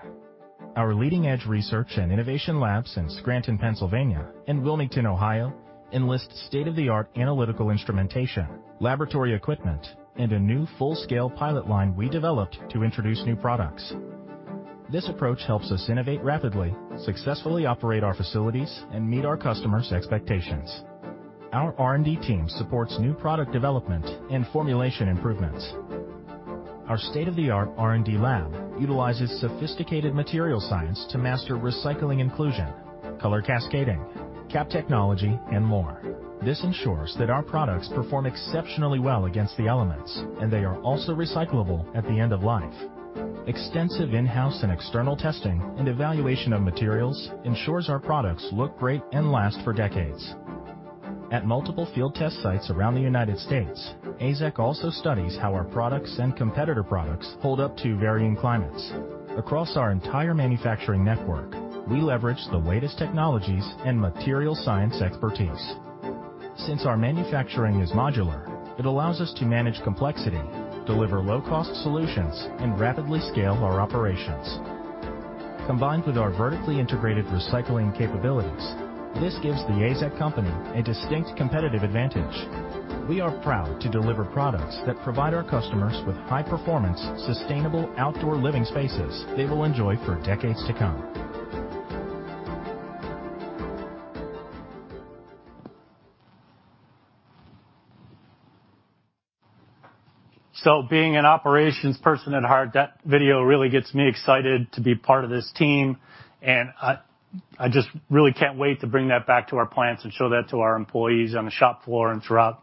Our leading-edge research and innovation labs in Scranton, Pennsylvania and Wilmington, Ohio enlist state-of-the-art analytical instrumentation, laboratory equipment, and a new full-scale pilot line we developed to introduce new products. This approach helps us innovate rapidly, successfully operate our facilities, and meet our customers' expectations. Our R&D team supports new product development and formulation improvements. Our state-of-the-art R&D lab utilizes sophisticated material science to master recycling inclusion, color cascading, cap technology, and more. This ensures that our products perform exceptionally well against the elements, and they are also recyclable at the end of life. Extensive in-house and external testing and evaluation of materials ensures our products look great and last for decades. At multiple field test sites around the United States, AZEK also studies how our products and competitor products hold up to varying climates. Across our entire manufacturing network, we leverage the latest technologies and material science expertise. Since our manufacturing is modular, it allows us to manage complexity, deliver low-cost solutions, and rapidly scale our operations. Combined with our vertically integrated recycling capabilities, this gives The AZEK Company a distinct competitive advantage. We are proud to deliver products that provide our customers with high performance, sustainable outdoor living spaces they will enjoy for decades to come. Being an operations person at heart, that video really gets me excited to be part of this team, and I just really can't wait to bring that back to our plants and show that to our employees on the shop floor and throughout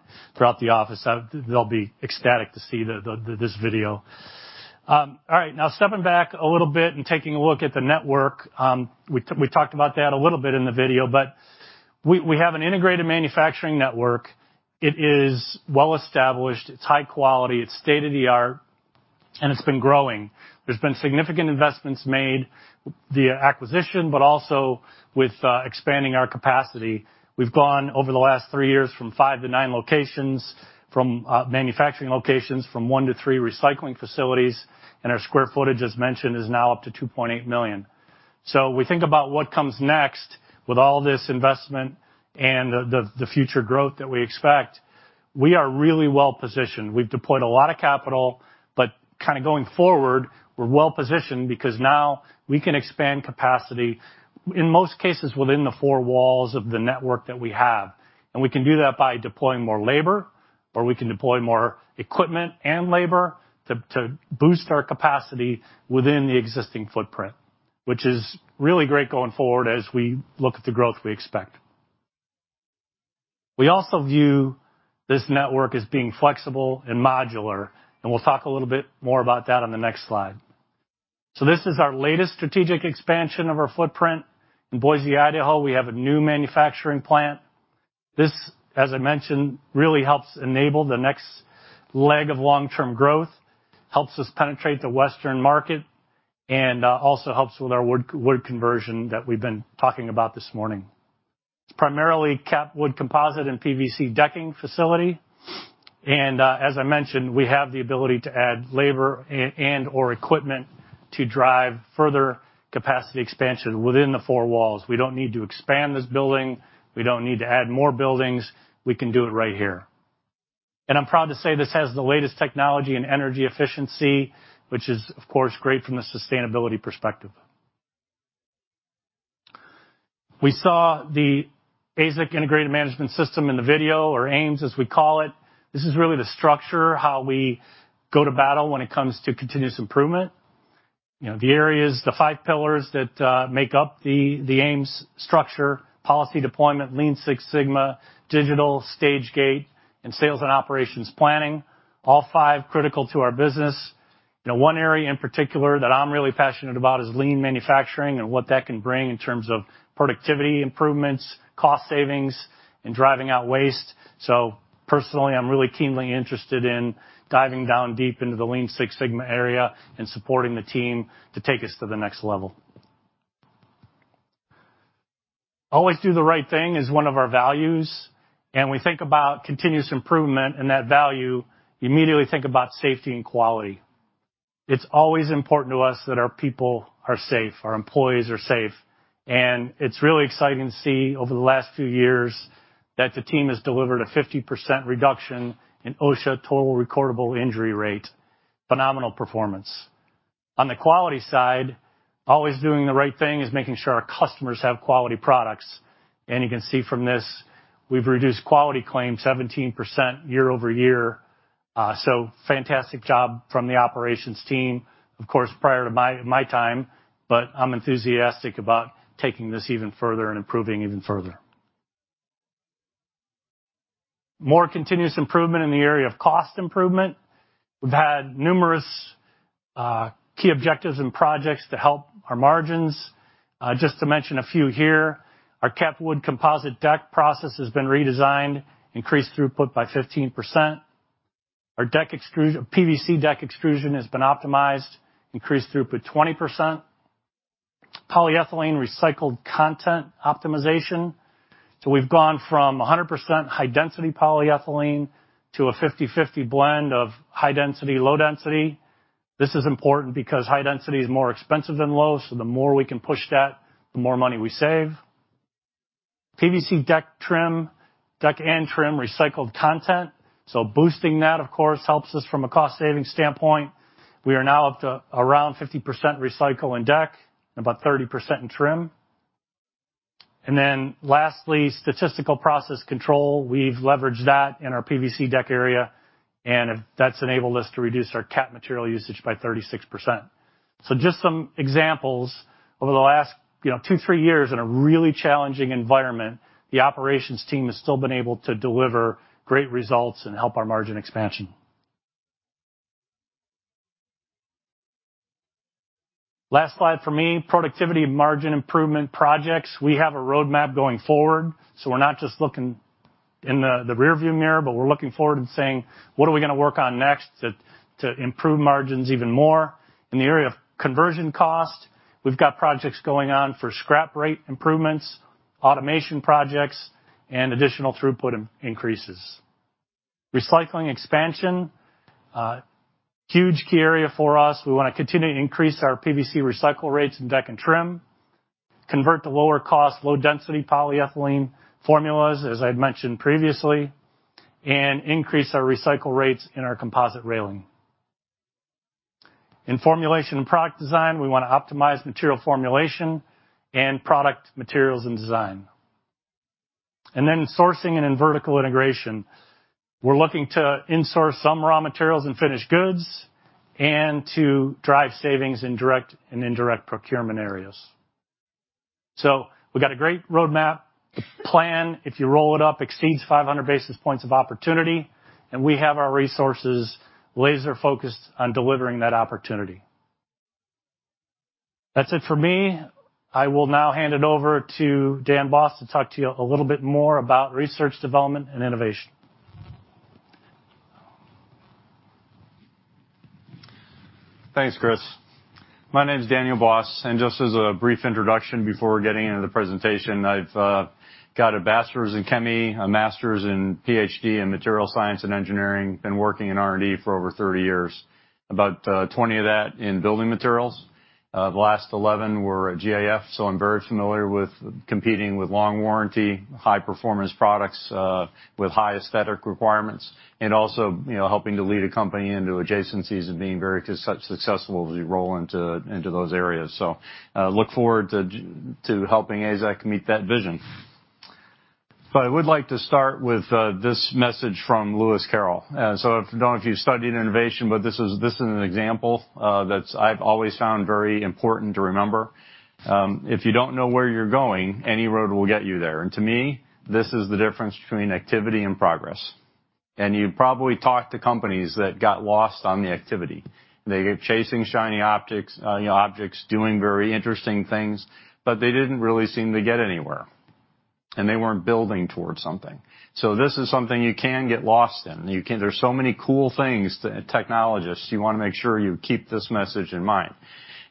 the office. They'll be ecstatic to see this video. All right, now stepping back a little bit and taking a look at the network, we talked about that a little bit in the video, but we have an integrated manufacturing network. It is well established, it's high quality, it's state-of-the-art, and it's been growing. There's been significant investments made via acquisition, but also with expanding our capacity. We've gone, over the last 3 years, from 5 to 9 locations, from manufacturing locations, from 1 to 3 recycling facilities, and our square footage, as mentioned, is now up to 2.8 million sq ft. We think about what comes next with all this investment and the future growth that we expect. We are really well positioned. We've deployed a lot of capital, but kinda going forward, we're well positioned because now we can expand capacity, in most cases, within the four walls of the network that we have. We can do that by deploying more labor, or we can deploy more equipment and labor to boost our capacity within the existing footprint, which is really great going forward as we look at the growth we expect. We also view this network as being flexible and modular, and we'll talk a little bit more about that on the next slide. This is our latest strategic expansion of our footprint. In Boise, Idaho, we have a new manufacturing plant. This, as I mentioned, really helps enable the next leg of long-term growth, helps us penetrate the Western market, and also helps with our wood conversion that we've been talking about this morning. It's primarily capped wood composite and PVC decking facility. As I mentioned, we have the ability to add labor and/or equipment to drive further capacity expansion within the four walls. We don't need to expand this building. We don't need to add more buildings. We can do it right here. I'm proud to say this has the latest technology in energy efficiency, which is, of course, great from a sustainability perspective. We saw the AZEK Integrated Management System in the video or AIMS, as we call it. This is really the structure, how we go to battle when it comes to continuous improvement. You know, the areas, the five pillars that make up the AIMS structure, Policy Deployment, Lean Six Sigma, Digital, Stage-Gate, and Sales and Operations Planning, all five critical to our business. You know, one area in particular that I'm really passionate about is lean manufacturing and what that can bring in terms of productivity improvements, cost savings, and driving out waste. Personally, I'm really keenly interested in diving down deep into the Lean Six Sigma area and supporting the team to take us to the next level. Always do the right thing is one of our values, and we think about continuous improvement and that value, you immediately think about safety and quality. It's always important to us that our people are safe, our employees are safe, and it's really exciting to see over the last few years that the team has delivered a 50% reduction in OSHA total recordable injury rate. Phenomenal performance. On the quality side, always doing the right thing is making sure our customers have quality products. You can see from this, we've reduced quality claims 17% year-over-year, so fantastic job from the operations team. Of course, prior to my time, but I'm enthusiastic about taking this even further and improving even further. More continuous improvement in the area of cost improvement. We've had numerous key objectives and projects to help our margins. Just to mention a few here, our capped composite deck process has been redesigned, increased throughput by 15%. Our PVC deck extrusion has been optimized, increased throughput 20%. Polyethylene recycled content optimization. We've gone from 100% high-density polyethylene to a 50/50 blend of high-density, low-density. This is important because high-density is more expensive than low-density, so the more we can push that, the more money we save. PVC deck trim, deck and trim recycled content. Boosting that, of course, helps us from a cost-saving standpoint. We are now up to around 50% recycled in deck and about 30% in trim. Lastly, statistical process control. We've leveraged that in our PVC deck area, and that's enabled us to reduce our cap material usage by 36%. Just some examples over the last, you know, two, three years in a really challenging environment, the operations team has still been able to deliver great results and help our margin expansion. Last slide for me, productivity and margin improvement projects. We have a roadmap going forward, so we're not just looking in the rearview mirror, but we're looking forward and saying, "What are we gonna work on next to improve margins even more?" In the area of conversion cost, we've got projects going on for scrap rate improvements, automation projects, and additional throughput increases. Recycling expansion, huge key area for us. We wanna continue to increase our PVC recycle rates in deck and trim, convert to lower cost, low-density polyethylene formulas, as I'd mentioned previously, and increase our recycle rates in our composite railing. In formulation and product design, we wanna optimize material formulation and product materials and design. Sourcing and in vertical integration, we're looking to insource some raw materials and finished goods and to drive savings in direct and indirect procurement areas. We've got a great roadmap plan. If you roll it up, exceeds 500 basis points of opportunity, and we have our resources laser-focused on delivering that opportunity. That's it for me. I will now hand it over to Dan Boss to talk to you a little bit more about research, development, and innovation. Thanks, Chris. My name is Daniel Boss, and just as a brief introduction before getting into the presentation, I've got a bachelor's in Chem-E, a master's and PhD in material science and engineering. Been working in R&D for over 30 years, about 20 of that in building materials. The last 11 were at GAF, so I'm very familiar with competing with long warranty, high-performance products with high aesthetic requirements and also, you know, helping to lead a company into adjacencies and being very successful as we roll into those areas. Look forward to helping AZEK meet that vision. I would like to start with this message from Lewis Carroll. So I don't know if you studied innovation, but this is an example that I've always found very important to remember. If you don't know where you're going, any road will get you there. To me, this is the difference between activity and progress. You probably talked to companies that got lost on the activity. They get chasing shiny optics, you know, objects, doing very interesting things, but they didn't really seem to get anywhere, and they weren't building towards something. This is something you can get lost in. There's so many cool things, technologists, you wanna make sure you keep this message in mind.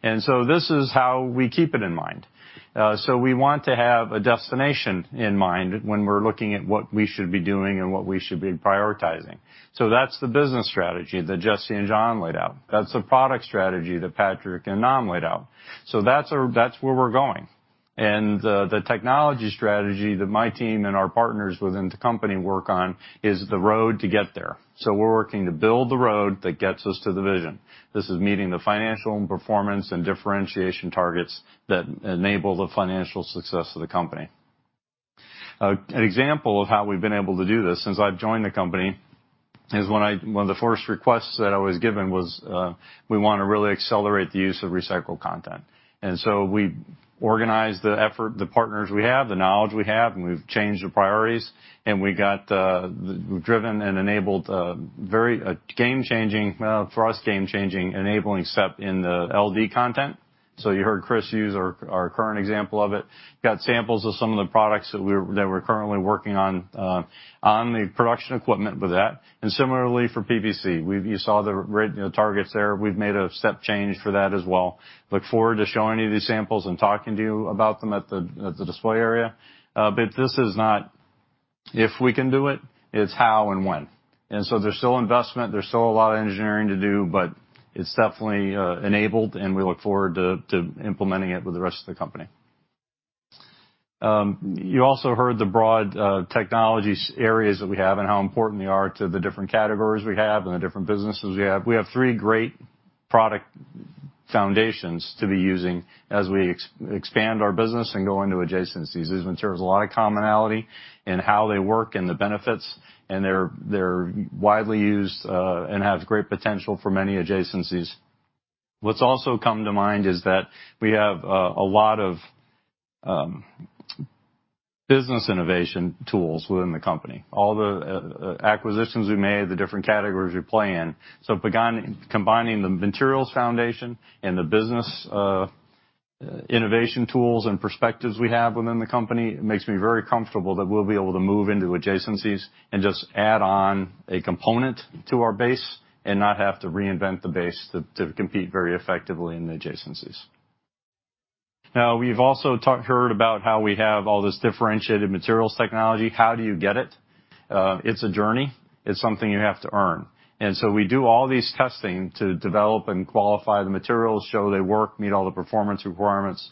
This is how we keep it in mind. We want to have a destination in mind when we're looking at what we should be doing and what we should be prioritizing. That's the business strategy that Jesse and Jon laid out. That's the product strategy that Patrick and Nam laid out. That's where we're going. The technology strategy that my team and our partners within the company work on is the road to get there. We're working to build the road that gets us to the vision. This is meeting the financial and performance and differentiation targets that enable the financial success of the company. An example of how we've been able to do this since I've joined the company is one of the first requests that I was given was we wanna really accelerate the use of recycled content. We organized the effort, the partners we have, the knowledge we have, and we've changed the priorities, and we got driven and enabled very game-changing, well, for us, game-changing enabling step in the LD content. You heard Chris use our current example of it. Got samples of some of the products that we're currently working on the production equipment with that. Similarly for PVC. You saw the red, you know, targets there. We've made a step change for that as well. Look forward to showing you these samples and talking to you about them at the display area. This is not if we can do it's how and when. There's still investment, there's still a lot of engineering to do, but it's definitely enabled, and we look forward to implementing it with the rest of the company. You also heard the broad technologies areas that we have and how important they are to the different categories we have and the different businesses we have. We have three great product foundations to be using as we expand our business and go into adjacencies. These materials have a lot of commonality in how they work and the benefits, and they're widely used and have great potential for many adjacencies. What's also come to mind is that we have a lot of business innovation tools within the company. All the acquisitions we made, the different categories we play in. Combining the materials foundation and the business innovation tools and perspectives we have within the company, it makes me very comfortable that we'll be able to move into adjacencies and just add on a component to our base and not have to reinvent the base to compete very effectively in the adjacencies. Now, we've also heard about how we have all this differentiated materials technology. How do you get it? It's a journey. It's something you have to earn. We do all these testing to develop and qualify the materials, show they work, meet all the performance requirements.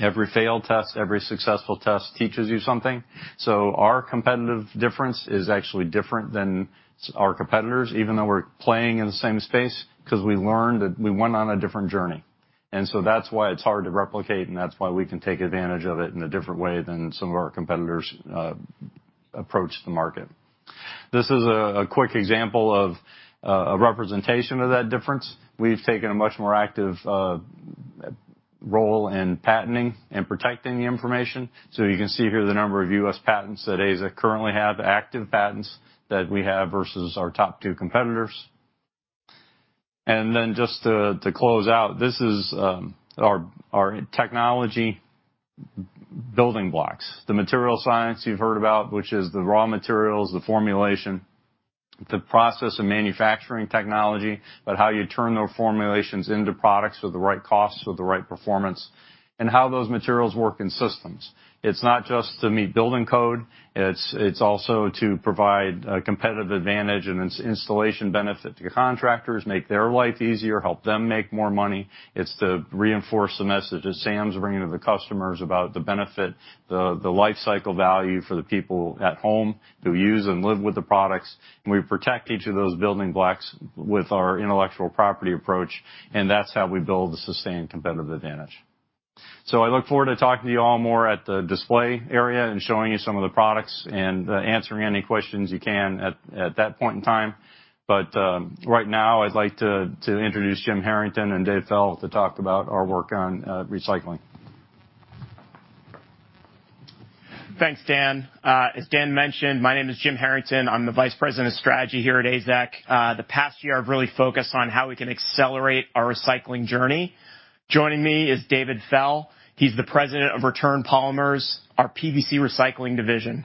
Every failed test, every successful test teaches you something. Our competitive difference is actually different than our competitors, even though we're playing in the same space, 'cause we learned that we went on a different journey. That's why it's hard to replicate, and that's why we can take advantage of it in a different way than some of our competitors approach the market. This is a quick example of a representation of that difference. We've taken a much more active role in patenting and protecting the information. You can see here the number of U.S. patents that AZEK currently have, active patents that we have versus our top two competitors. Just to close out, this is our technology building blocks. The material science you've heard about, which is the raw materials, the formulation, the process and manufacturing technology, but how you turn those formulations into products with the right cost, with the right performance, and how those materials work in systems. It's not just to meet building code, it's also to provide a competitive advantage and its installation benefit to your contractors, make their life easier, help them make more money. It's to reinforce the message that Sam's bringing to the customers about the benefit, the lifecycle value for the people at home who use and live with the products. We protect each of those building blocks with our intellectual property approach, and that's how we build a sustained competitive advantage. I look forward to talking to you all more at the display area and showing you some of the products and answering any questions you can at that point in time. Right now, I'd like to introduce Jim Harrington and David Foell to talk about our work on recycling. Thanks, Dan. As Dan mentioned, my name is Jim Harrington. I'm the Vice President of Strategy here at AZEK. The past year, I've really focused on how we can accelerate our recycling journey. Joining me is David Foell. He's the President of Return Polymers, our PVC recycling division.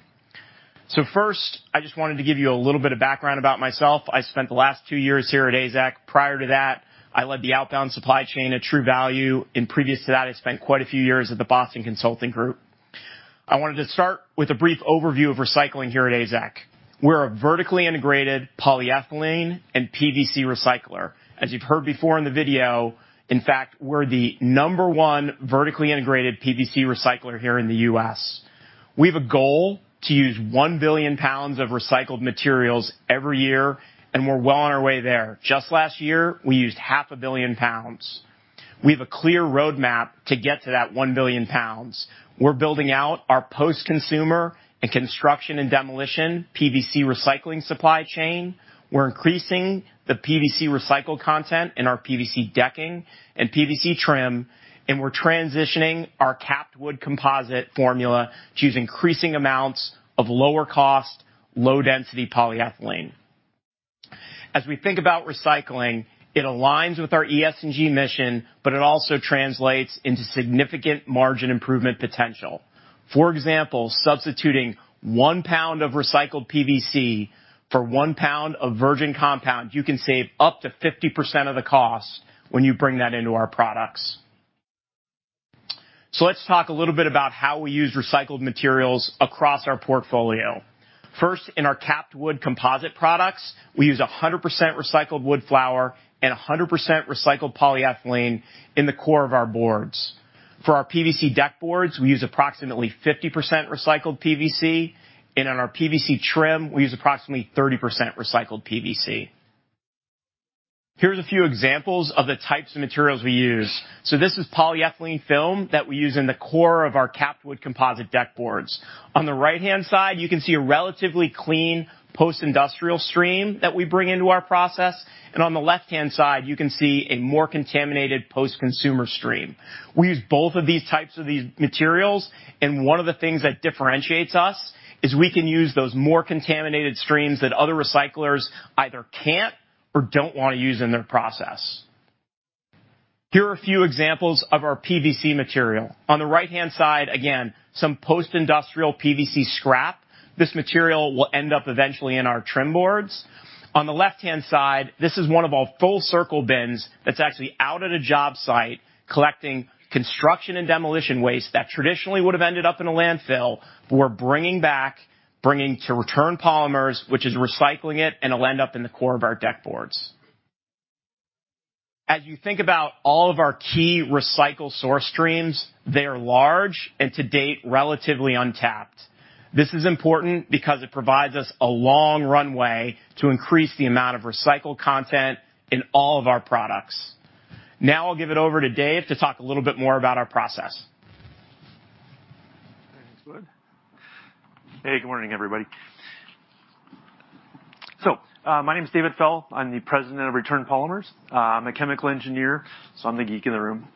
First, I just wanted to give you a little bit of background about myself. I spent the last two years here at AZEK. Prior to that, I led the outbound supply chain at True Value, and previous to that, I spent quite a few years at the Boston Consulting Group. I wanted to start with a brief overview of recycling here at AZEK. We're a vertically integrated polyethylene and PVC recycler. As you've heard before in the video, in fact, we're the number one vertically integrated PVC recycler here in the U.S. We have a goal to use 1 billion pounds of recycled materials every year, and we're well on our way there. Just last year, we used 0.5 billion pounds. We have a clear roadmap to get to that 1 billion pounds. We're building out our post-consumer and construction and demolition PVC recycling supply chain. We're increasing the PVC recycled content in our PVC decking and PVC trim, and we're transitioning our capped wood composite formula to use increasing amounts of lower cost, low-density polyethylene. As we think about recycling, it aligns with our ESG mission, but it also translates into significant margin improvement potential. For example, substituting 1 pound of recycled PVC for 1 pound of virgin compound, you can save up to 50% of the cost when you bring that into our products. Let's talk a little bit about how we use recycled materials across our portfolio. First, in our capped wood composite products, we use 100% recycled wood flour and 100% recycled polyethylene in the core of our boards. For our PVC deck boards, we use approximately 50% recycled PVC, and on our PVC trim, we use approximately 30% recycled PVC. Here's a few examples of the types of materials we use. This is polyethylene film that we use in the core of our capped wood composite deck boards. On the right-hand side, you can see a relatively clean post-industrial stream that we bring into our process, and on the left-hand side, you can see a more contaminated post-consumer stream. We use both of these types of these materials, and one of the things that differentiates us is we can use those more contaminated streams that other recyclers either can't or don't wanna use in their process. Here are a few examples of our PVC material. On the right-hand side, again, some post-industrial PVC scrap. This material will end up eventually in our trim boards. On the left-hand side, this is one of our full-circle bins that's actually out at a job site collecting construction and demolition waste that traditionally would have ended up in a landfill. We're bringing to Return Polymers, which is recycling it, and it'll end up in the core of our deck boards. As you think about all of our key recycle source streams, they are large and to date, relatively untapped. This is important because it provides us a long runway to increase the amount of recycled content in all of our products. Now I'll give it over to David to talk a little bit more about our process. Thanks, bud. Hey, good morning, everybody. My name is David Foell. I'm the President of Return Polymers. I'm a chemical engineer, so I'm the geek in the room.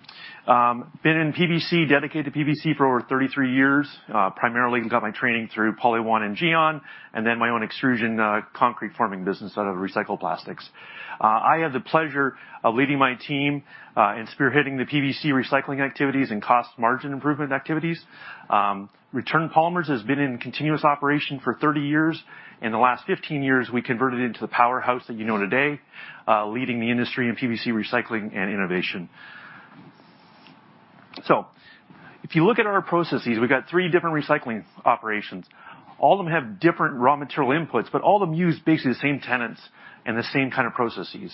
Been in PVC, dedicated to PVC for over 33 years, primarily got my training through PolyOne and GEON, and then my own extrusion, concrete forming business out of recycled plastics. I have the pleasure of leading my team in spearheading the PVC recycling activities and cost margin improvement activities. Return Polymers has been in continuous operation for 30 years. In the last 15 years, we converted into the powerhouse that you know today, leading the industry in PVC recycling and innovation. If you look at our processes, we've got three different recycling operations. All of them have different raw material inputs, but all of them use basically the same tenets and the same kind of processes.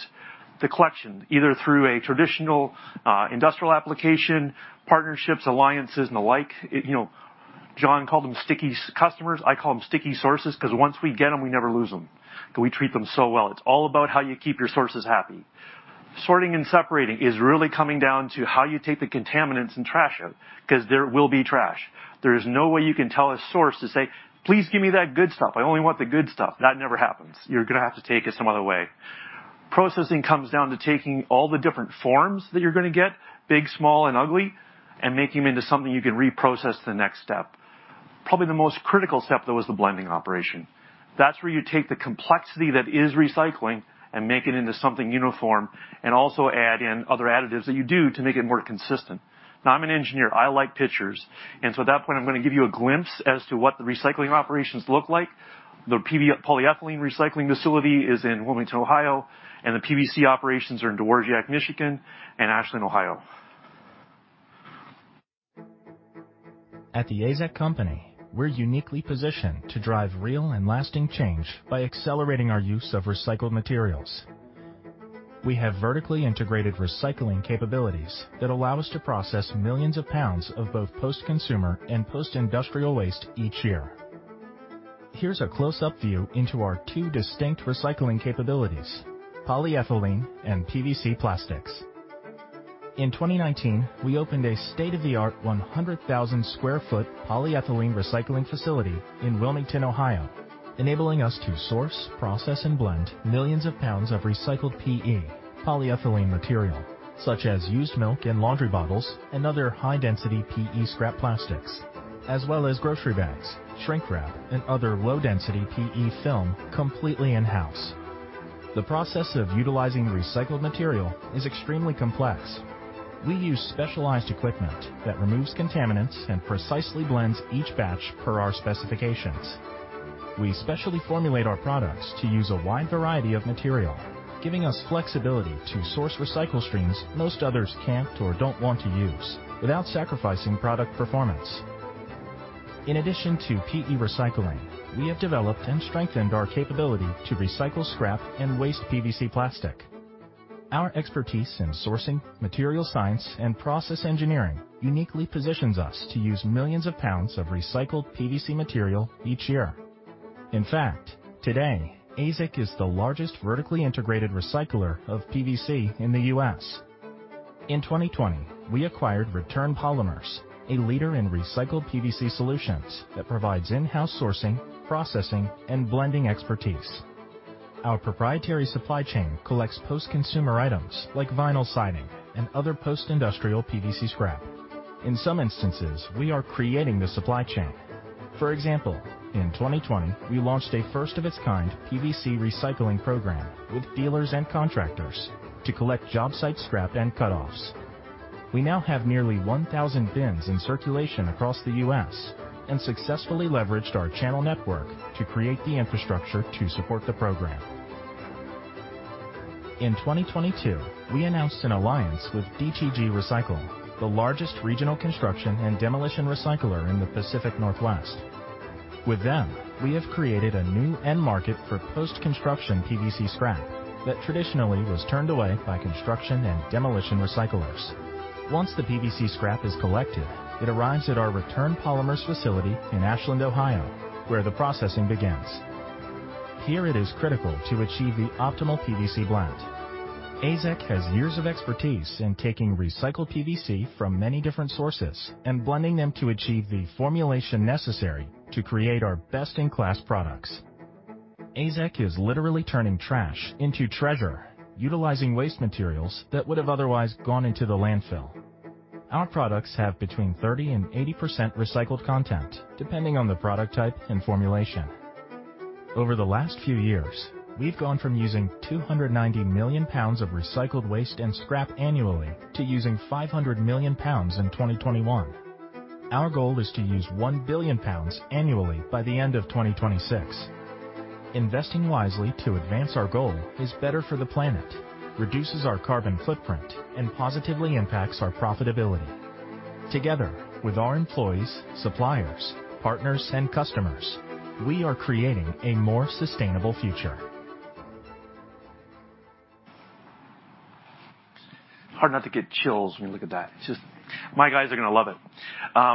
The collection, either through a traditional industrial application, partnerships, alliances, and the like. You know, John called them sticky customers. I call them sticky sources 'cause once we get them, we never lose them, 'cause we treat them so well. It's all about how you keep your sources happy. Sorting and separating is really coming down to how you take the contaminants and trash out, 'cause there will be trash. There is no way you can tell a source to say, "Please give me that good stuff. I only want the good stuff." That never happens. You're gonna have to take it some other way. Processing comes down to taking all the different forms that you're gonna get, big, small, and ugly, and making them into something you can reprocess to the next step. Probably the most critical step, though, is the blending operation. That's where you take the complexity that is recycling and make it into something uniform and also add in other additives that you do to make it more consistent. Now, I'm an engineer. I like pictures, and so at that point I'm gonna give you a glimpse as to what the recycling operations look like. The polyethylene recycling facility is in Wilmington, Ohio, and the PVC operations are in Wyoming, Michigan, and Ashland, Ohio. At The AZEK Company, we're uniquely positioned to drive real and lasting change by accelerating our use of recycled materials. We have vertically integrated recycling capabilities that allow us to process millions of pounds of both post-consumer and post-industrial waste each year. Here's a close-up view into our two distinct recycling capabilities, polyethylene and PVC plastics. In 2019, we opened a state-of-the-art 100,000 sq ft polyethylene recycling facility in Wilmington, Ohio, enabling us to source, process, and blend millions of pounds of recycled PE, polyethylene material, such as used milk and laundry bottles and other high-density PE scrap plastics, as well as grocery bags, shrink wrap, and other low-density PE film completely in-house. The process of utilizing the recycled material is extremely complex. We use specialized equipment that removes contaminants and precisely blends each batch per our specifications. We specially formulate our products to use a wide variety of material, giving us flexibility to source recycle streams most others can't or don't want to use without sacrificing product performance. In addition to PE recycling, we have developed and strengthened our capability to recycle scrap and waste PVC plastic. Our expertise in sourcing, material science, and process engineering uniquely positions us to use millions of pounds of recycled PVC material each year. In fact, today, AZEK is the largest vertically integrated recycler of PVC in the U.S. In 2020, we acquired Return Polymers, a leader in recycled PVC solutions that provides in-house sourcing, processing, and blending expertise. Our proprietary supply chain collects post-consumer items like vinyl siding and other post-industrial PVC scrap. In some instances, we are creating the supply chain. For example, in 2020, we launched a first-of-its-kind PVC recycling program with dealers and contractors to collect job site scrap and cutoffs. We now have nearly 1,000 bins in circulation across the U.S. and successfully leveraged our channel network to create the infrastructure to support the program. In 2022, we announced an alliance with DTG Recycle, the largest regional construction and demolition recycler in the Pacific Northwest. With them, we have created a new end market for post-construction PVC scrap that traditionally was turned away by construction and demolition recyclers. Once the PVC scrap is collected, it arrives at our Return Polymers facility in Ashland, Ohio, where the processing begins. Here it is critical to achieve the optimal PVC blend. AZEK has years of expertise in taking recycled PVC from many different sources and blending them to achieve the formulation necessary to create our best-in-class products. AZEK is literally turning trash into treasure, utilizing waste materials that would have otherwise gone into the landfill. Our products have between 30% and 80% recycled content, depending on the product type and formulation. Over the last few years, we've gone from using 290 million pounds of recycled waste and scrap annually to using 500 million pounds in 2021. Our goal is to use 1 billion pounds annually by the end of 2026. Investing wisely to advance our goal is better for the planet, reduces our carbon footprint, and positively impacts our profitability. Together with our employees, suppliers, partners, and customers, we are creating a more sustainable future. Hard not to get chills when you look at that. It's just. My guys are gonna love it.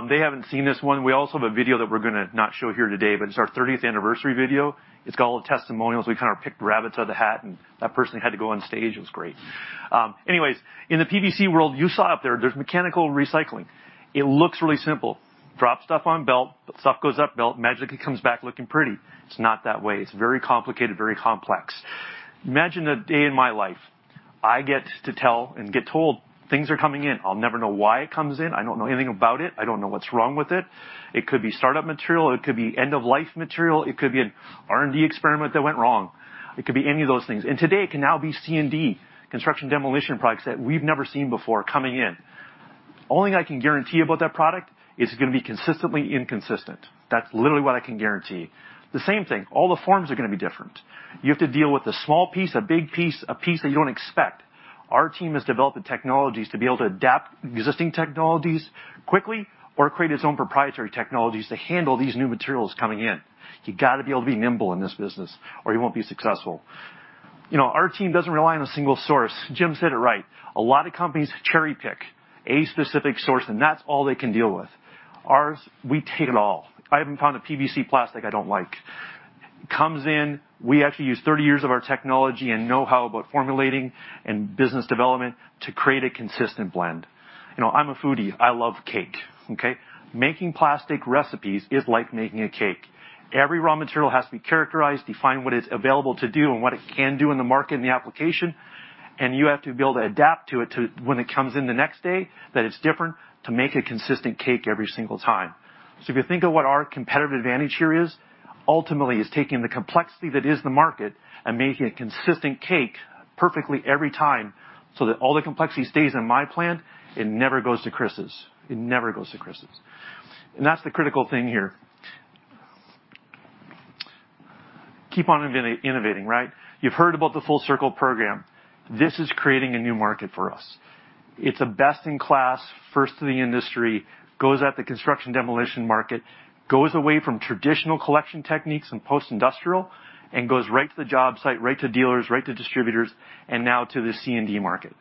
They haven't seen this one. We also have a video that we're gonna not show here today, but it's our thirtieth anniversary video. It's got all the testimonials. We kind of picked rabbits out of the hat, and that person had to go on stage. It was great. Anyways, in the PVC world, you saw up there's mechanical recycling. It looks really simple. Drop stuff on belt, stuff goes up belt, magically comes back looking pretty. It's not that way. It's very complicated, very complex. Imagine a day in my life. I get to tell and get told things are coming in. I'll never know why it comes in. I don't know anything about it. I don't know what's wrong with it. It could be startup material. It could be end-of-life material. It could be an R&D experiment that went wrong. It could be any of those things. Today, it can now be C&D, construction and demolition products that we've never seen before coming in. Only thing I can guarantee about that product is it's gonna be consistently inconsistent. That's literally what I can guarantee. The same thing, all the forms are going to be different. You have to deal with a small piece, a big piece, a piece that you don't expect. Our team has developed the technologies to be able to adapt existing technologies quickly or create its own proprietary technologies to handle these new materials coming in. You got to be able to be nimble in this business or you won't be successful. You know, our team doesn't rely on a single source. Jim said it right. A lot of companies cherry-pick a specific source, and that's all they can deal with. Ours, we take it all. I haven't found a PVC plastic I don't like. Comes in, we actually use 30 years of our technology and know-how about formulating and business development to create a consistent blend. You know, I'm a foodie. I love cake, okay? Making plastic recipes is like making a cake. Every raw material has to be characterized, define what it's available to do and what it can do in the market and the application, and you have to be able to adapt to it when it comes in the next day, that it's different to make a consistent cake every single time. If you think of what our competitive advantage here is, ultimately is taking the complexity that is the market and making a consistent cake perfectly every time so that all the complexity stays in my plant. It never goes to Chris's. That's the critical thing here. Keep on innovating, right? You've heard about the Full Circle program. This is creating a new market for us. It's a best-in-class, first in the industry, goes at the construction demolition market, goes away from traditional collection techniques and post-industrial, and goes right to the job site, right to dealers, right to distributors, and now to the C&D market.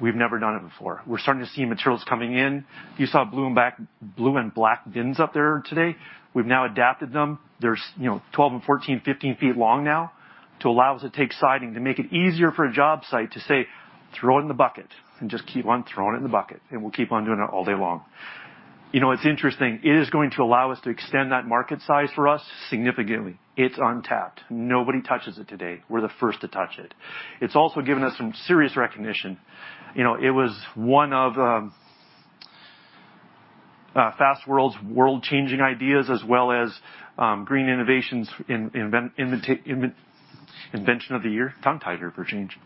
We've never done it before. We're starting to see materials coming in. You saw blue and black bins up there today. We've now adapted them. 12 and 14, 15 feet long now to allow us to take siding to make it easier for a job site to say, "Throw it in the bucket and just keep on throwing it in the bucket, and we'll keep on doing it all day long." You know, it's interesting. It is going to allow us to extend that market size for us significantly. It's untapped. Nobody touches it today. We're the first to touch it. It's also given us some serious recognition. You know, it was one of Fast Company's World-Changing Ideas, as well as Green Innovation's Invention of the Year. Tongue-tied here for a change.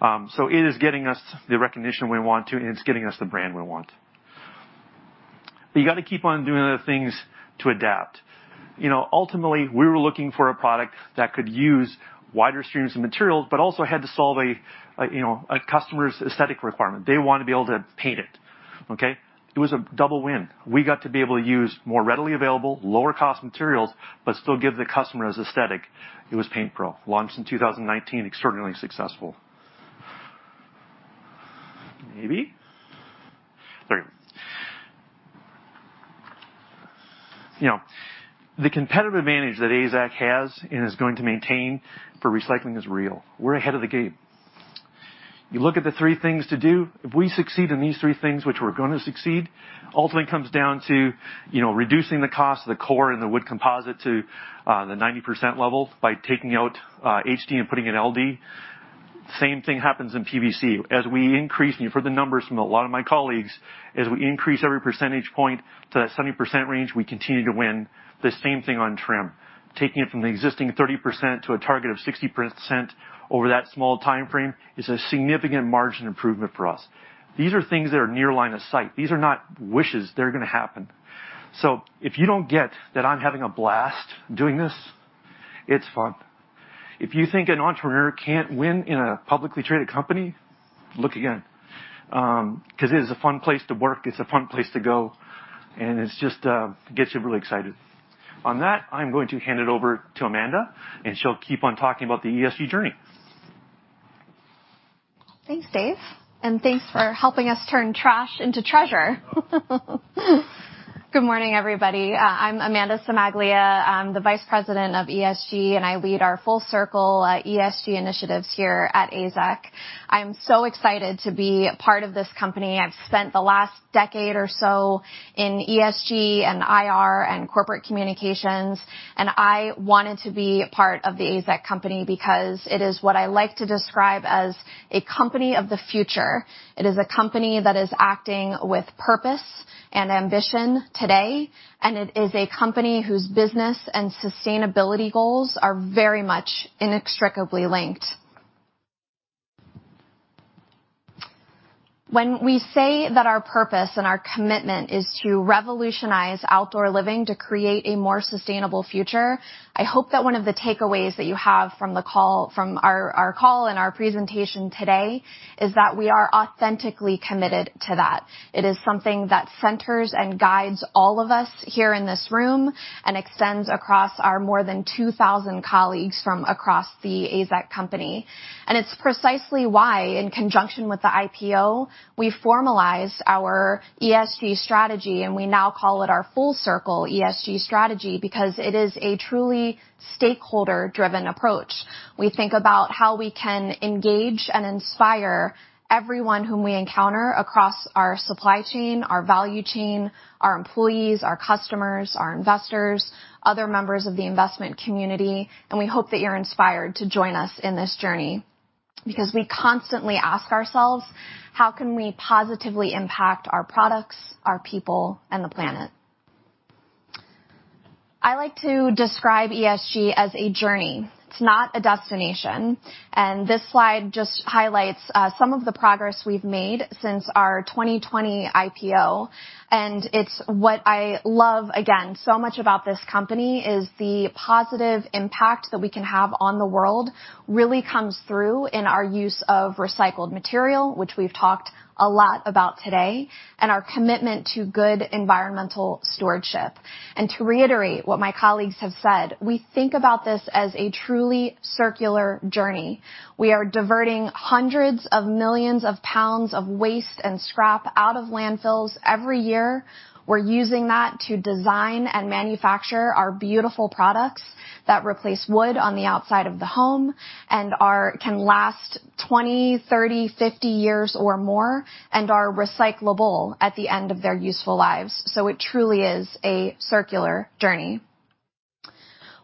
So it is getting us the recognition we want to, and it's getting us the brand we want. You gotta keep on doing other things to adapt. You know, ultimately, we were looking for a product that could use wider streams of material, but also had to solve, you know, a customer's aesthetic requirement. They wanted to be able to paint it, okay? It was a double win. We got to be able to use more readily available, lower cost materials, but still give the customer's aesthetic. It was PaintPro, launched in 2019, extraordinarily successful. Maybe. There we go. You know, the competitive advantage that AZEK has and is going to maintain for recycling is real. We're ahead of the game. You look at the three things to do, if we succeed in these three things, which we're gonna succeed, ultimately comes down to, you know, reducing the cost of the core and the wood composite to the 90% level by taking out HD and putting in LD. Same thing happens in PVC. As we increase, and you've heard the numbers from a lot of my colleagues, as we increase every percentage point to that 70% range, we continue to win the same thing on trim. Taking it from the existing 30% to a target of 60% over that small timeframe is a significant margin improvement for us. These are things that are near line of sight. These are not wishes. They're gonna happen. If you don't get that I'm having a blast doing this, it's fun. If you think an entrepreneur can't win in a publicly traded company, look again, 'cause it is a fun place to work, it's a fun place to go, and it's just, gets you really excited. On that, I'm going to hand it over to Amanda, and she'll keep on talking about the ESG journey. Thanks, Dave, and thanks for helping us turn trash into treasure. Good morning, everybody. I'm Amanda Cimaglia. I'm the Vice President of ESG, and I lead our full circle ESG initiatives here at AZEK. I'm so excited to be part of this company. I've spent the last decade or so in ESG and IR and corporate communications, and I wanted to be part of The AZEK Company because it is what I like to describe as a company of the future. It is a company that is acting with purpose and ambition today, and it is a company whose business and sustainability goals are very much inextricably linked. When we say that our purpose and our commitment is to revolutionize outdoor living to create a more sustainable future, I hope that one of the takeaways that you have from our call and our presentation today is that we are authentically committed to that. It is something that centers and guides all of us here in this room and extends across our more than 2,000 colleagues from across the AZEK Company. It's precisely why, in conjunction with the IPO, we formalize our ESG strategy, and we now call it our full circle ESG strategy, because it is a truly stakeholder-driven approach. We think about how we can engage and inspire everyone whom we encounter across our supply chain, our value chain, our employees, our customers, our investors, other members of the investment community, and we hope that you're inspired to join us in this journey. Because we constantly ask ourselves: how can we positively impact our products, our people, and the planet? I like to describe ESG as a journey. It's not a destination. This slide just highlights some of the progress we've made since our 2020 IPO. It's what I love, again, so much about this company is the positive impact that we can have on the world really comes through in our use of recycled material, which we've talked a lot about today, and our commitment to good environmental stewardship. To reiterate what my colleagues have said, we think about this as a truly circular journey. We are diverting hundreds of millions of pounds of waste and scrap out of landfills every year. We're using that to design and manufacture our beautiful products that replace wood on the outside of the home and can last 20, 30, 50 years or more and are recyclable at the end of their useful lives. It truly is a circular journey.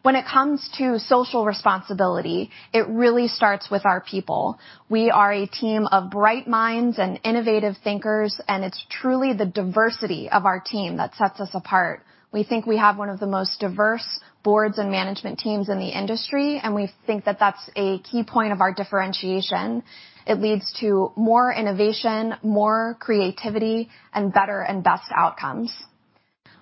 When it comes to social responsibility, it really starts with our people. We are a team of bright minds and innovative thinkers, and it's truly the diversity of our team that sets us apart. We think we have one of the most diverse boards and management teams in the industry, and we think that that's a key point of our differentiation. It leads to more innovation, more creativity, and better and best outcomes.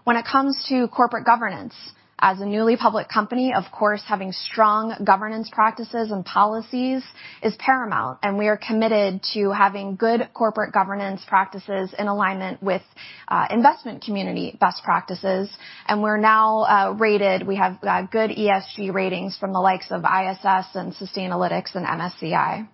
When it comes to corporate governance, as a newly public company, of course, having strong governance practices and policies is paramount, and we are committed to having good corporate governance practices in alignment with investment community best practices. We're now rated. We have good ESG ratings from the likes of ISS and Sustainalytics and MSCI.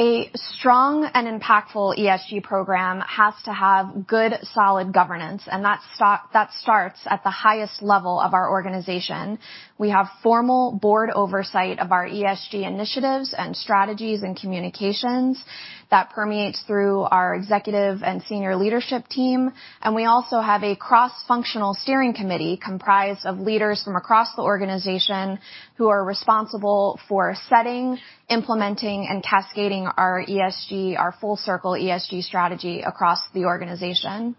A strong and impactful ESG program has to have good, solid governance, and that starts at the highest level of our organization. We have formal board oversight of our ESG initiatives and strategies and communications that permeates through our executive and senior leadership team. We also have a cross-functional steering committee comprised of leaders from across the organization who are responsible for setting, implementing, and cascading our ESG, our full circle ESG strategy across the organization.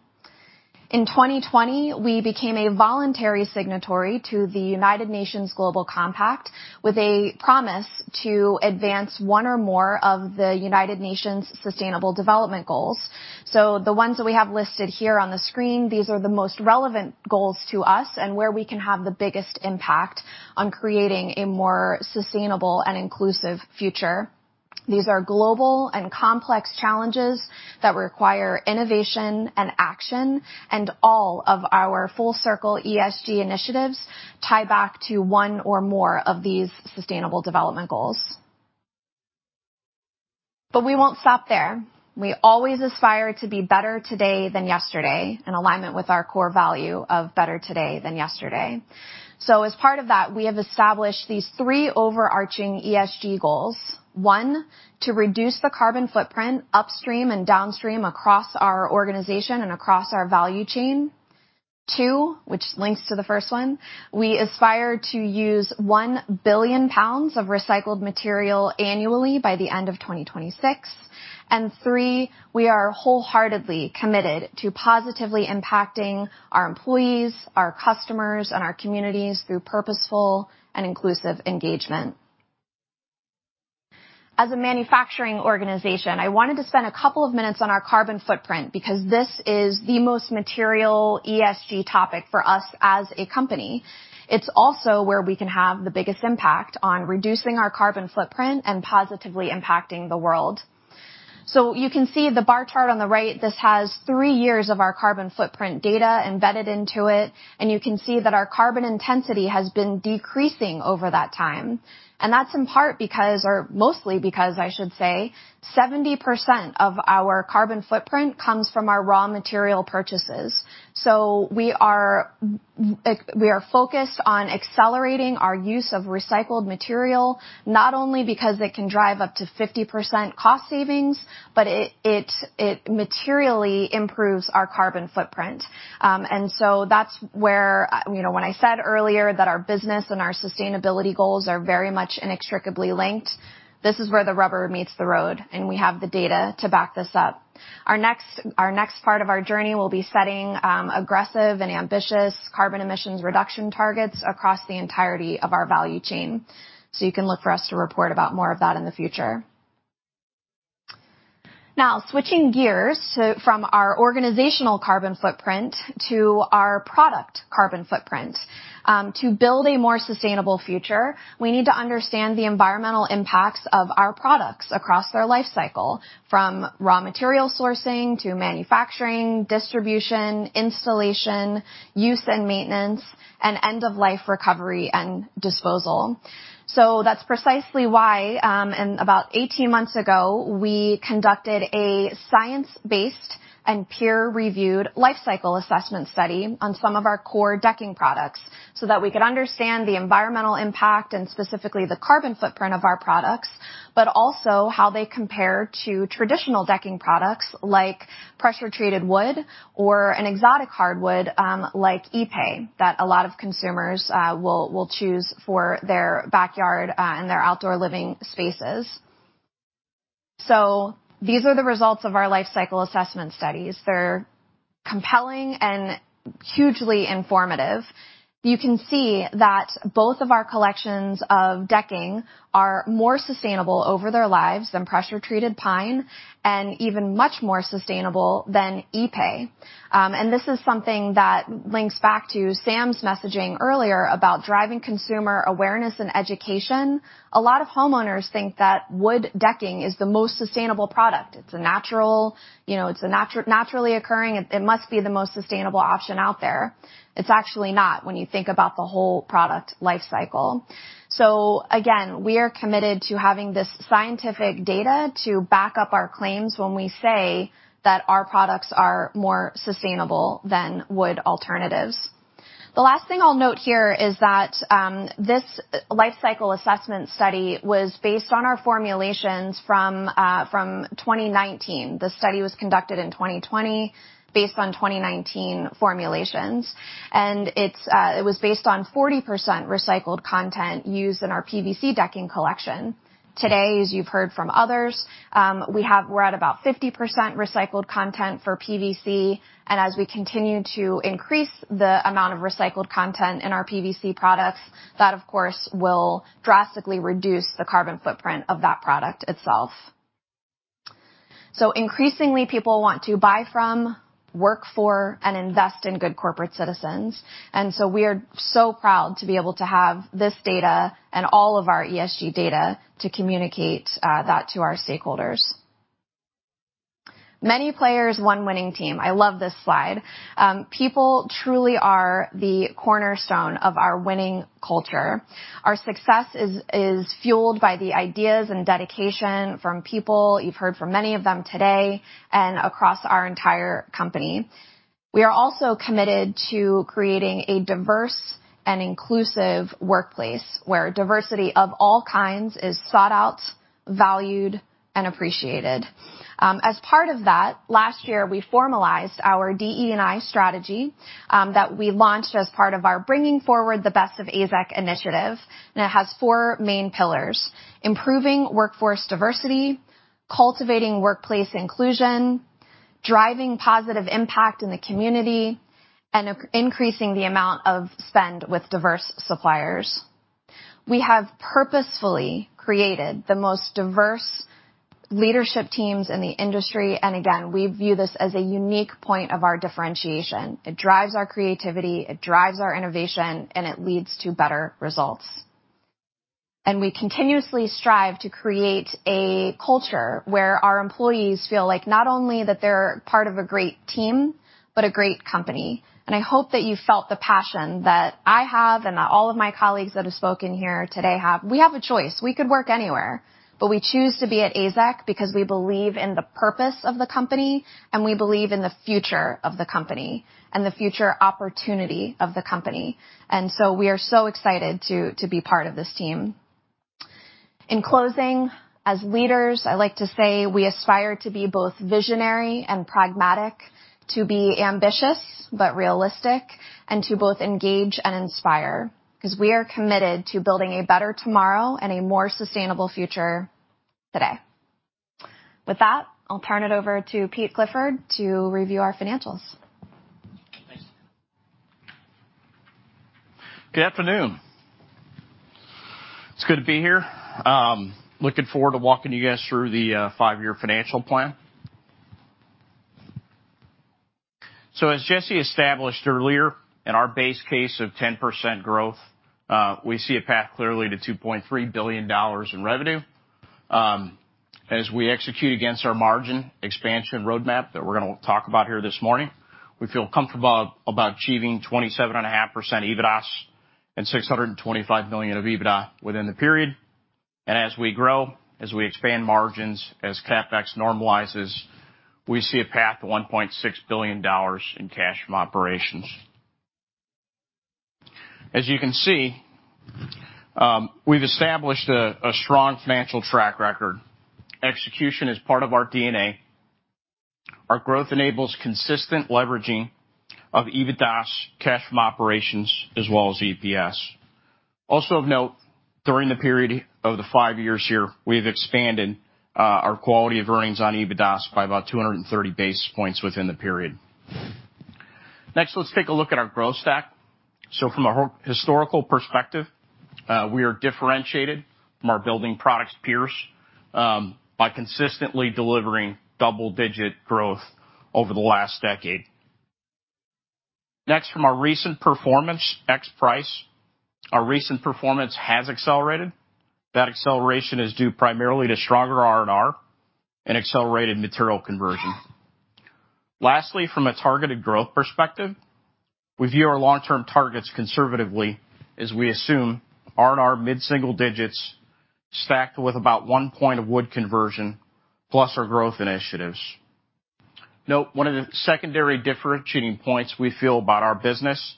In 2020, we became a voluntary signatory to the United Nations Global Compact with a promise to advance one or more of the United Nations Sustainable Development Goals. The ones that we have listed here on the screen, these are the most relevant goals to us and where we can have the biggest impact on creating a more sustainable and inclusive future. These are global and complex challenges that require innovation and action, and all of our FULL-CIRCLE ESG initiatives tie back to one or more of these sustainable development goals. We won't stop there. We always aspire to be better today than yesterday, in alignment with our core value of better today than yesterday. As part of that, we have established these three overarching ESG goals. One, to reduce the carbon footprint upstream and downstream across our organization and across our value chain. Two, which links to the first one, we aspire to use 1 billion pounds of recycled material annually by the end of 2026. Three, we are wholeheartedly committed to positively impacting our employees, our customers, and our communities through purposeful and inclusive engagement. As a manufacturing organization, I wanted to spend a couple of minutes on our carbon footprint because this is the most material ESG topic for us as a company. It's also where we can have the biggest impact on reducing our carbon footprint and positively impacting the world. You can see the bar chart on the right, this has 3 years of our carbon footprint data embedded into it, and you can see that our carbon intensity has been decreasing over that time. That's in part because, or mostly because I should say, 70% of our carbon footprint comes from our raw material purchases. We are focused on accelerating our use of recycled material, not only because it can drive up to 50% cost savings, but it materially improves our carbon footprint. That's where, you know, when I said earlier that our business and our sustainability goals are very much inextricably linked, this is where the rubber meets the road, and we have the data to back this up. Our next part of our journey will be setting aggressive and ambitious carbon emissions reduction targets across the entirety of our value chain. You can look for us to report about more of that in the future. Now, switching gears, from our organizational carbon footprint to our product carbon footprint. To build a more sustainable future, we need to understand the environmental impacts of our products across their lifecycle, from raw material sourcing to manufacturing, distribution, installation, use and maintenance, and end-of-life recovery and disposal. That's precisely why and about 18 months ago, we conducted a science-based and peer-reviewed lifecycle assessment study on some of our core decking products, so that we could understand the environmental impact and specifically the carbon footprint of our products, but also how they compare to traditional decking products like pressure-treated wood or an exotic hardwood, like Ipe, that a lot of consumers will choose for their backyard and their outdoor living spaces. These are the results of our lifecycle assessment studies. They're compelling and hugely informative. You can see that both of our collections of decking are more sustainable over their lives than pressure-treated pine and even much more sustainable than Ipe. This is something that links back to Sam's messaging earlier about driving consumer awareness and education. A lot of homeowners think that wood decking is the most sustainable product. It's a natural, you know, it's naturally occurring. It must be the most sustainable option out there. It's actually not when you think about the whole product lifecycle. Again, we are committed to having this scientific data to back up our claims when we say that our products are more sustainable than wood alternatives. The last thing I'll note here is that this lifecycle assessment study was based on our formulations from 2019. The study was conducted in 2020 based on 2019 formulations, and it's, it was based on 40% recycled content used in our PVC decking collection. Today, as you've heard from others, we're at about 50% recycled content for PVC, and as we continue to increase the amount of recycled content in our PVC products, that of course will drastically reduce the carbon footprint of that product itself. Increasingly, people want to buy from, work for, and invest in good corporate citizens. We are so proud to be able to have this data and all of our ESG data to communicate that to our stakeholders. Many players, one winning team. I love this slide. People truly are the cornerstone of our winning culture. Our success is fueled by the ideas and dedication from people. You've heard from many of them today and across our entire company. We are also committed to creating a diverse and inclusive workplace where diversity of all kinds is sought out, valued, and appreciated. As part of that, last year, we formalized our DE&I strategy that we launched as part of our Bringing Forward the Best of AZEK initiative. It has four main pillars, improving workforce diversity, cultivating workplace inclusion, driving positive impact in the community, and increasing the amount of spend with diverse suppliers. We have purposefully created the most diverse leadership teams in the industry. Again, we view this as a unique point of our differentiation. It drives our creativity, it drives our innovation, and it leads to better results. We continuously strive to create a culture where our employees feel like not only that they're part of a great team, but a great company. I hope that you felt the passion that I have and that all of my colleagues that have spoken here today have. We have a choice. We could work anywhere, but we choose to be at AZEK because we believe in the purpose of the company, and we believe in the future of the company and the future opportunity of the company. We are so excited to be part of this team. In closing, as leaders, I like to say we aspire to be both visionary and pragmatic, to be ambitious but realistic, and to both engage and inspire, because we are committed to building a better tomorrow and a more sustainable future today. With that, I'll turn it over to Peter Clifford to review our financials. Thanks. Good afternoon. It's good to be here. Looking forward to walking you guys through the five-year financial plan. As Jesse established earlier, in our base case of 10% growth, we see a path clearly to $2.3 billion in revenue. As we execute against our margin expansion roadmap that we're gonna talk about here this morning, we feel comfortable about achieving 27.5% EBITDA and $625 million of EBITDA within the period. As we grow, as we expand margins, as CapEx normalizes, we see a path to $1.6 billion in cash from operations. As you can see, we've established a strong financial track record. Execution is part of our DNA. Our growth enables consistent leveraging of EBITDA, cash from operations, as well as EPS. Also of note, during the period of the five years here, we've expanded our quality of earnings on EBITDA's by about 230 basis points within the period. Next, let's take a look at our growth stack. From a historical perspective, we are differentiated from our building products peers by consistently delivering double-digit growth over the last decade. Next, from our recent performance, ex price, our recent performance has accelerated. That acceleration is due primarily to stronger R&R and accelerated material conversion. Lastly, from a targeted growth perspective, we view our long-term targets conservatively as we assume R&R mid-single digits stacked with about one point of wood conversion plus our growth initiatives. Note, one of the secondary differentiating points we feel about our business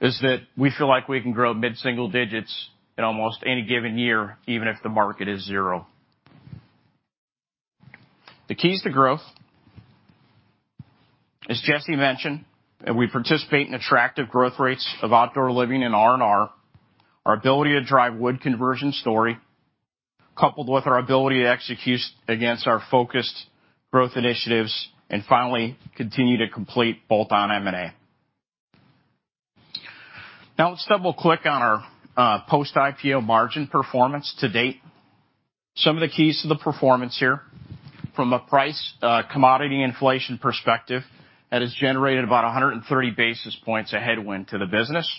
is that we feel like we can grow mid-single digits in almost any given year, even if the market is zero. The keys to growth. As Jesse mentioned, that we participate in attractive growth rates of outdoor living and R&R. Our ability to drive wood conversion story, coupled with our ability to execute against our focused growth initiatives, and finally, continue to complete bolt-on M&A. Now, let's double-click on our post-IPO margin performance to date. Some of the keys to the performance here from a price commodity inflation perspective, that has generated about 130 basis points of headwind to the business.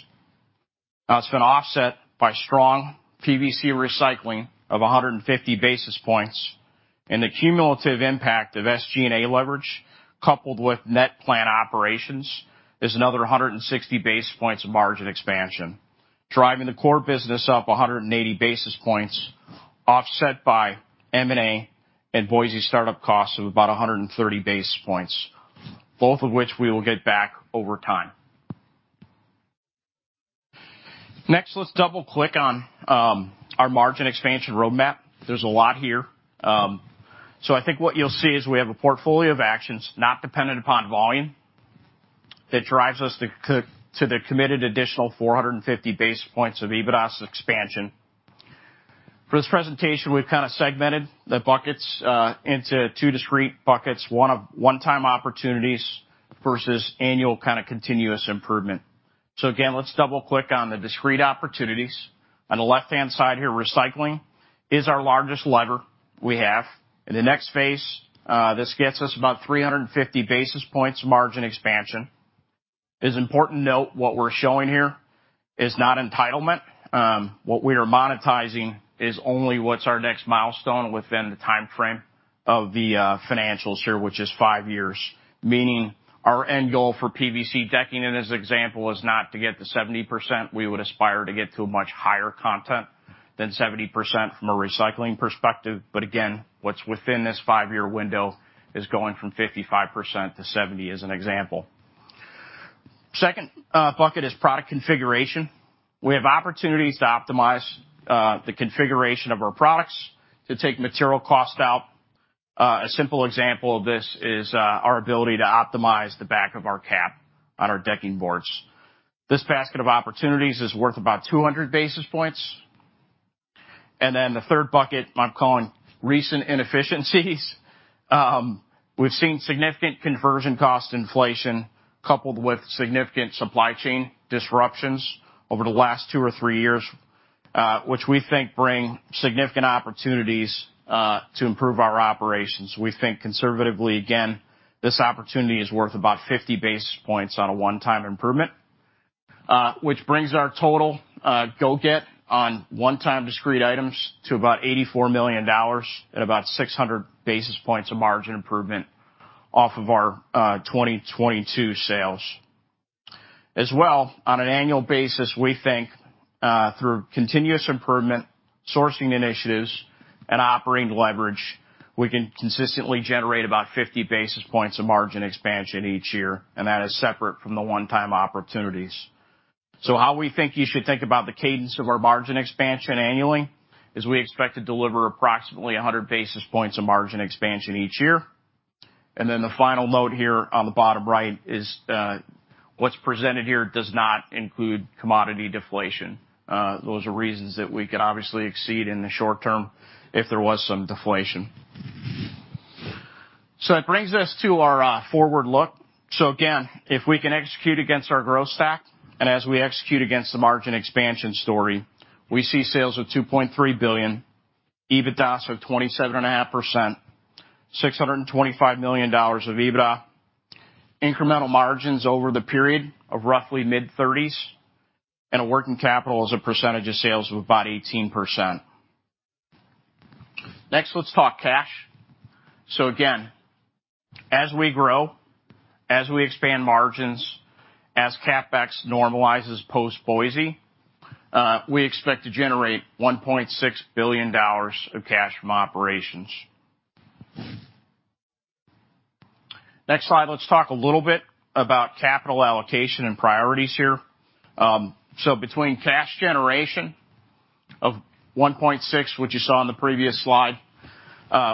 It's been offset by strong PVC recycling of 150 basis points, and the cumulative impact of SG&A leverage coupled with net plant operations is another 160 basis points of margin expansion, driving the core business up 180 basis points, offset by M&A and Boise startup costs of about 130 basis points, both of which we will get back over time. Next, let's double-click on our margin expansion roadmap. There's a lot here. I think what you'll see is we have a portfolio of actions not dependent upon volume that drives us to the committed additional 450 basis points of EBITDA expansion. For this presentation, we've kinda segmented the buckets into two discrete buckets, one of one-time opportunities versus annual kinda continuous improvement. Again, let's double-click on the discrete opportunities. On the left-hand side here, recycling is our largest lever we have. In the next phase, this gets us about 350 basis points margin expansion. It's important to note what we're showing here is not entitlement. What we are monetizing is only what's our next milestone within the timeframe of the financials here, which is 5 years. Meaning our end goal for PVC decking in this example is not to get to 70%. We would aspire to get to a much higher content than 70% from a recycling perspective. Again, what's within this five-year window is going from 55%-70% as an example. Second, bucket is product configuration. We have opportunities to optimize the configuration of our products to take material costs out. A simple example of this is our ability to optimize the back of our cap on our decking boards. This basket of opportunities is worth about 200 basis points. Then the third bucket I'm calling recent inefficiencies. We've seen significant conversion cost inflation coupled with significant supply chain disruptions over the last 2 or 3 years, which we think bring significant opportunities to improve our operations. We think conservatively, again, this opportunity is worth about 50 basis points on a one-time improvement, which brings our total go get on one-time discrete items to about $84 million at about 600 basis points of margin improvement off of our 2022 sales. As well, on an annual basis, we think through continuous improvement, sourcing initiatives, and operating leverage, we can consistently generate about 50 basis points of margin expansion each year, and that is separate from the one-time opportunities. How we think you should think about the cadence of our margin expansion annually is we expect to deliver approximately 100 basis points of margin expansion each year. The final note here on the bottom right is what's presented here does not include commodity deflation. Those are reasons that we could obviously exceed in the short term if there was some deflation. That brings us to our forward look. Again, if we can execute against our growth stack, and as we execute against the margin expansion story, we see sales of $2.3 billion, EBITDAs of 27.5%, $625 million of EBITDA, incremental margins over the period of roughly mid-30s%, and a working capital as a percentage of sales of about 18%. Next, let's talk cash. Again, as we grow, as we expand margins, as CapEx normalizes post-Boise, we expect to generate $1.6 billion of cash from operations. Next slide, let's talk a little bit about capital allocation and priorities here. Between cash generation of $1.6 billion, which you saw on the previous slide,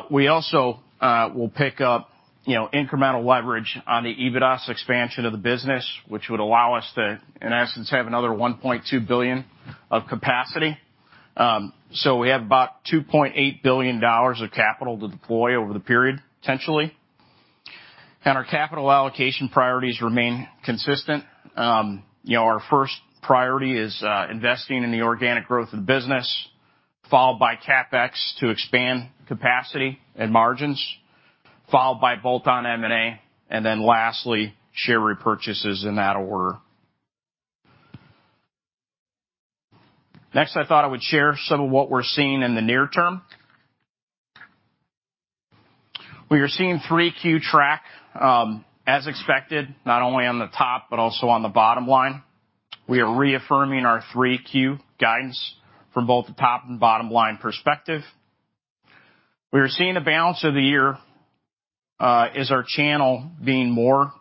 we also will pick up, you know, incremental leverage on the EBITDA's expansion of the business, which would allow us to, in essence, have another $1.2 billion of capacity. We have about $2.8 billion of capital to deploy over the period, potentially. Our capital allocation priorities remain consistent. You know, our first priority is investing in the organic growth of the business, followed by CapEx to expand capacity and margins, followed by bolt-on M&A, and then lastly, share repurchases in that order. Next, I thought I would share some of what we're seeing in the near term. We are seeing Q3 track, as expected, not only on the top, but also on the bottom line. We are reaffirming our Q3 guidance from both the top and bottom line perspective. We are seeing a balanced end of the year, as our channel being more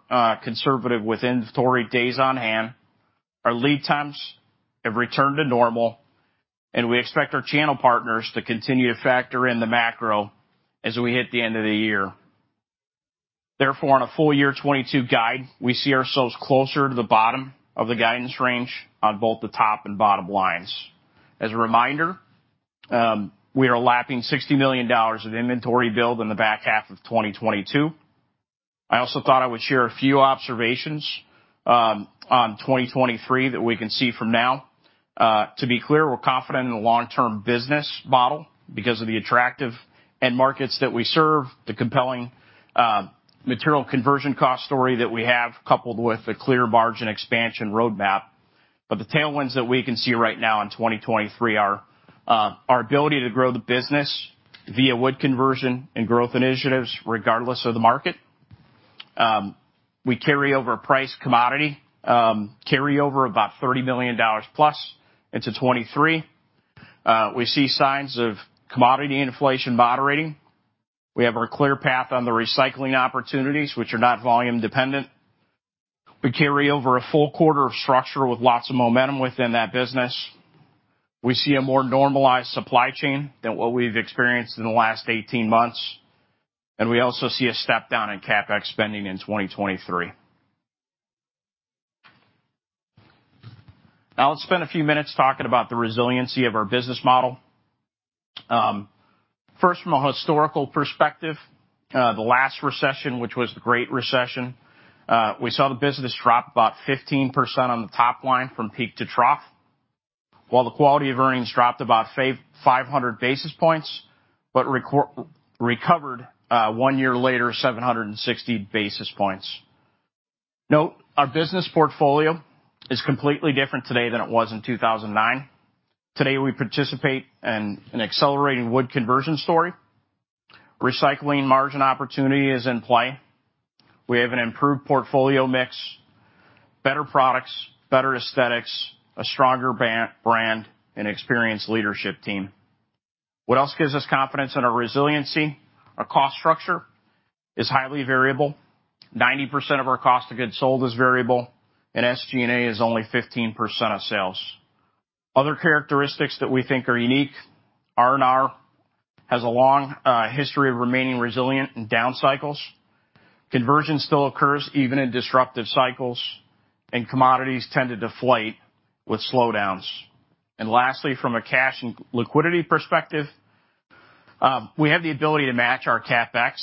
conservative with inventory days on hand. Our lead times have returned to normal, and we expect our channel partners to continue to factor in the macro as we hit the end of the year. Therefore, on a full year 2022 guide, we see ourselves closer to the bottom of the guidance range on both the top and bottom lines. As a reminder, we are lapping $60 million of inventory build in the back half of 2022. I also thought I would share a few observations on 2023 that we can see from now. To be clear, we're confident in the long-term business model because of the attractive end markets that we serve, the compelling, material conversion cost story that we have, coupled with a clear margin expansion roadmap. The tailwinds that we can see right now in 2023 are our ability to grow the business via wood conversion and growth initiatives regardless of the market. We carry over price/commodity carryover of about $30 million plus into 2023. We see signs of commodity inflation moderating. We have our clear path on the recycling opportunities, which are not volume dependent. We carry over a full quarter of StruXure with lots of momentum within that business. We see a more normalized supply chain than what we've experienced in the last 18 months, and we also see a step down in CapEx spending in 2023. Now let's spend a few minutes talking about the resiliency of our business model. First, from a historical perspective, the last recession, which was the Great Recession, we saw the business drop about 15% on the top line from peak to trough, while the quality of earnings dropped about 500 basis points, but recovered one year later, 760 basis points. Note, our business portfolio is completely different today than it was in 2009. Today, we participate in an accelerating wood conversion story. Recycling margin opportunity is in play. We have an improved portfolio mix, better products, better aesthetics, a stronger brand and experienced leadership team. What else gives us confidence in our resiliency? Our cost structure is highly variable. 90% of our cost of goods sold is variable and SG&A is only 15% of sales. Other characteristics that we think are unique, R&R has a long history of remaining resilient in down cycles. Conversion still occurs even in disruptive cycles, and commodities tend to deflate with slowdowns. Lastly, from a cash and liquidity perspective, we have the ability to match our CapEx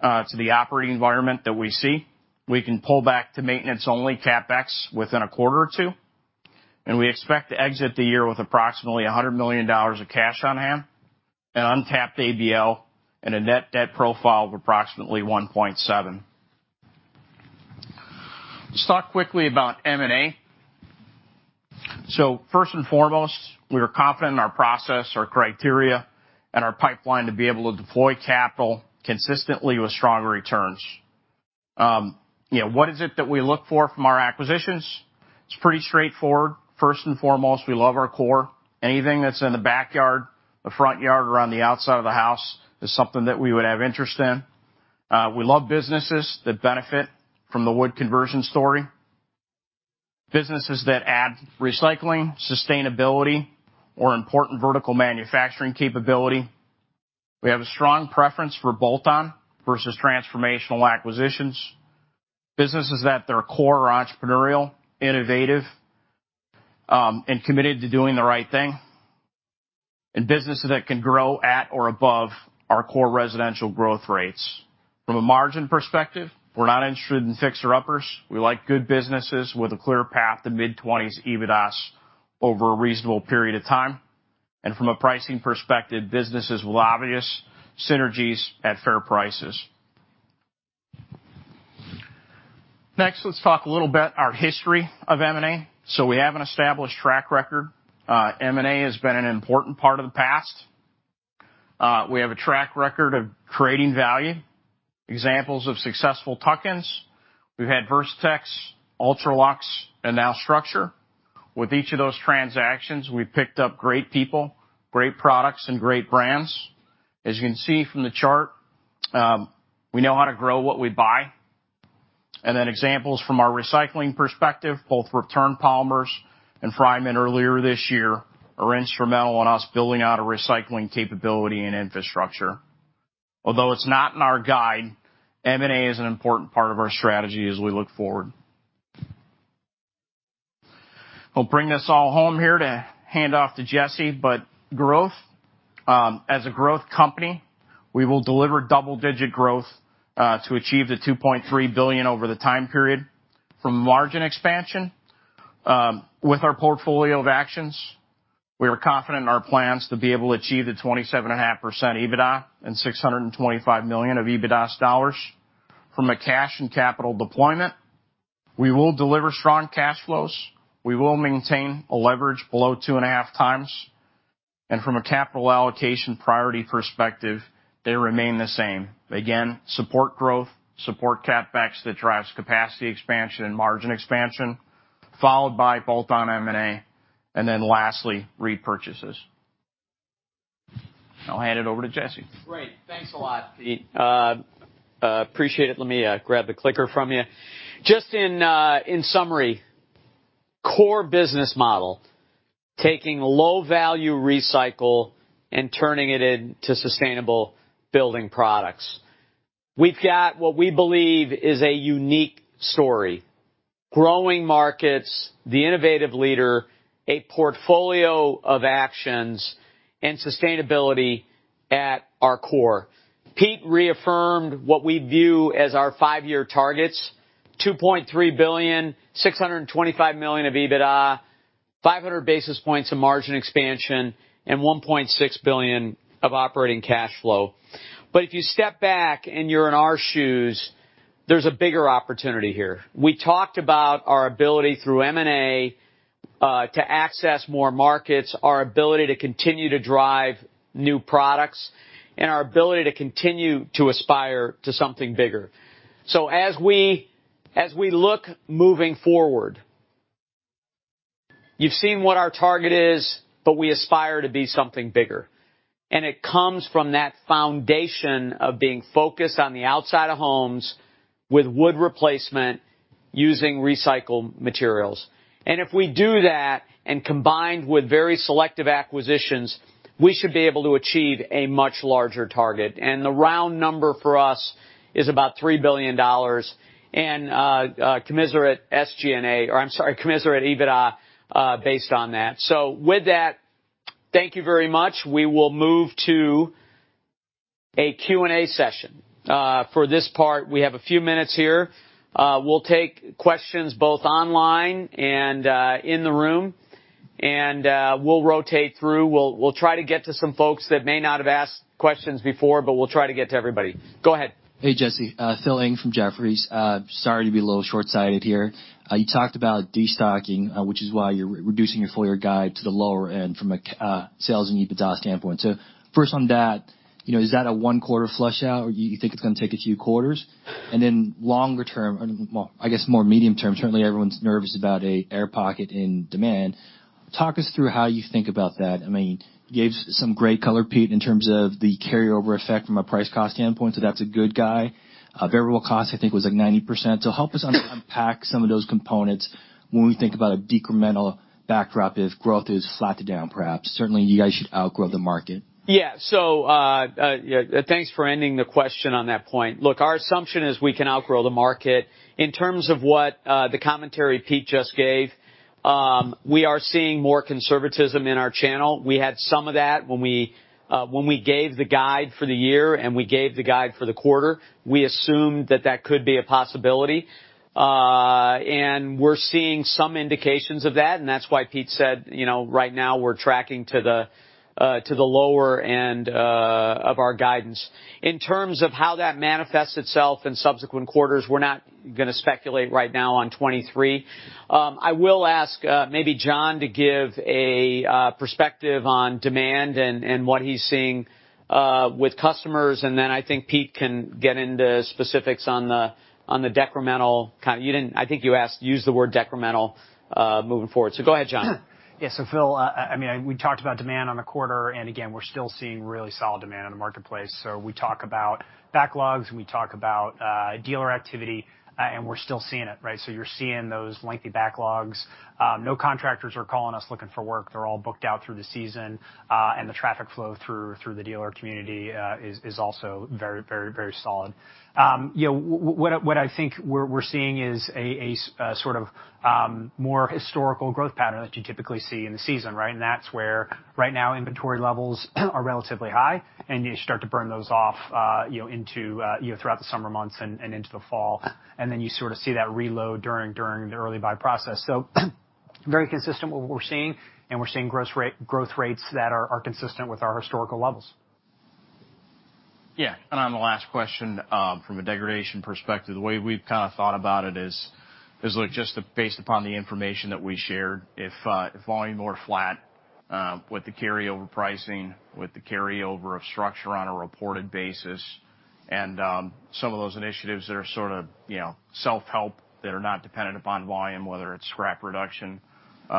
to the operating environment that we see. We can pull back to maintenance-only CapEx within a quarter or two, and we expect to exit the year with approximately $100 million of cash on hand, an untapped ABL and a net debt profile of approximately 1.7. Let's talk quickly about M&A. First and foremost, we are confident in our process, our criteria, and our pipeline to be able to deploy capital consistently with strong returns. You know, what is it that we look for from our acquisitions? It's pretty straightforward. First and foremost, we love our core. Anything that's in the backyard, the front yard or on the outside of the house is something that we would have interest in. We love businesses that benefit from the wood conversion story, businesses that add recycling, sustainability or important vertical manufacturing capability. We have a strong preference for bolt-on versus transformational acquisitions, businesses that at their core are entrepreneurial, innovative, and committed to doing the right thing, and businesses that can grow at or above our core residential growth rates. From a margin perspective, we're not interested in fixer-uppers. We like good businesses with a clear path to mid-20s EBITDA over a reasonable period of time. From a pricing perspective, businesses with obvious synergies at fair prices. Next, let's talk a little about our history of M&A. We have an established track record. M&A has been an important part of the past. We have a track record of creating value. Examples of successful tuck-ins, we've had Versatex, UltraLox, and now StruXure. With each of those transactions, we picked up great people, great products and great brands. As you can see from the chart, we know how to grow what we buy. Examples from our recycling perspective, both Return Polymers and Fryman earlier this year are instrumental in us building out a recycling capability and infrastructure. Although it's not in our guide, M&A is an important part of our strategy as we look forward. I'll bring this all home here to hand off to Jesse, but growth. As a growth company, we will deliver double-digit growth to achieve the $2.3 billion over the time period. From margin expansion with our portfolio of actions, we are confident in our plans to be able to achieve the 27.5% EBITDA and $625 million of EBITDA dollars. From a cash and capital deployment, we will deliver strong cash flows. We will maintain a leverage below 2.5x. From a capital allocation priority perspective, they remain the same. Again, support growth, support CapEx that drives capacity expansion and margin expansion, followed by bolt-on M&A, and then lastly, repurchases. I'll hand it over to Jesse. Great. Thanks a lot, Pete. Appreciate it. Let me grab the clicker from you. Just in summary, core business model, taking low-value recycle and turning it into sustainable building products. We've got what we believe is a unique story. Growing markets, the innovative leader, a portfolio of actions and sustainability at our core. Pete reaffirmed what we view as our five-year targets, $2.3 billion, $625 million of EBITDA, 500 basis points of margin expansion, and $1.6 billion of operating cash flow. If you step back and you're in our shoes, there's a bigger opportunity here. We talked about our ability through M&A to access more markets, our ability to continue to drive new products, and our ability to continue to aspire to something bigger. As we look moving forward, you've seen what our target is, but we aspire to be something bigger. It comes from that foundation of being focused on the outside of homes with wood replacement using recycled materials. If we do that and combined with very selective acquisitions, we should be able to achieve a much larger target. The round number for us is about $3 billion and commensurate SG&A, or I'm sorry, commensurate EBITDA, based on that. With that, thank you very much. We will move to a Q&A session. For this part, we have a few minutes here. We'll take questions both online and in the room. We'll rotate through. We'll try to get to some folks that may not have asked questions before, but we'll try to get to everybody. Go ahead. Hey, Jesse. Phil Ng from Jefferies. Sorry to be a little short-sighted here. You talked about destocking, which is why you're reducing your full year guide to the lower end from a sales and EBITDA standpoint. First on that, you know, is that a one-quarter flush out or you think it's gonna take a few quarters? Longer term or, well, I guess more medium term, certainly everyone's nervous about an air pocket in demand. Talk us through how you think about that. I mean, you gave some great color, Pete Clifford, in terms of the carryover effect from a price cost standpoint. That's a good guy. Variable cost, I think, was like 90%. Help us unpack some of those components when we think about a decremental backdrop if growth is flat to down perhaps. Certainly you guys should outgrow the market. Yeah. Thanks for ending the question on that point. Look, our assumption is we can outgrow the market. In terms of what, the commentary Pete just gave, we are seeing more conservatism in our channel. We had some of that when we gave the guide for the year and we gave the guide for the quarter. We assumed that could be a possibility. We're seeing some indications of that, and that's why Pete said, you know, right now we're tracking to the lower end of our guidance. In terms of how that manifests itself in subsequent quarters, we're not gonna speculate right now on 2023. I will ask maybe Jon to give a perspective on demand and what he's seeing with customers, and then I think Pete can get into specifics on the decremental kind. You didn't. I think you asked used the word decremental moving forward. Go ahead, Jon. Yeah. Phil, I mean, we talked about demand on the quarter, and again, we're still seeing really solid demand in the marketplace. We talk about backlogs, and we talk about dealer activity, and we're still seeing it, right? You're seeing those lengthy backlogs. No contractors are calling us looking for work. They're all booked out through the season, and the traffic flow through the dealer community is very solid. You know, what I think we're seeing is a sort of more historical growth pattern that you typically see in the season, right? That's where right now inventory levels are relatively high, and you start to burn those off, you know, into you know, throughout the summer months and into the fall. Then you sort of see that reload during the early buy process. Very consistent with what we're seeing, and we're seeing growth rates that are consistent with our historical levels. Yeah. On the last question, from a degradation perspective, the way we've kinda thought about it is, look, just based upon the information that we shared, if volume were flat, with the carryover pricing, with the carryover of StruXure on a reported basis and, some of those initiatives that are sort of, you know, self-help, that are not dependent upon volume, whether it's scrap reduction, or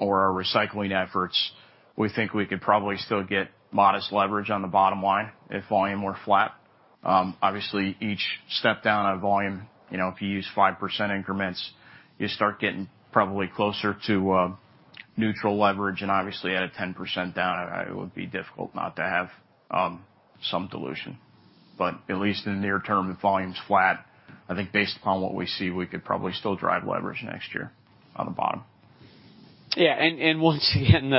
our recycling efforts, we think we could probably still get modest leverage on the bottom line if volume were flat. Obviously, each step down on volume, you know, if you use 5% increments, you start getting probably closer to, neutral leverage. Obviously at a 10% down, it would be difficult not to have, some dilution. At least in the near term, if volume's flat, I think based upon what we see, we could probably still drive leverage next year on the bottom. Yeah. Once again,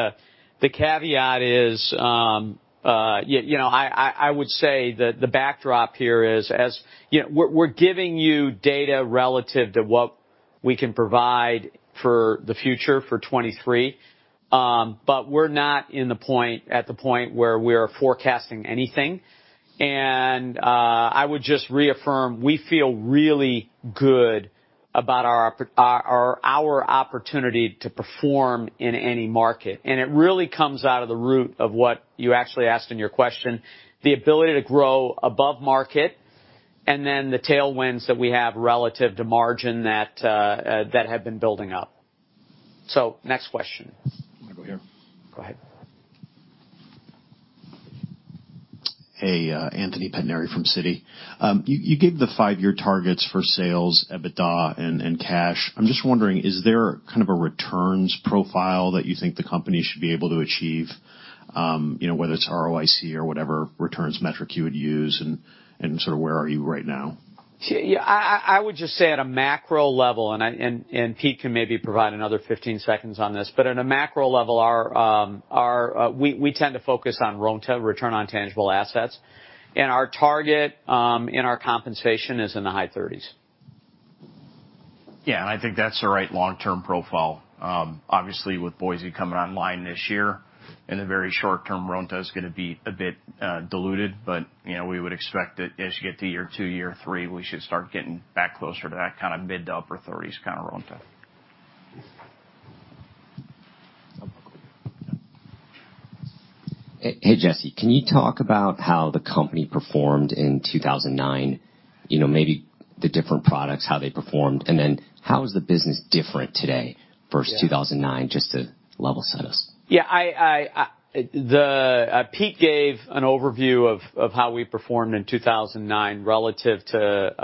the caveat is, you know, I would say that the backdrop here is, as you know, we're giving you data relative to what we can provide for the future for 2023. We're not at the point where we're forecasting anything. I would just reaffirm, we feel really good about our opportunity to perform in any market. It really comes out of the root of what you actually asked in your question. The ability to grow above market and then the tailwinds that we have relative to margin that have been building up. Next question. I'm gonna go here. Go ahead. Hey, Anthony Pettinari from Citi. You gave the five-year targets for sales, EBITDA, and cash. I'm just wondering, is there kind of a returns profile that you think the company should be able to achieve? You know, whether it's ROIC or whatever returns metric you would use, and sort of where are you right now? Yeah, I would just say at a macro level, and Pete can maybe provide another 15 seconds on this, but at a macro level, we tend to focus on RONTA, return on tangible assets, and our target in our compensation is in the high thirties. I think that's the right long-term profile. Obviously with Boise coming online this year, in the very short term, RONTA is gonna be a bit diluted, but, you know, we would expect that as you get to year two, year three, we should start getting back closer to that kinda mid- to upper-30s kinda RONTA. Yeah. Hey, Jesse, can you talk about how the company performed in 2009? You know, maybe the different products, how they performed, and then how is the business different today versus- Yeah. 2009, just to level set us. Pete gave an overview of how we performed in 2009 relative to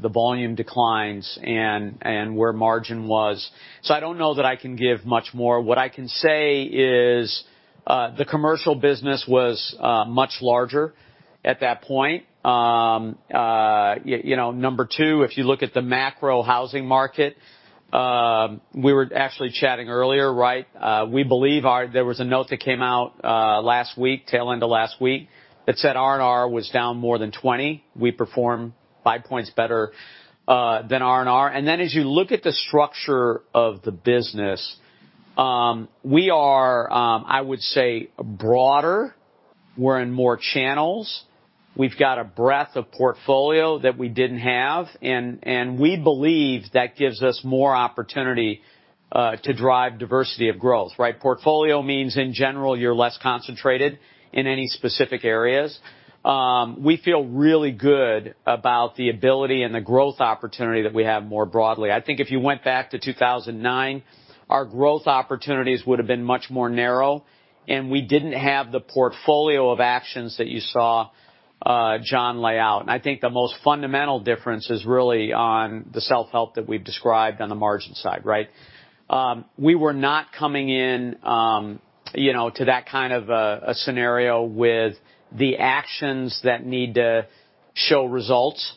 the volume declines and where margin was. I don't know that I can give much more. What I can say is, the commercial business was much larger at that point. You know, number two, if you look at the macro housing market, we were actually chatting earlier, right? We believe there was a note that came out last week, tail end of last week, that said R&R was down more than 20%. We perform 5 points better than R&R. Then as you look at the structure of the business, we are, I would say broader, we're in more channels. We've got a breadth of portfolio that we didn't have, and we believe that gives us more opportunity to drive diversity of growth, right? Portfolio means, in general, you're less concentrated in any specific areas. We feel really good about the ability and the growth opportunity that we have more broadly. I think if you went back to 2009, our growth opportunities would have been much more narrow, and we didn't have the portfolio of actions that you saw, John laid out. I think the most fundamental difference is really on the self-help that we've described on the margin side, right? We were not coming in to that kind of a scenario with the actions that need to show results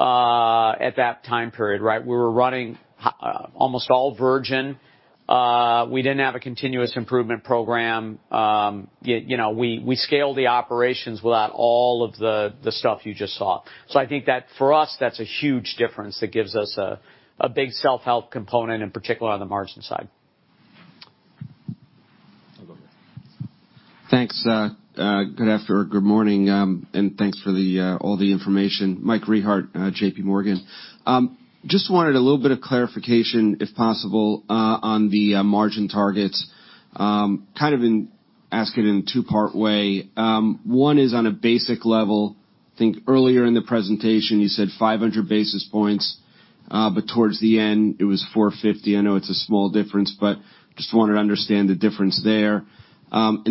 at that time period, right? We were running almost all virgin. We didn't have a continuous improvement program. You know, we scaled the operations without all of the stuff you just saw. I think that for us, that's a huge difference that gives us a big self-help component, in particular on the margin side. Thanks. Good morning, and thanks for all the information. Mike Rehaut, JPMorgan. Just wanted a little bit of clarification, if possible, on the margin targets. Ask it in a two-part way. One is on a basic level. I think earlier in the presentation, you said 500 basis points, but towards the end, it was 450 basis points. I know it's a small difference, but just wanted to understand the difference there.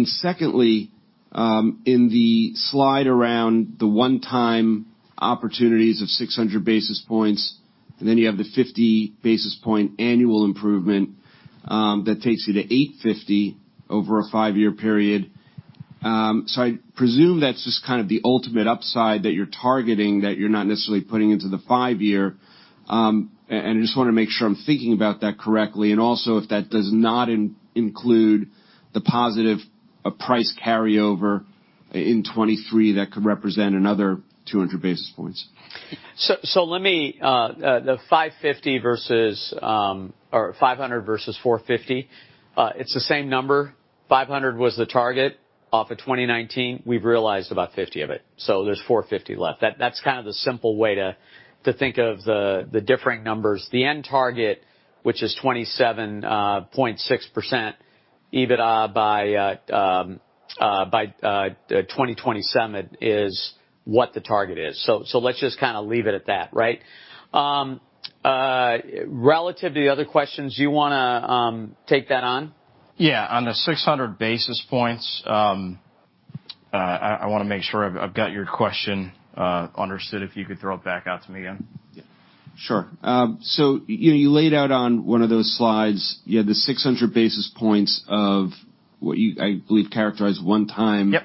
Secondly, in the slide around the one-time opportunities of 600 basis points, and then you have the 50 basis point annual improvement, that takes you to 850 basis points over a five-year period. I presume that's just kind of the ultimate upside that you're targeting that you're not necessarily putting into the five-year, and I just wanna make sure I'm thinking about that correctly. Also if that does not include the positive price carryover in 2023, that could represent another 200 basis points. Let me, the 500 versus, or 500 versus 450, it's the same number. 500 was the target off of 2019. We've realized about 50 of it, so there's 450 left. That's kind of the simple way to think of the differing numbers. The end target, which is 27.6% EBITDA by 2027, is what the target is. Let's just kinda leave it at that, right? Relative to the other questions, do you wanna take that on? Yeah. On the 600 basis points, I wanna make sure I've got your question understood, if you could throw it back out to me again. Yeah, sure. You know, you laid out on one of those slides, you had the 600 basis points of what you, I believe, characterized one time. Yep.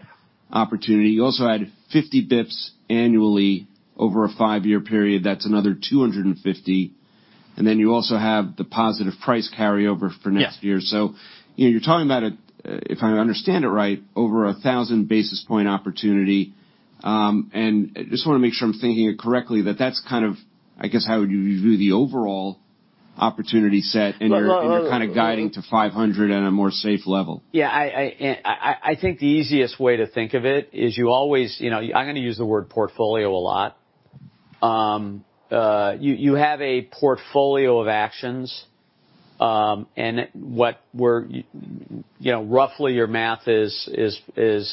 Opportunity. You also had 50 basis points annually over a 5-year period. That's another 250 basis points. You also have the positive price carryover for next year. Yeah. You know, you're talking about a, if I understand it right, over 1,000 basis point opportunity. I just wanna make sure I'm thinking it correctly, that that's kind of, I guess, how would you view the overall opportunity set, and you're kind of guiding to 500 basis points at a more safe level. Yeah. I think the easiest way to think of it is you always, you know, I'm gonna use the word portfolio a lot. You have a portfolio of actions, and what we're, you know, roughly your math is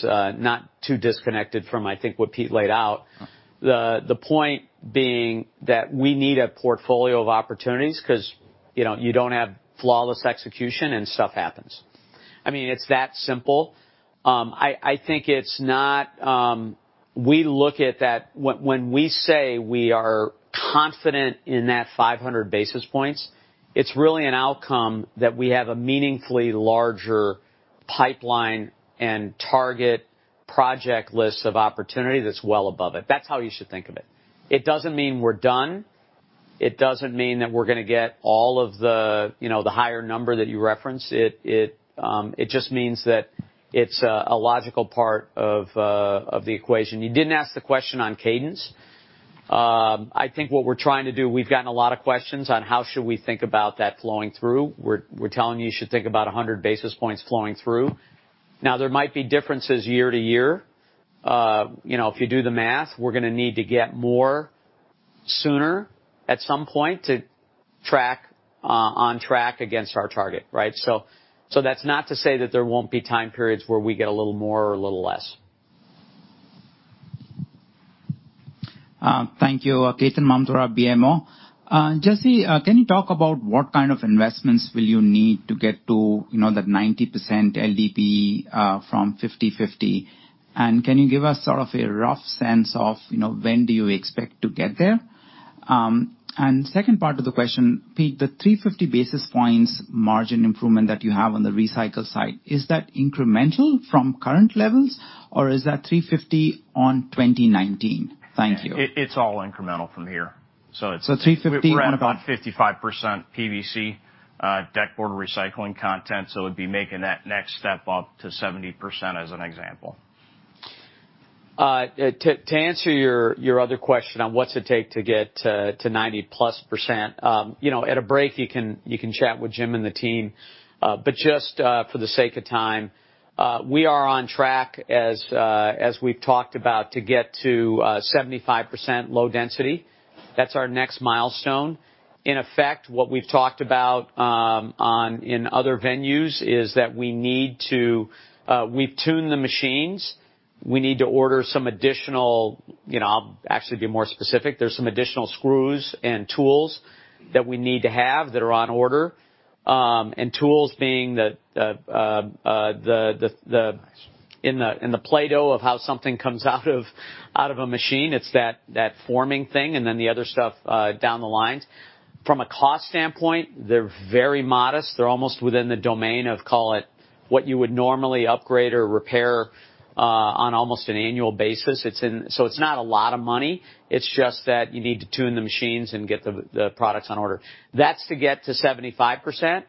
not too disconnected from, I think, what Pete laid out. The point being that we need a portfolio of opportunities 'cause, you know, you don't have flawless execution and stuff happens. I mean, it's that simple. I think it's not. We look at that. When we say we are confident in that 500 basis points, it's really an outcome that we have a meaningfully larger pipeline and target project lists of opportunity that's well above it. That's how you should think of it. It doesn't mean we're done. It doesn't mean that we're gonna get all of the, you know, the higher number that you referenced. It just means that it's a logical part of the equation. You didn't ask the question on cadence. I think what we're trying to do, we've gotten a lot of questions on how should we think about that flowing through. We're telling you should think about 100 basis points flowing through. Now, there might be differences year to year. You know, if you do the math, we're gonna need to get more sooner at some point to track on track against our target, right? So that's not to say that there won't be time periods where we get a little more or a little less. Thank you. Ketan Mamtora, BMO. Jesse, can you talk about what kind of investments will you need to get to, you know, that 90% LDPE, from 50/50? Can you give us sort of a rough sense of, you know, when do you expect to get there? Second part of the question, Pete, the 350 basis points margin improvement that you have on the recycle side, is that incremental from current levels, or is that 350 on 2019? Thank you. It's all incremental from here. So 350 on about- We're at about 55% PVC deck board recycling content, so it'd be making that next step up to 70% as an example. To answer your other question on what it takes to get to 90+%, you know, at a break you can chat with Jim and the team. Just for the sake of time, we are on track as we've talked about to get to 75% low density. That's our next milestone. In effect, what we've talked about in other venues is that we need to. We've tuned the machines. We need to order some additional, you know, I'll actually be more specific. There's some additional screws and tools that we need to have that are on order. Tools being the in the Play-Doh of how something comes out of a machine, it's that forming thing, and then the other stuff down the lines. From a cost standpoint, they're very modest. They're almost within the domain of, call it, what you would normally upgrade or repair on almost an annual basis. It's not a lot of money. It's just that you need to tune the machines and get the products on order. That's to get to 75%.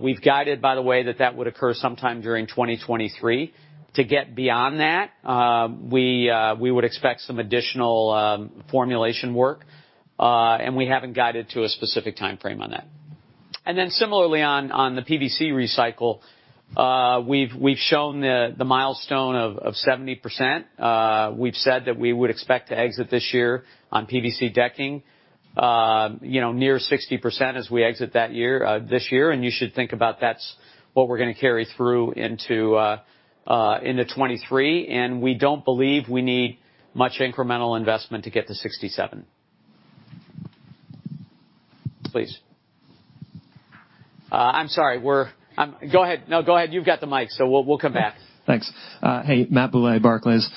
We've guided, by the way, that that would occur sometime during 2023. To get beyond that, we would expect some additional formulation work, and we haven't guided to a specific timeframe on that. Then similarly on the PVC recycle, we've shown the milestone of 70%. We've said that we would expect to exit this year on PVC decking, you know, near 60% as we exit that year, this year, and you should think about that's what we're gonna carry through into 2023, and we don't believe we need much incremental investment to get to 67%. Please. I'm sorry. Go ahead. No, go ahead. You've got the mic, so we'll come back. Thanks. Hey, Matthew Bouley, Barclays.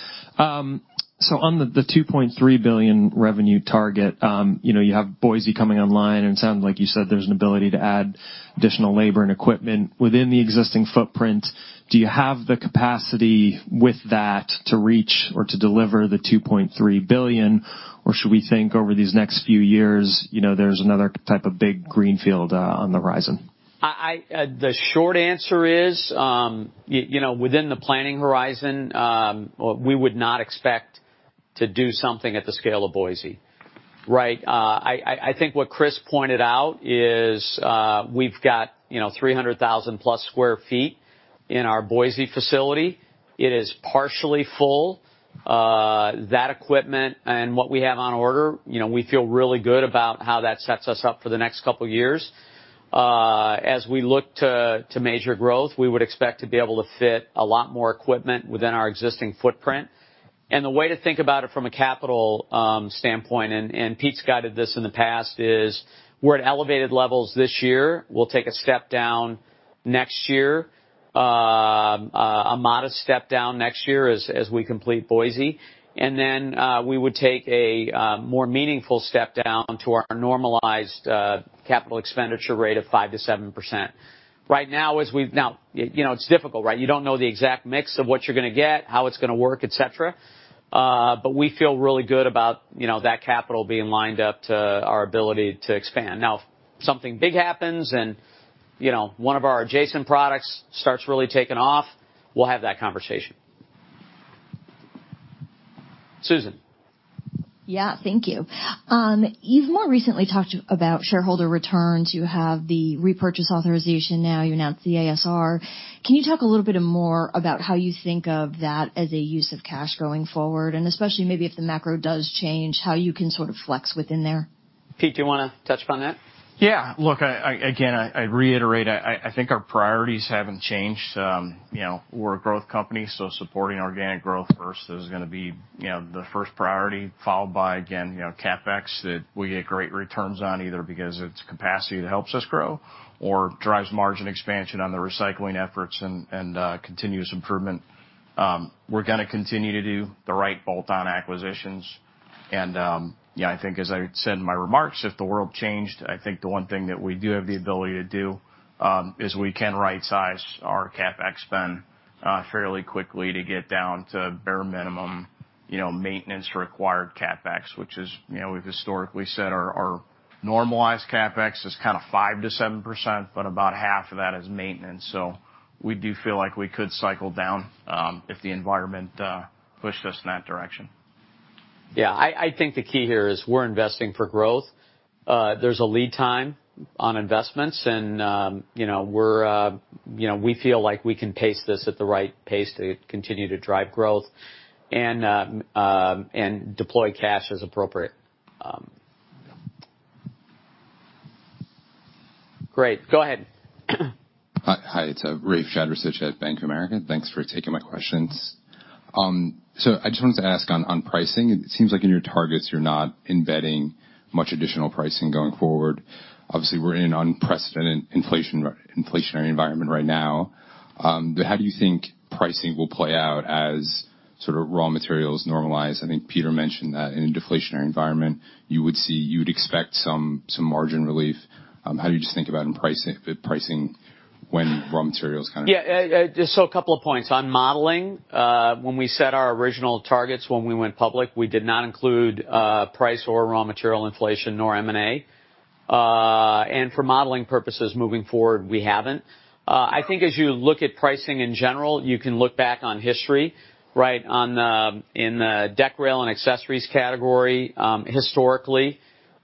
So on the two point three billion revenue target, you know, you have Boise coming online, and it sounds like you said there's an ability to add additional labor and equipment within the existing footprint. Do you have the capacity with that to reach or to deliver the $2.3 billion, or should we think over these next few years, you know, there's another type of big greenfield on the horizon? The short answer is, you know, within the planning horizon, we would not expect to do something at the scale of Boise, right? I think what Chris pointed out is, we've got, you know, 300,000+ sq ft in our Boise facility. It is partially full. That equipment and what we have on order, you know, we feel really good about how that sets us up for the next couple years. As we look to measure growth, we would expect to be able to fit a lot more equipment within our existing footprint. The way to think about it from a capital standpoint, and Pete's guided this in the past, is we're at elevated levels this year. We'll take a step down next year. A modest step down next year as we complete Boise. Then we would take a more meaningful step down to our normalized capital expenditure rate of 5%-7%. Right now, you know, it's difficult, right? You don't know the exact mix of what you're gonna get, how it's gonna work, et cetera. But we feel really good about, you know, that capital being lined up to our ability to expand. Now if something big happens and, you know, one of our adjacent products starts really taking off, we'll have that conversation. Susan. Yeah. Thank you. You've more recently talked about shareholder returns. You have the repurchase authorization now. You announced the ASR. Can you talk a little bit more about how you think of that as a use of cash going forward? Especially maybe if the macro does change, how you can sort of flex within there. Pete, do you wanna touch upon that? Yeah. Look, again, I reiterate, I think our priorities haven't changed. You know, we're a growth company, so supporting organic growth first is gonna be, you know, the first priority, followed by, again, you know, CapEx that we get great returns on, either because it's capacity that helps us grow or drives margin expansion on the recycling efforts and continuous improvement. We're gonna continue to do the right bolt-on acquisitions. I think as I said in my remarks, if the world changed, I think the one thing that we do have the ability to do is we can rightsize our CapEx spend fairly quickly to get down to bare minimum, you know, maintenance required CapEx, which is, you know, we've historically said our normalized CapEx is kinda 5%-7%, but about half of that is maintenance. We do feel like we could cycle down if the environment pushed us in that direction. Yeah. I think the key here is we're investing for growth. There's a lead time on investments and, you know, we're, you know, we feel like we can pace this at the right pace to continue to drive growth and and deploy cash as appropriate. Great. Go ahead. Hi. Hi, it's Rafe Jadrosich at Bank of America. Thanks for taking my questions. I just wanted to ask on pricing. It seems like in your targets you're not embedding much additional pricing going forward. Obviously, we're in unprecedented inflationary environment right now. How do you think pricing will play out as As raw materials normalize. I think Peter mentioned that in a deflationary environment, you would expect some margin relief. How do you think about pricing when raw materials kind of- Yeah, just so a couple of points. On modeling, when we set our original targets when we went public, we did not include, price or raw material inflation, nor M&A. For modeling purposes moving forward, we haven't. I think as you look at pricing in general, you can look back on history, right? In the deck, rail, and accessories category, historically.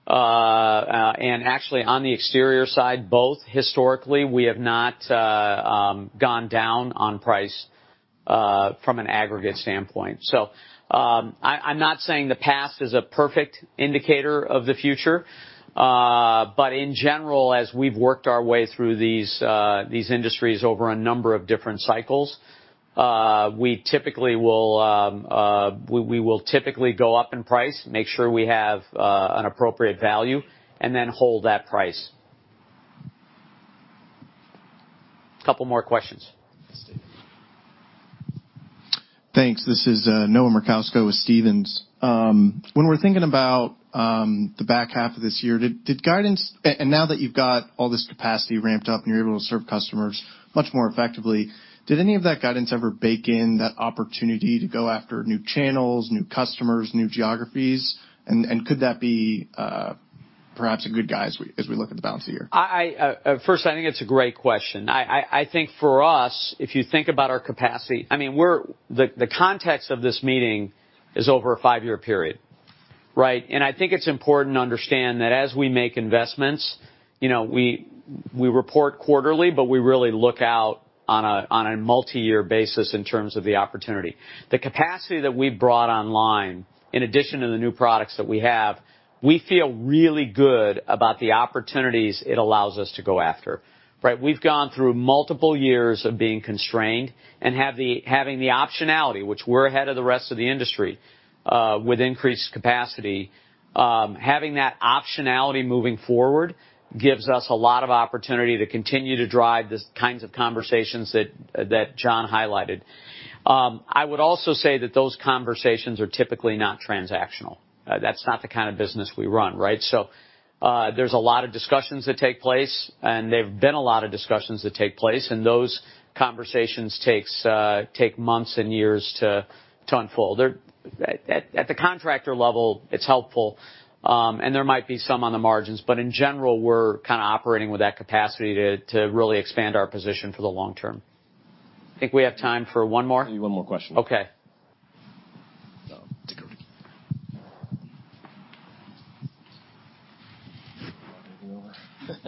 Actually on the exterior side, both historically, we have not gone down on price, from an aggregate standpoint. I'm not saying the past is a perfect indicator of the future, but in general, as we've worked our way through these industries over a number of different cycles, we will typically go up in price, make sure we have an appropriate value and then hold that price. Couple more questions. Yes, Stephens. Thanks. This is Noah Merkousko with Stephens. When we're thinking about the back half of this year, now that you've got all this capacity ramped up and you're able to serve customers much more effectively, did any of that guidance ever bake in that opportunity to go after new channels, new customers, new geographies? Could that be perhaps a good guide as we look at the balance of the year? First, I think it's a great question. I think for us, if you think about our capacity, I mean, the context of this meeting is over a five-year period, right? I think it's important to understand that as we make investments, you know, we report quarterly, but we really look out on a multi-year basis in terms of the opportunity. The capacity that we brought online, in addition to the new products that we have, we feel really good about the opportunities it allows us to go after, right? We've gone through multiple years of being constrained and having the optionality, which we're ahead of the rest of the industry, with increased capacity. Having that optionality moving forward gives us a lot of opportunity to continue to drive these kinds of conversations that Jon highlighted. I would also say that those conversations are typically not transactional. That's not the kind of business we run, right? There's a lot of discussions that take place, and there have been a lot of discussions that take place, and those conversations take months and years to unfold. They're at the contractor level, it's helpful, and there might be some on the margins, but in general, we're kinda operating with that capacity to really expand our position for the long term. I think we have time for one more. Maybe one more question. Okay. Take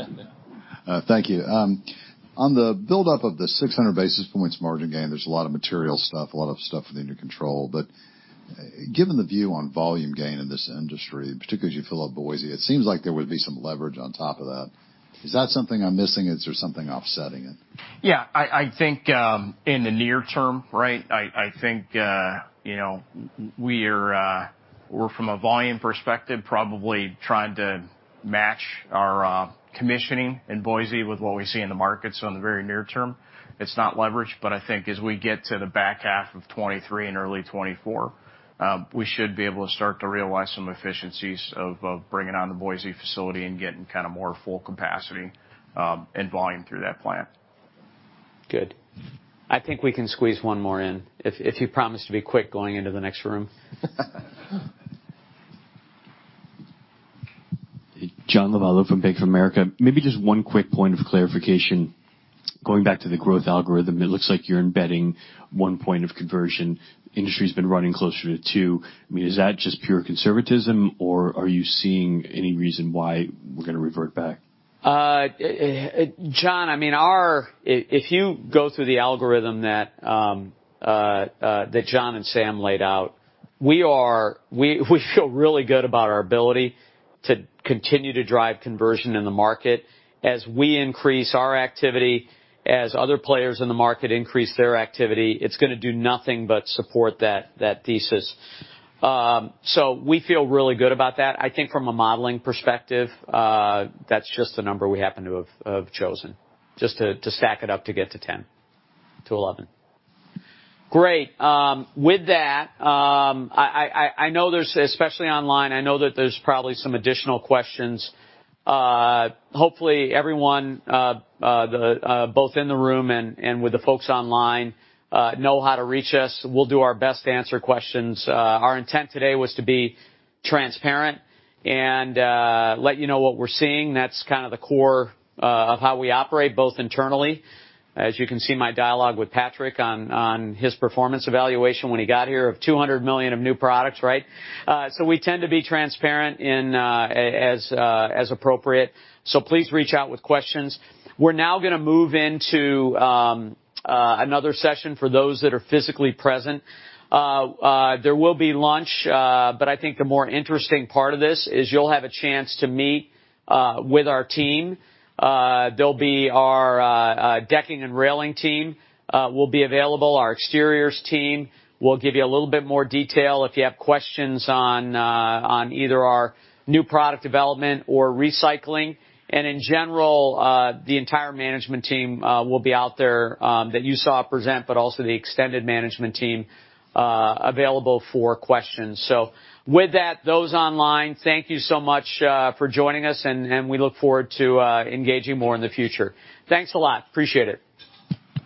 it away. Thank you. On the buildup of the 600 basis points margin gain, there's a lot of material stuff, a lot of stuff within your control. Given the view on volume gain in this industry, particularly as you fill up Boise, it seems like there would be some leverage on top of that. Is that something I'm missing or is there something offsetting it? Yeah. I think in the near term, right? I think you know, we're from a volume perspective, probably trying to match our commissioning in Boise with what we see in the markets on the very near term. It's not leveraged, but I think as we get to the back half of 2023 and early 2024, we should be able to start to realize some efficiencies of bringing on the Boise facility and getting kinda more full capacity, and volume through that plant. Good. I think we can squeeze one more in if you promise to be quick going into the next room. Hey. John Lovallo from Bank of America. Maybe just one quick point of clarification. Going back to the growth algorithm, it looks like you're embedding 1 point of conversion. Industry's been running closer to 2. I mean, is that just pure conservatism or are you seeing any reason why we're gonna revert back? John, if you go through the algorithm that Jon and Sam laid out, we feel really good about our ability to continue to drive conversion in the market. As we increase our activity, as other players in the market increase their activity, it's gonna do nothing but support that thesis. We feel really good about that. I think from a modeling perspective, that's just the number we happen to have chosen, just to stack it up to get to 10 to 11. Great. With that, I know there's probably some additional questions, especially online. Hopefully everyone, both in the room and with the folks online, know how to reach us. We'll do our best to answer questions. Our intent today was to be transparent and let you know what we're seeing. That's kinda the core of how we operate both internally. As you can see, my dialogue with Patrick on his performance evaluation when he got here of $200 million of new products, right? We tend to be transparent as appropriate. Please reach out with questions. We're now gonna move into another session for those that are physically present. There will be lunch, but I think the more interesting part of this is you'll have a chance to meet with our team. There'll be our decking and railing team will be available. Our exteriors team will give you a little bit more detail if you have questions on either our new product development or recycling. In general, the entire management team will be out there that you saw present, but also the extended management team available for questions. With that, those online, thank you so much for joining us, and we look forward to engaging more in the future. Thanks a lot. Appreciate it.